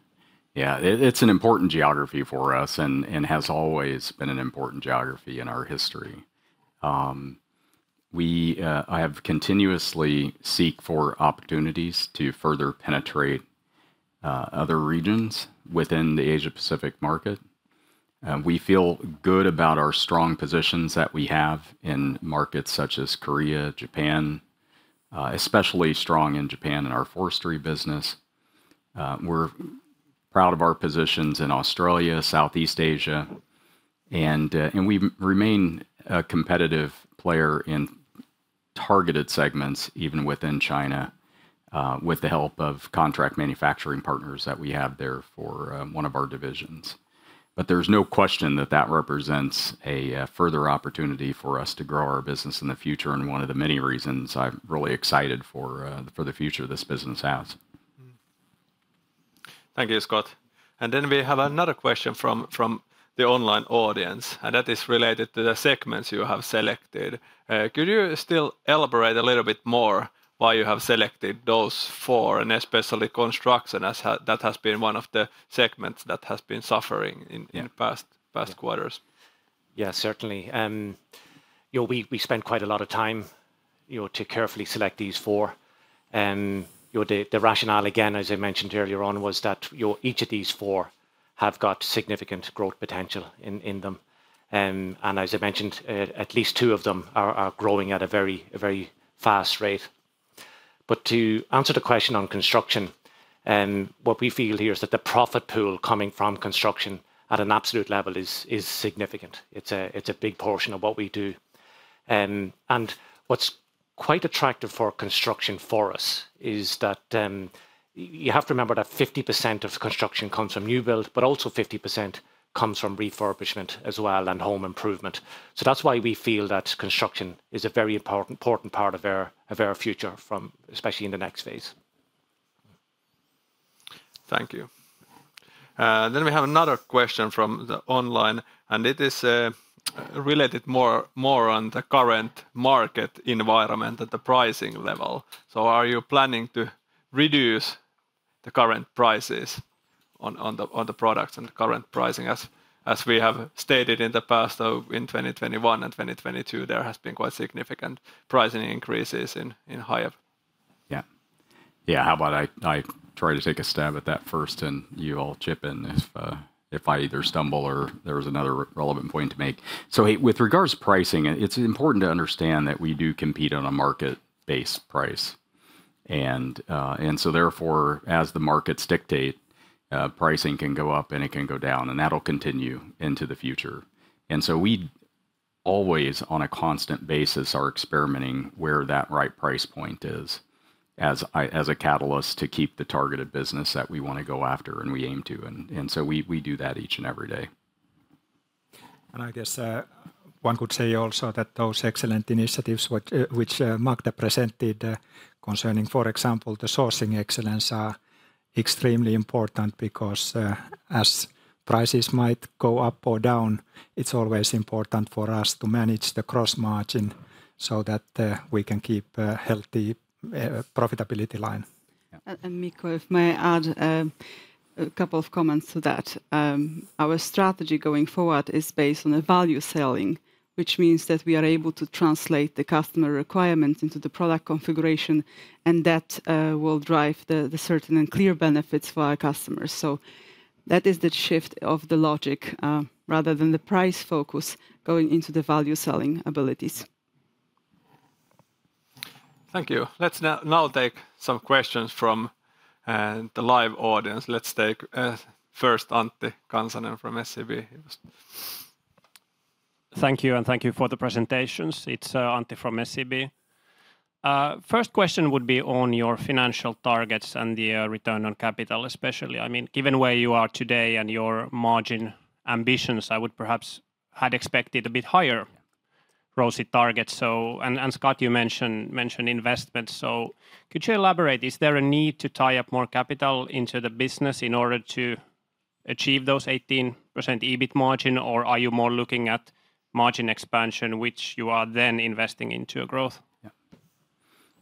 Yeah, it, it's an important geography for us and, and has always been an important geography in our history. We, I have continuously seek for opportunities to further penetrate other regions within the Asia-Pacific market. We feel good about our strong positions that we have in markets such as Korea, Japan. Especially strong in Japan in our forestry business. We're proud of our positions in Australia, Southeast Asia, and, and we remain a competitive player in targeted segments, even within China, with the help of contract manufacturing partners that we have there for one of our divisions. But there's no question that that represents a further opportunity for us to grow our business in the future, and one of the many reasons I'm really excited for for the future this business has. Thank you, Scott. And then we have another question from the online audience, and that is related to the segments you have selected. Could you still elaborate a little bit more why you have selected those four, and especially construction, as that has been one of the segments that has been suffering in- Yeah in past quarters? Yeah, certainly. You know, we spent quite a lot of time, you know, to carefully select these four. You know, the rationale, again, as I mentioned earlier on, was that, you know, each of these four have got significant growth potential in them. And as I mentioned, at least two of them are growing at a very fast rate. To answer the question on construction, what we feel here is that the profit pool coming from construction at an absolute level is significant. It's a big portion of what we do. And what's quite attractive for construction for us is that you have to remember that 50% of construction comes from new build, but also 50% comes from refurbishment as well, and home improvement. That's why we feel that construction is a very important part of our future from especially in the next phase. Thank you. Then we have another question from the online, and it is related more on the current market environment at the pricing level. So are you planning to reduce the current prices on the products and the current pricing, as we have stated in the past, though in 2021 and 2022, there has been quite significant pricing increases in Hiab? Yeah. Yeah, how about I try to take a stab at that first, and you all chip in if I either stumble or there is another relevant point to make? So, hey, with regards to pricing, it's important to understand that we do compete on a market-based price. And so therefore, as the markets dictate, pricing can go up and it can go down, and that'll continue into the future. And so we always on a constant basis are experimenting where that right price point is, as a catalyst to keep the targeted business that we wanna go after, and we aim to. And so we do that each and every day. I guess one could say also that those excellent initiatives, which Magda presented, concerning, for example, the sourcing excellence, are extremely important because as prices might go up or down, it's always important for us to manage the cross margin so that we can keep a healthy profitability line. Yeah. And Mikko, may I add a couple of comments to that. Our strategy going forward is based on the value selling, which means that we are able to translate the customer requirements into the product configuration, and that will drive the certain and clear benefits for our customers. So that is the shift of the logic, rather than the price focus going into the value selling abilities. Thank you. Let's now take some questions from the live audience. Let's take first Antti Kansanen from SEB. Thank you, and thank you for the presentations. It's Antti from SEB. First question would be on your financial targets and the return on capital, especially. I mean, given where you are today and your margin ambitions, I would perhaps had expected a bit higher ROIC targets. So and Scott, you mentioned investment, so could you elaborate? Is there a need to tie up more capital into the business in order to achieve those 18% EBIT margin, or are you more looking at margin expansion, which you are then investing into growth? Yeah.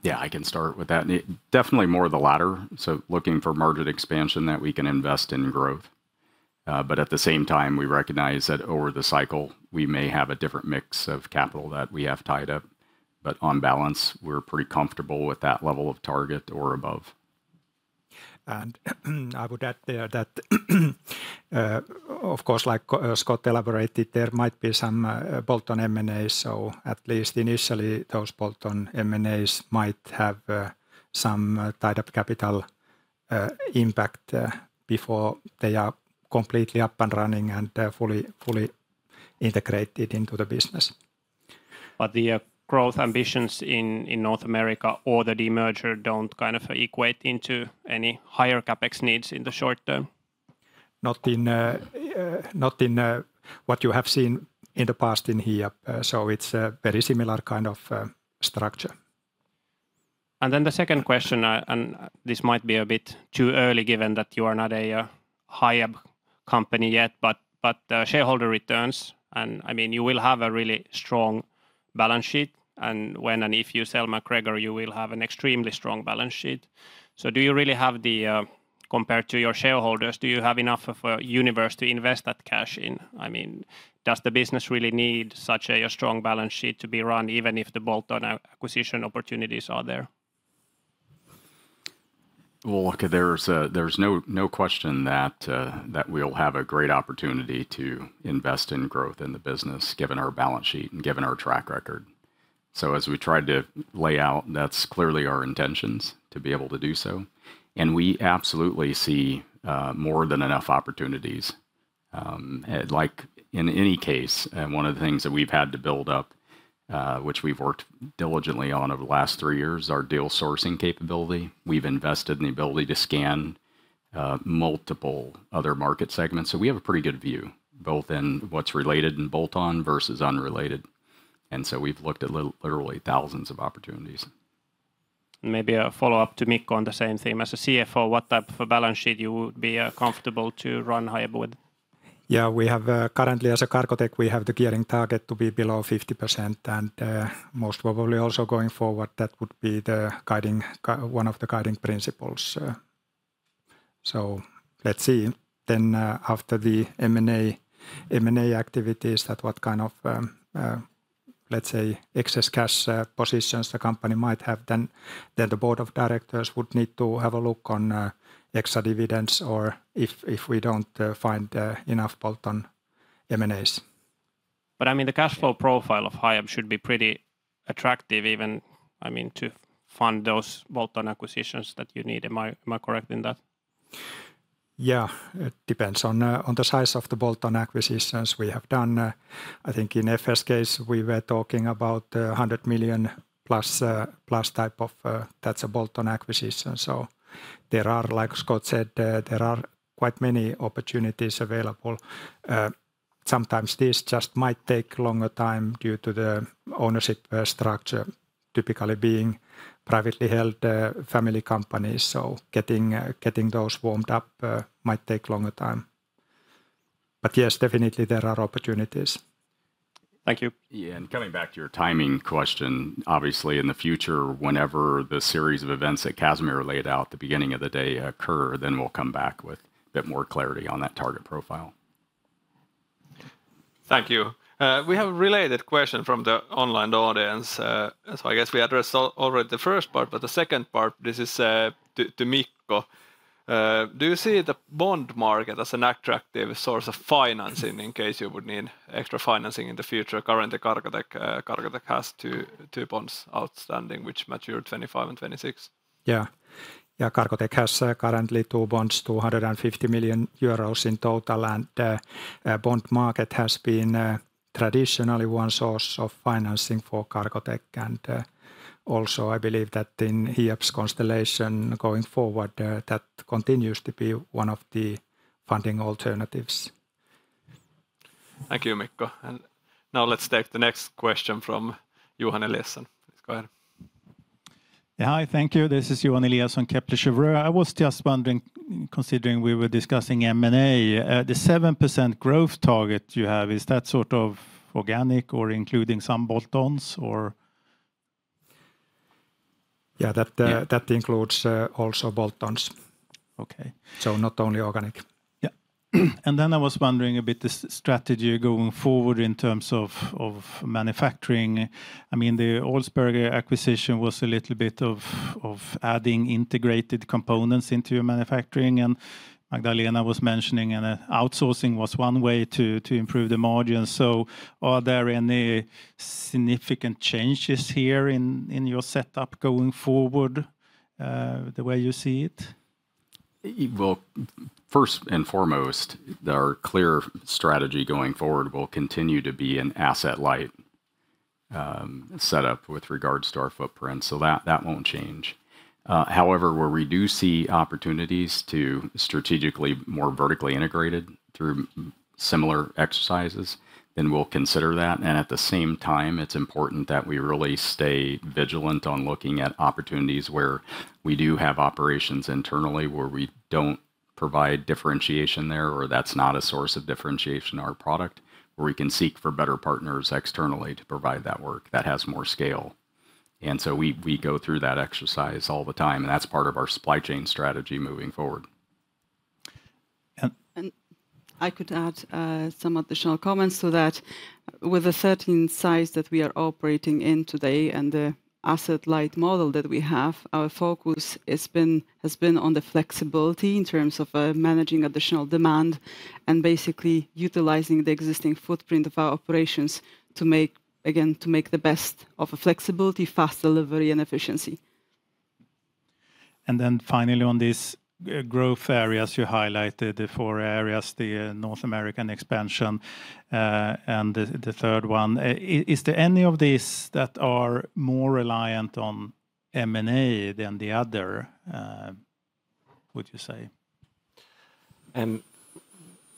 Yeah, I can start with that, and definitely more of the latter. So looking for margin expansion that we can invest in growth. But at the same time, we recognize that over the cycle, we may have a different mix of capital that we have tied up, but on balance, we're pretty comfortable with that level of target or above. I would add there that, of course, like Scott elaborated, there might be some bolt-on M&As, so at least initially, those bolt-on M&As might have some tied-up capital impact before they are completely up and running and fully integrated into the business. But the growth ambitions in North America or the demerger don't kind of equate into any higher CapEx needs in the short term? Not in what you have seen in the past in Hiab. So it's a very similar kind of structure. Then the second question, and this might be a bit too early, given that you are not a Hiab company yet, but shareholder returns, and, I mean, you will have a really strong balance sheet, and when and if you sell MacGregor, you will have an extremely strong balance sheet. So do you really have the. Compared to your shareholders, do you have enough of a universe to invest that cash in? I mean, does the business really need such a strong balance sheet to be run, even if the bolt-on acquisition opportunities are there? Well, look, there's, there's no, no question that, that we'll have a great opportunity to invest in growth in the business, given our balance sheet and given our track record. So as we tried to lay out, that's clearly our intentions to be able to do so, and we absolutely see, more than enough opportunities. Like, in any case, and one of the things that we've had to build up, which we've worked diligently on over the last three years, our deal sourcing capability. We've invested in the ability to scan, multiple other market segments. So we have a pretty good view, both in what's related in bolt-on versus unrelated, and so we've looked at literally thousands of opportunities. Maybe a follow-up to Mikko on the same theme. As a CFO, what type of a balance sheet you would be, comfortable to run Hiab with? Yeah, we have, currently as a Cargotec, we have the gearing target to be below 50%, and, most probably also going forward, that would be the guiding, one of the guiding principles. So let's see then, after the M&A, M&A activities, that what kind of, let's say, excess cash positions the company might have, then, the board of directors would need to have a look on, extra dividends or if, if we don't, find, enough bolt-on M&As. But, I mean, the cash flow profile of Hiab should be pretty attractive even, I mean, to fund those bolt-on acquisitions that you need. Am I, am I correct in that? Yeah. It depends on, on the size of the bolt-on acquisitions we have done. I think in Effer's case, we were talking about, 100 million plus, plus type of that's a bolt-on acquisition. So there are, like Scott said, there are quite many opportunities available. Sometimes these just might take longer time due to the ownership, structure, typically being privately held, family companies, so getting, getting those warmed up, might take longer time. But yes, definitely there are opportunities. Thank you. Yeah, and coming back to your timing question, obviously, in the future, whenever the series of events that Casimir laid out at the beginning of the day occur, then we'll come back with a bit more clarity on that target profile. Thank you. We have a related question from the online audience. So I guess we addressed already the first part, but the second part, this is to Mikko. Do you see the bond market as an attractive source of financing in case you would need extra financing in the future? Currently, Cargotec has two bonds outstanding, which mature 2025 and 2026. Yeah. Yeah, Cargotec has currently two bonds, 250 million euros in total, and bond market has been traditionally one source of financing for Cargotec. Also I believe that in Hiab's constellation going forward, that continues to be one of the funding alternatives. Thank you, Mikko. Now let's take the next question from Johan Eliasson. Please go ahead. Yeah, hi, thank you. This is Johan Eliasson, Kepler Cheuvreux. I was just wondering, considering we were discussing M&A, the 7% growth target you have, is that sort of organic or including some bolt-ons, or? Yeah, that. Yeah that includes, also bolt-ons. Okay. Not only organic. Yeah. And then I was wondering a bit the strategy going forward in terms of, of manufacturing. I mean, the Olsberg acquisition was a little bit of, of adding integrated components into your manufacturing, and Magdalena was mentioning, and outsourcing was one way to, to improve the margins. So are there any significant changes here in, in your setup going forward, the way you see it? Well, first and foremost, our clear strategy going forward will continue to be an asset-light setup with regards to our footprint, so that won't change. However, where we do see opportunities to strategically more vertically integrated through similar exercises, then we'll consider that. And at the same time, it's important that we really stay vigilant on looking at opportunities where we do have operations internally, where we don't provide differentiation there, or that's not a source of differentiation in our product, where we can seek for better partners externally to provide that work that has more scale. And so we go through that exercise all the time, and that's part of our supply chain strategy moving forward. Yeah. I could add some additional comments to that. With the certain size that we are operating in today and the asset-light model that we have, our focus has been on the flexibility in terms of managing additional demand, and basically utilizing the existing footprint of our operations to make again, to make the best of flexibility, fast delivery, and efficiency. And then finally, on these growth areas, you highlighted the four areas, the North American expansion, and the third one. Is there any of these that are more reliant on M&A than the other, would you say?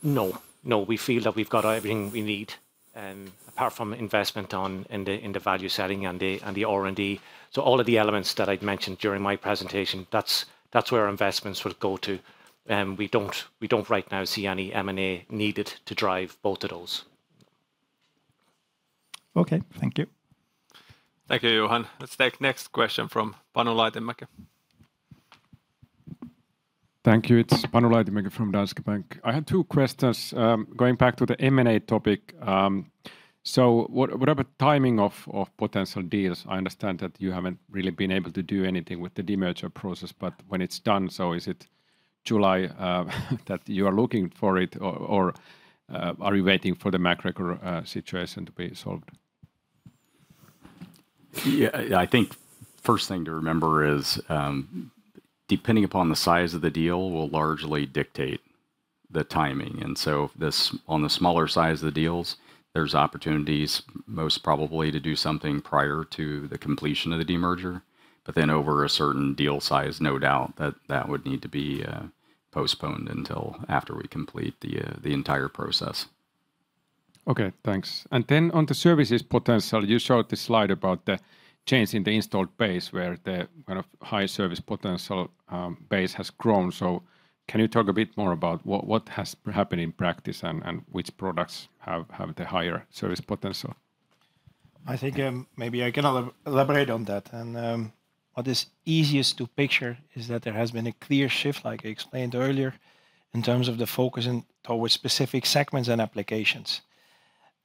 No. No, we feel that we've got everything we need, apart from investment in the value selling and the R&D. So all of the elements that I'd mentioned during my presentation, that's where our investments would go to. We don't right now see any M&A needed to drive both of those. Okay, thank you. Thank you, Johan. Let's take next question from Panu Laitinen. Thank you. It's Panu Laitinen from Danske Bank. I have two questions. Going back to the M&A topic, so what about timing of potential deals? I understand that you haven't really been able to do anything with the demerger process, but when it's done, so is it July that you are looking for it, or are you waiting for the macroeconomic situation to be solved? Yeah, I think first thing to remember is, depending upon the size of the deal, will largely dictate the timing, and so this, on the smaller size of the deals, there's opportunities most probably to do something prior to the completion of the demerger. But then over a certain deal size, no doubt that that would need to be postponed until after we complete the entire process. Okay, thanks. And then on the services potential, you showed the slide about the change in the installed base, where the kind of high service potential base has grown. So can you talk a bit more about what has happened in practice and which products have the higher service potential? I think, maybe I can elaborate on that. What is easiest to picture is that there has been a clear shift, like I explained earlier, in terms of the focusing towards specific segments and applications.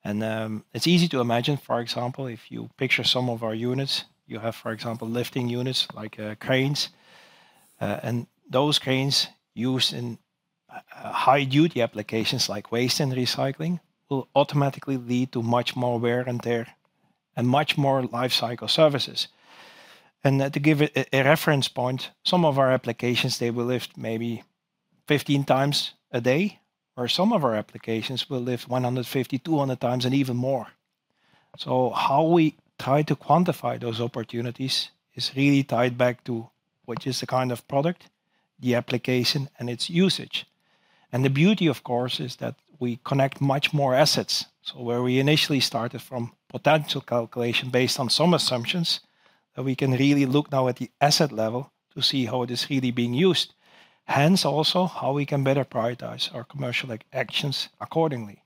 It's easy to imagine, for example, if you picture some of our units, you have, for example, lifting units, like, cranes. And those cranes used in, high-duty applications like waste and recycling, will automatically lead to much more wear and tear and much more life cycle services. And, to give a reference point, some of our applications, they will lift maybe 15 times a day, where some of our applications will lift 150, 200 times, and even more. How we try to quantify those opportunities is really tied back to which is the kind of product, the application, and its usage. The beauty, of course, is that we connect much more assets. Where we initially started from potential calculation based on some assumptions, that we can really look now at the asset level to see how it is really being used, hence also how we can better prioritize our commercial, like, actions accordingly.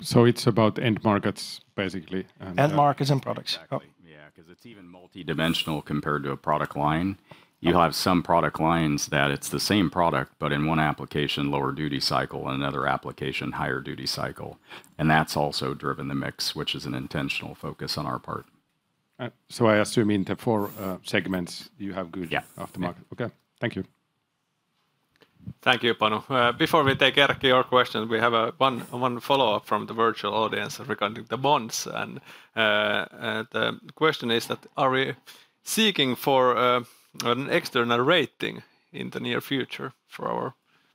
So it's about end markets, basically, and End markets and products. Exactly, yeah, 'cause it's even multidimensional compared to a product line. You'll have some product lines that it's the same product, but in one application, lower duty cycle, and another application, higher duty cycle. And that's also driven the mix, which is an intentional focus on our part. so I assume in the four segments you have good- Yeah aftermarket. Okay, thank you. Thank you, Panu. Before we take Erkki, your question, we have one follow-up from the virtual audience regarding the bonds. And the question is that, "Are we seeking for an external rating in the near future for our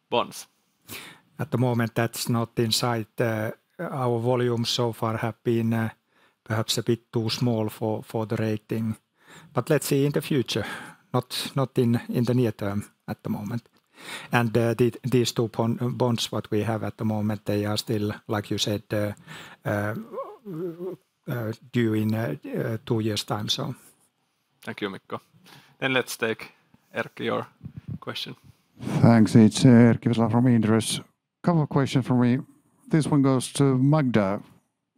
bonds? At the moment, that's not in sight. Our volume so far have been perhaps a bit too small for the rating. But let's see in the future, not in the near term at the moment. These two bonds, what we have at the moment, they are still, like you said, due in two years' time, so. Thank you, Mikko. Then let's take, Erkki, your question. Thanks. It's Erkki Vesala from Inderes. Couple of questions from me. This one goes to Magda.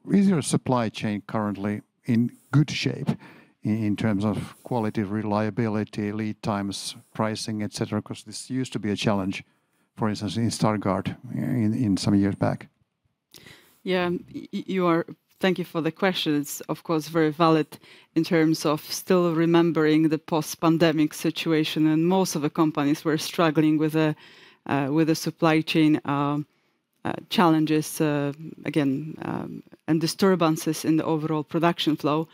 Is your supply chain currently in good shape in terms of quality, reliability, lead times, pricing, et cetera? 'Cause this used to be a challenge, for instance, in Stargard, in some years back. Yeah, you are. Thank you for the question. It's, of course, very valid in terms of still remembering the post-pandemic situation, and most of the companies were struggling with, with the supply chain challenges, again, and disturbances in the overall production flow.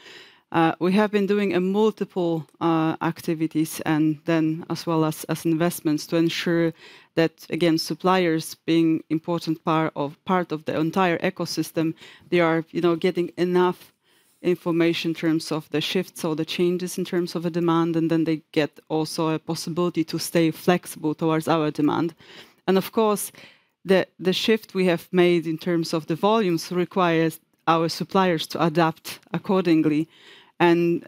We have been doing a multiple activities, and then as well as, as investments to ensure that, again, suppliers being important part of, part of the entire ecosystem they are, you know, getting enough information in terms of the shifts or the changes in terms of the demand, and then they get also a possibility to stay flexible towards our demand. And of course, the, the shift we have made in terms of the volumes requires our suppliers to adapt accordingly, and,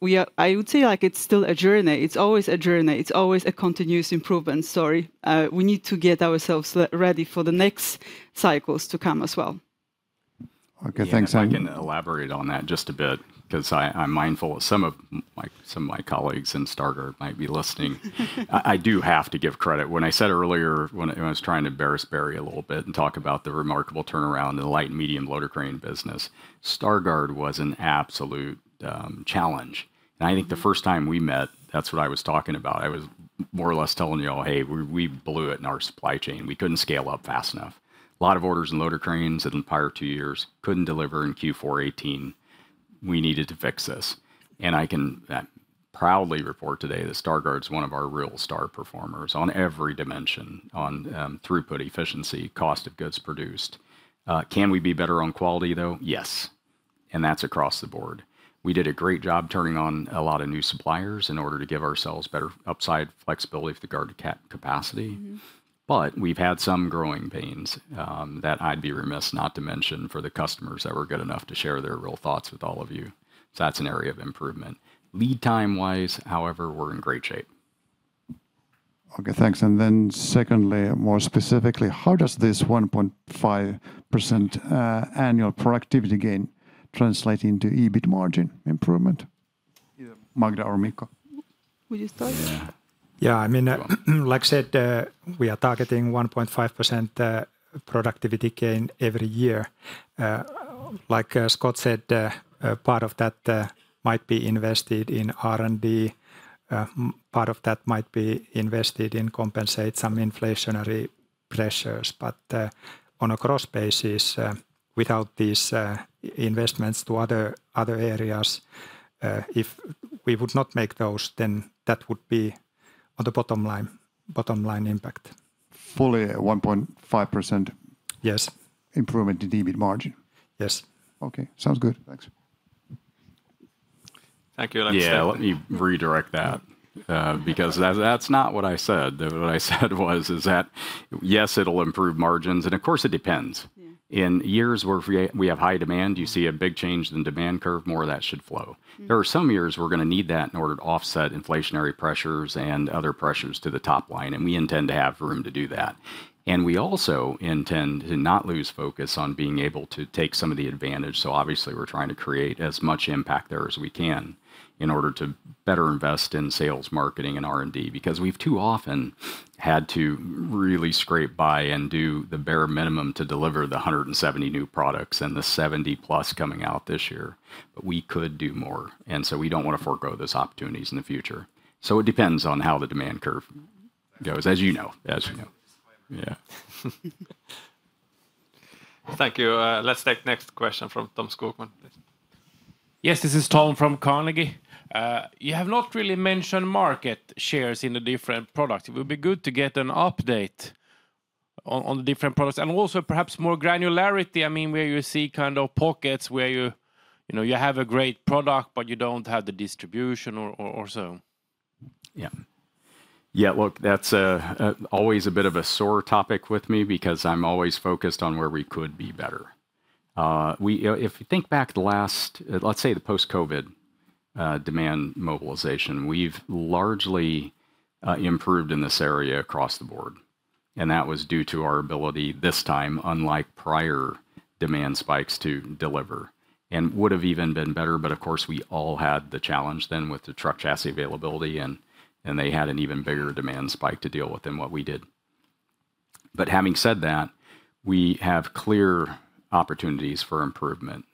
we are, I would say, like, it's still a journey. It's always a journey. It's always a continuous improvement story. We need to get ourselves ready for the next cycles to come as well. Okay, thanks. I can elaborate on that just a bit, 'cause I, I'm mindful of some of my, some of my colleagues in Stargard might be listening. I, I do have to give credit. When I said earlier, when I, I was trying to bearish Barry a little bit and talk about the remarkable turnaround in the light and medium loader crane business, Stargard was an absolute challenge. And I think the first time we met, that's what I was talking about. I was more or less telling you all, "Hey, we, we blew it in our supply chain. We couldn't scale up fast enough." A lot of orders in loader cranes in the prior two years couldn't deliver in Q4 2018. We needed to fix this, and I can proudly report today that Stargard's one of our real star performers on every dimension, on throughput, efficiency, cost of goods produced. Can we be better on quality, though? Yes, and that's across the board. We did a great job turning on a lot of new suppliers in order to give ourselves better upside flexibility for the Stargard capacity. We've had some growing pains, that I'd be remiss not to mention for the customers that were good enough to share their real thoughts with all of you. That's an area of improvement. Lead time-wise, however, we're in great shape. Okay, thanks. And then secondly, more specifically, how does this 1.5% annual productivity gain translate into EBIT margin improvement? Either Magda or Mikko. Will you start? Yeah. Yeah, I mean, like I said, we are targeting 1.5% productivity gain every year. Like, Scott said, a part of that might be invested in R&D. Part of that might be invested in compensate some inflationary pressures. But, on a gross basis, without these investments to other, other areas, if we would not make those, then that would be on the bottom line, bottom line impact. Fully at 1.5% Yes improvement in EBIT margin? Yes. Okay, sounds good. Thanks. Thank you. Yeah, let me redirect that because that's not what I said. What I said was that yes, it'll improve margins, and of course, it depends. Yeah. In years where we have high demand, you see a big change in the demand curve, more of that should flow. Mm. There are some years we're gonna need that in order to offset inflationary pressures and other pressures to the top line, and we intend to have room to do that. We also intend to not lose focus on being able to take some of the advantage, so obviously we're trying to create as much impact there as we can in order to better invest in sales, marketing, and R&D. Because we've too often had to really scrape by and do the bare minimum to deliver the 170 new products and the 70+ coming out this year, but we could do more, and so we don't want to forgo those opportunities in the future. It depends on how the demand curve goes, as you know. As you know. Disclaimer. Yeah. Thank you. Let's take next question from Tom Skogman, please. Yes, this is Tom from Carnegie. You have not really mentioned market shares in the different products. It would be good to get an update on the different products, and also perhaps more granularity, I mean, where you see kind of pockets where you know you have a great product, but you don't have the distribution or so. Yeah. Yeah, look, that's always a bit of a sore topic with me, because I'm always focused on where we could be better. If you think back to the last, let's say the post-COVID demand mobilization, we've largely improved in this area across the board, and that was due to our ability this time, unlike prior demand spikes, to deliver. And would've even been better, but of course, we all had the challenge then with the truck chassis availability, and they had an even bigger demand spike to deal with than what we did. But having said that, we have clear opportunities for improvement.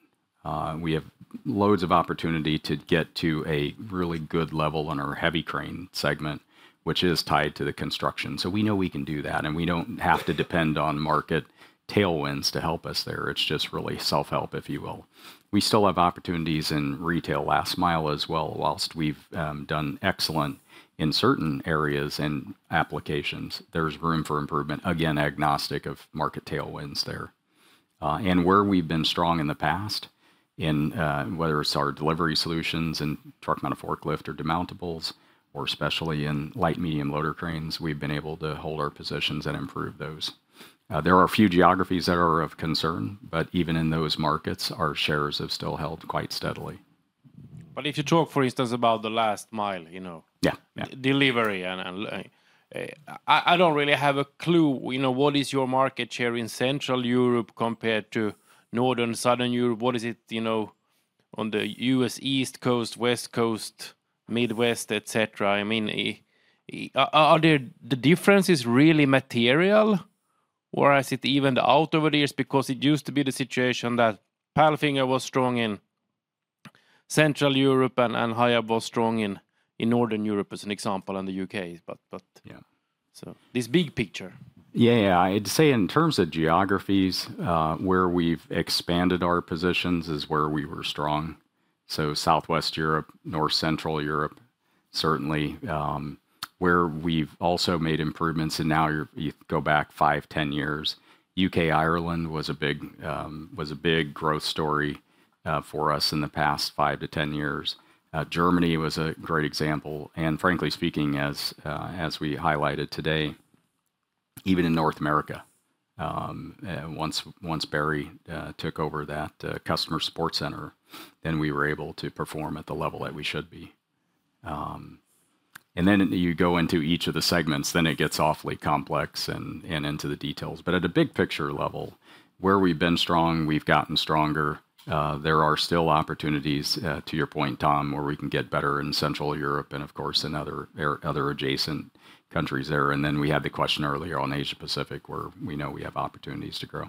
We have loads of opportunity to get to a really good level in our heavy crane segment, which is tied to the construction. So we know we can do that, and we don't have to depend on market tailwinds to help us there. It's just really self-help, if you will. We still have opportunities in retail last mile as well. Whilst we've done excellent in certain areas and applications, there's room for improvement, again, agnostic of market tailwinds there. Where we've been strong in the past, in whether it's our delivery solutions in truck mount, or forklift, or demountables, or especially in light, medium loader cranes, we've been able to hold our positions and improve those. There are a few geographies that are of concern, but even in those markets, our shares have still held quite steadily. But if you talk, for instance, about the last mile, you know? Yeah, yeah. Delivery, I don't really have a clue, you know, what is your market share in Central Europe compared to Northern, Southern Europe? What is it, you know, on the U.S. East Coast, West Coast, Midwest, et cetera? I mean, is the difference really material, or is it evened out over the years? Because it used to be the situation that Palfinger was strong in Central Europe, and Hiab was strong in Northern Europe, as an example, and the U.K. But- Yeah So this big picture. Yeah. I'd say in terms of geographies, where we've expanded our positions is where we were strong, so Southwest Europe, North Central Europe, certainly. Where we've also made improvements, and now you go back 5-10 years, U.K., Ireland was a big growth story for us in the past 5-10 years. Germany was a great example, and frankly speaking, as we highlighted today, even in North America, once Barry took over that customer support center, then we were able to perform at the level that we should be. And then you go into each of the segments, then it gets awfully complex and into the details. But at a big picture level, where we've been strong, we've gotten stronger. There are still opportunities, to your point, Tom, where we can get better in Central Europe and, of course, in other adjacent countries there. And then we had the question earlier on Asia Pacific, where we know we have opportunities to grow.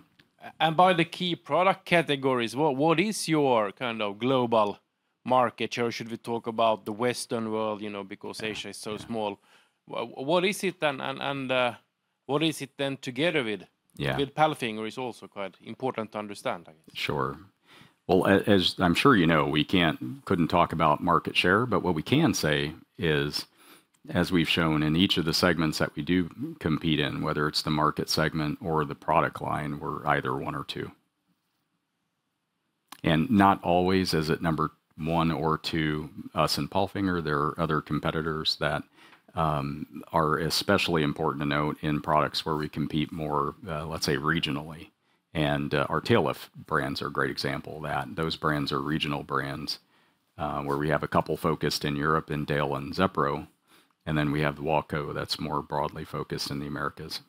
By the key product categories, what, what is your kind of global market share? Should we talk about the Western world, you know, because- Yeah Asia is so small. Well, what is it then, and what is it then together with- Yeah with Palfinger is also quite important to understand, I guess. Sure. Well, as I'm sure you know, we can't, couldn't talk about market share, but what we can say is, as we've shown in each of the segments that we do compete in, whether it's the market segment or the product line, we're either one or two. And not always is it number one or two, us and Palfinger, there are other competitors that, are especially important to note in products where we compete more, let's say, regionally, and, our tail lift brands are a great example of that. Those brands are regional brands, where we have a couple focused in Europe, in Del and Zepro, and then we have Waltco, that's more broadly focused in the Americas.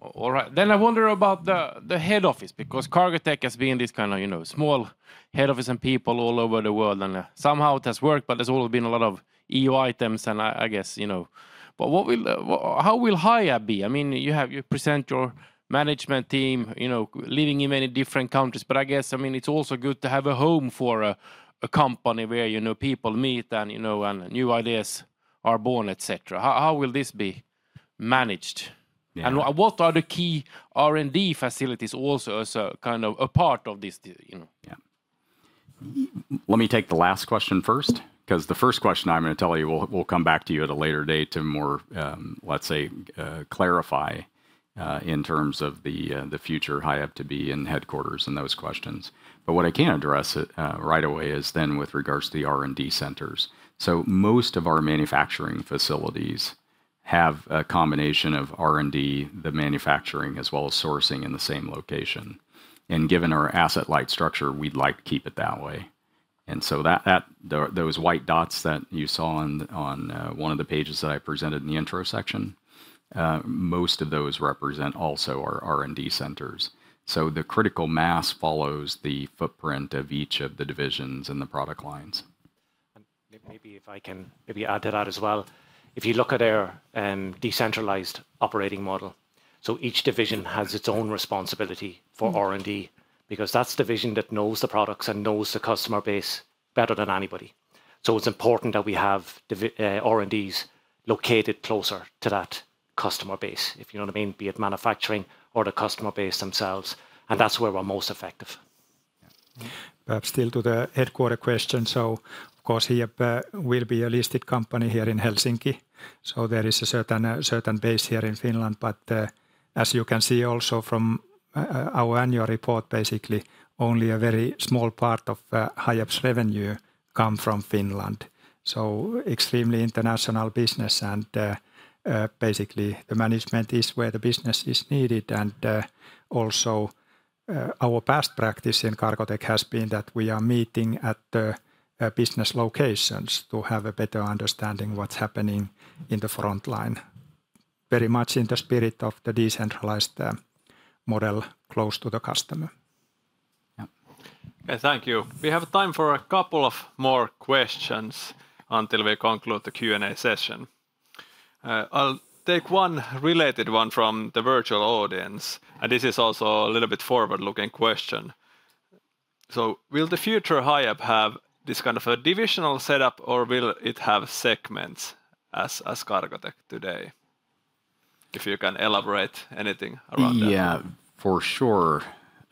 All right, then I wonder about the head office, because Cargotec has been this kind of, you know, small head office and people all over the world, and somehow it has worked, but there's always been a lot of EU items, and I guess, you know. But how will Hiab be? I mean, you have, you present your management team, you know, living in many different countries. But I guess, I mean, it's also good to have a home for a company where, you know, people meet and, you know, and new ideas are born, et cetera. How will this be managed? Yeah. What are the key R&D facilities also as a kind of a part of this too, you know? Yeah. Let me take the last question first, 'cause the first question, I'm gonna tell you, we'll come back to you at a later date to more, let's say, clarify, in terms of the future Hiab to be and headquarters and those questions. But what I can address right away is then with regards to the R&D centers. So most of our manufacturing facilities have a combination of R&D, the manufacturing, as well as sourcing in the same location. And given our asset light structure, we'd like to keep it that way. And so those white dots that you saw on one of the pages that I presented in the intro section, most of those represent also our R&D centers. So the critical mass follows the footprint of each of the divisions and the product lines. Maybe if I can maybe add to that as well. If you look at our decentralized operating model, so each division has its own responsibility for R&D, because that's the division that knows the products and knows the customer base better than anybody. So it's important that we have R&Ds located closer to that customer base, if you know what I mean, be it manufacturing or the customer base themselves, and that's where we're most effective. Yeah. Perhaps still to the headquarters question, so of course, Hiab will be a listed company here in Helsinki, so there is a certain, certain base here in Finland. But, as you can see also from our annual report, basically, only a very small part of Hiab's revenue come from Finland, so extremely international business. And, basically, the management is where the business is needed, and also, our past practice in Cargotec has been that we are meeting at the business locations to have a better understanding of what's happening in the frontline. Very much in the spirit of the decentralized model, close to the customer. Okay, thank you. We have time for a couple of more questions until we conclude the Q&A session. I'll take one related one from the virtual audience, and this is also a little bit forward-looking question so will the future Hiab have this kind of a divisional setup, or will it have segments as, as Cargotec today? If you can elaborate anything around that. Yeah, for sure.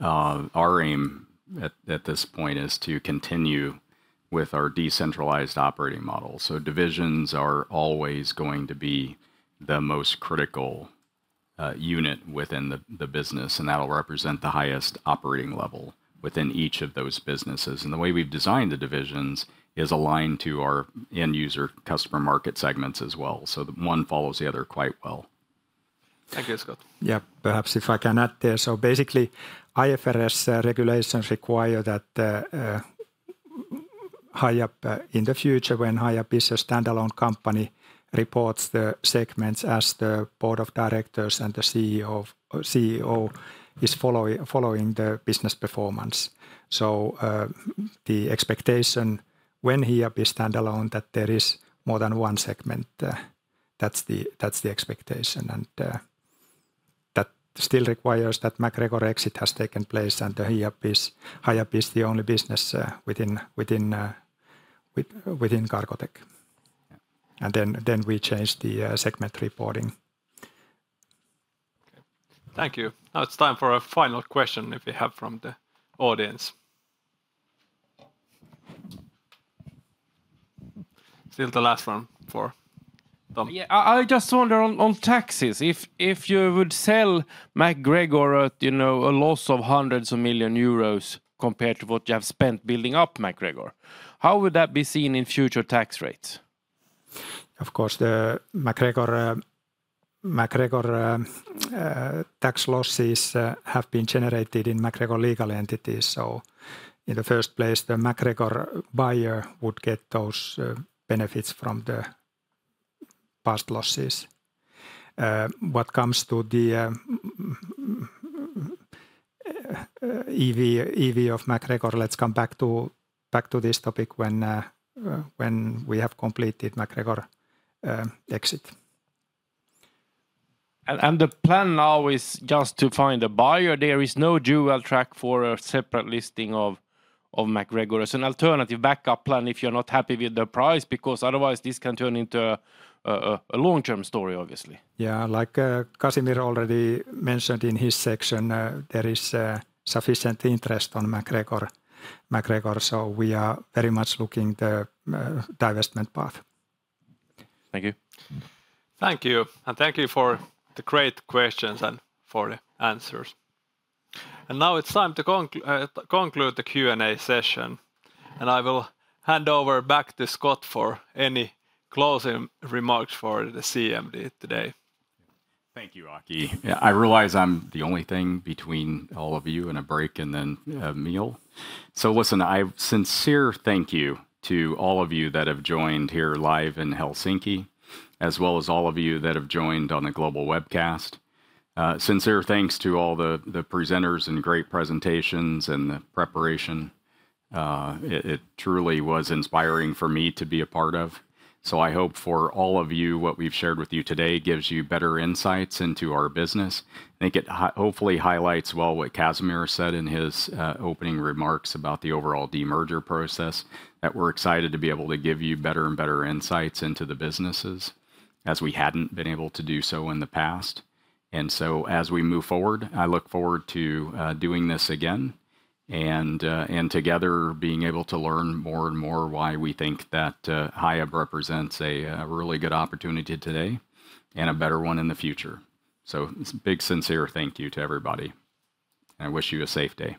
Our aim at this point is to continue with our decentralized operating model. So divisions are always going to be the most critical unit within the business, and that'll represent the highest operating level within each of those businesses. And the way we've designed the divisions is aligned to our end-user customer market segments as well, so the one follows the other quite well. Thank you, Scott. Yeah, perhaps if I can add there. So basically, IFRS regulations require that Hiab, in the future, when Hiab is a standalone company, reports the segments as the board of directors and the CEO is following the business performance. So, the expectation when Hiab is standalone, that there is more than one segment, that's the expectation. And, that still requires that MacGregor exit has taken place, and Hiab is the only business within Cargotec. And then we change the segment reporting. Okay. Thank you. Now it's time for a final question, if we have from the audience. Still the last one for Tom. Yeah, I just wonder on taxes, if you would sell MacGregor at, you know, a loss of hundreds of millions EUR compared to what you have spent building up MacGregor, how would that be seen in future tax rates? Of course, the MacGregor tax losses have been generated in MacGregor legal entities, so in the first place, the MacGregor buyer would get those benefits from the past losses. What comes to the EV of MacGregor, let's come back to this topic when we have completed MacGregor exit. The plan now is just to find a buyer? There is no dual track for a separate listing of MacGregor as an alternative backup plan if you're not happy with the price, because otherwise this can turn into a long-term story, obviously. Yeah. Like, Casimir already mentioned in his section, there is sufficient interest on MacGregor, MacGregor, so we are very much looking the divestment path. Thank you. Thank you. Thank you for the great questions and for the answers. Now it's time to conclude the Q&A session, and I will hand over back to Scott for any closing remarks for the CMD today. Thank you, Aki. Yeah, I realize I'm the only thing between all of you and a break and then a meal. So listen, a sincere thank you to all of you that have joined here live in Helsinki, as well as all of you that have joined on the global webcast. Sincere thanks to all the presenters and great presentations and the preparation. It truly was inspiring for me to be a part of. So I hope for all of you, what we've shared with you today gives you better insights into our business. I think it hopefully highlights well what Casimir said in his opening remarks about the overall demerger process, that we're excited to be able to give you better and better insights into the businesses, as we hadn't been able to do so in the past. So as we move forward, I look forward to doing this again and together being able to learn more and more why we think that Hiab represents a really good opportunity today, and a better one in the future. It's a big sincere thank you to everybody, and I wish you a safe day.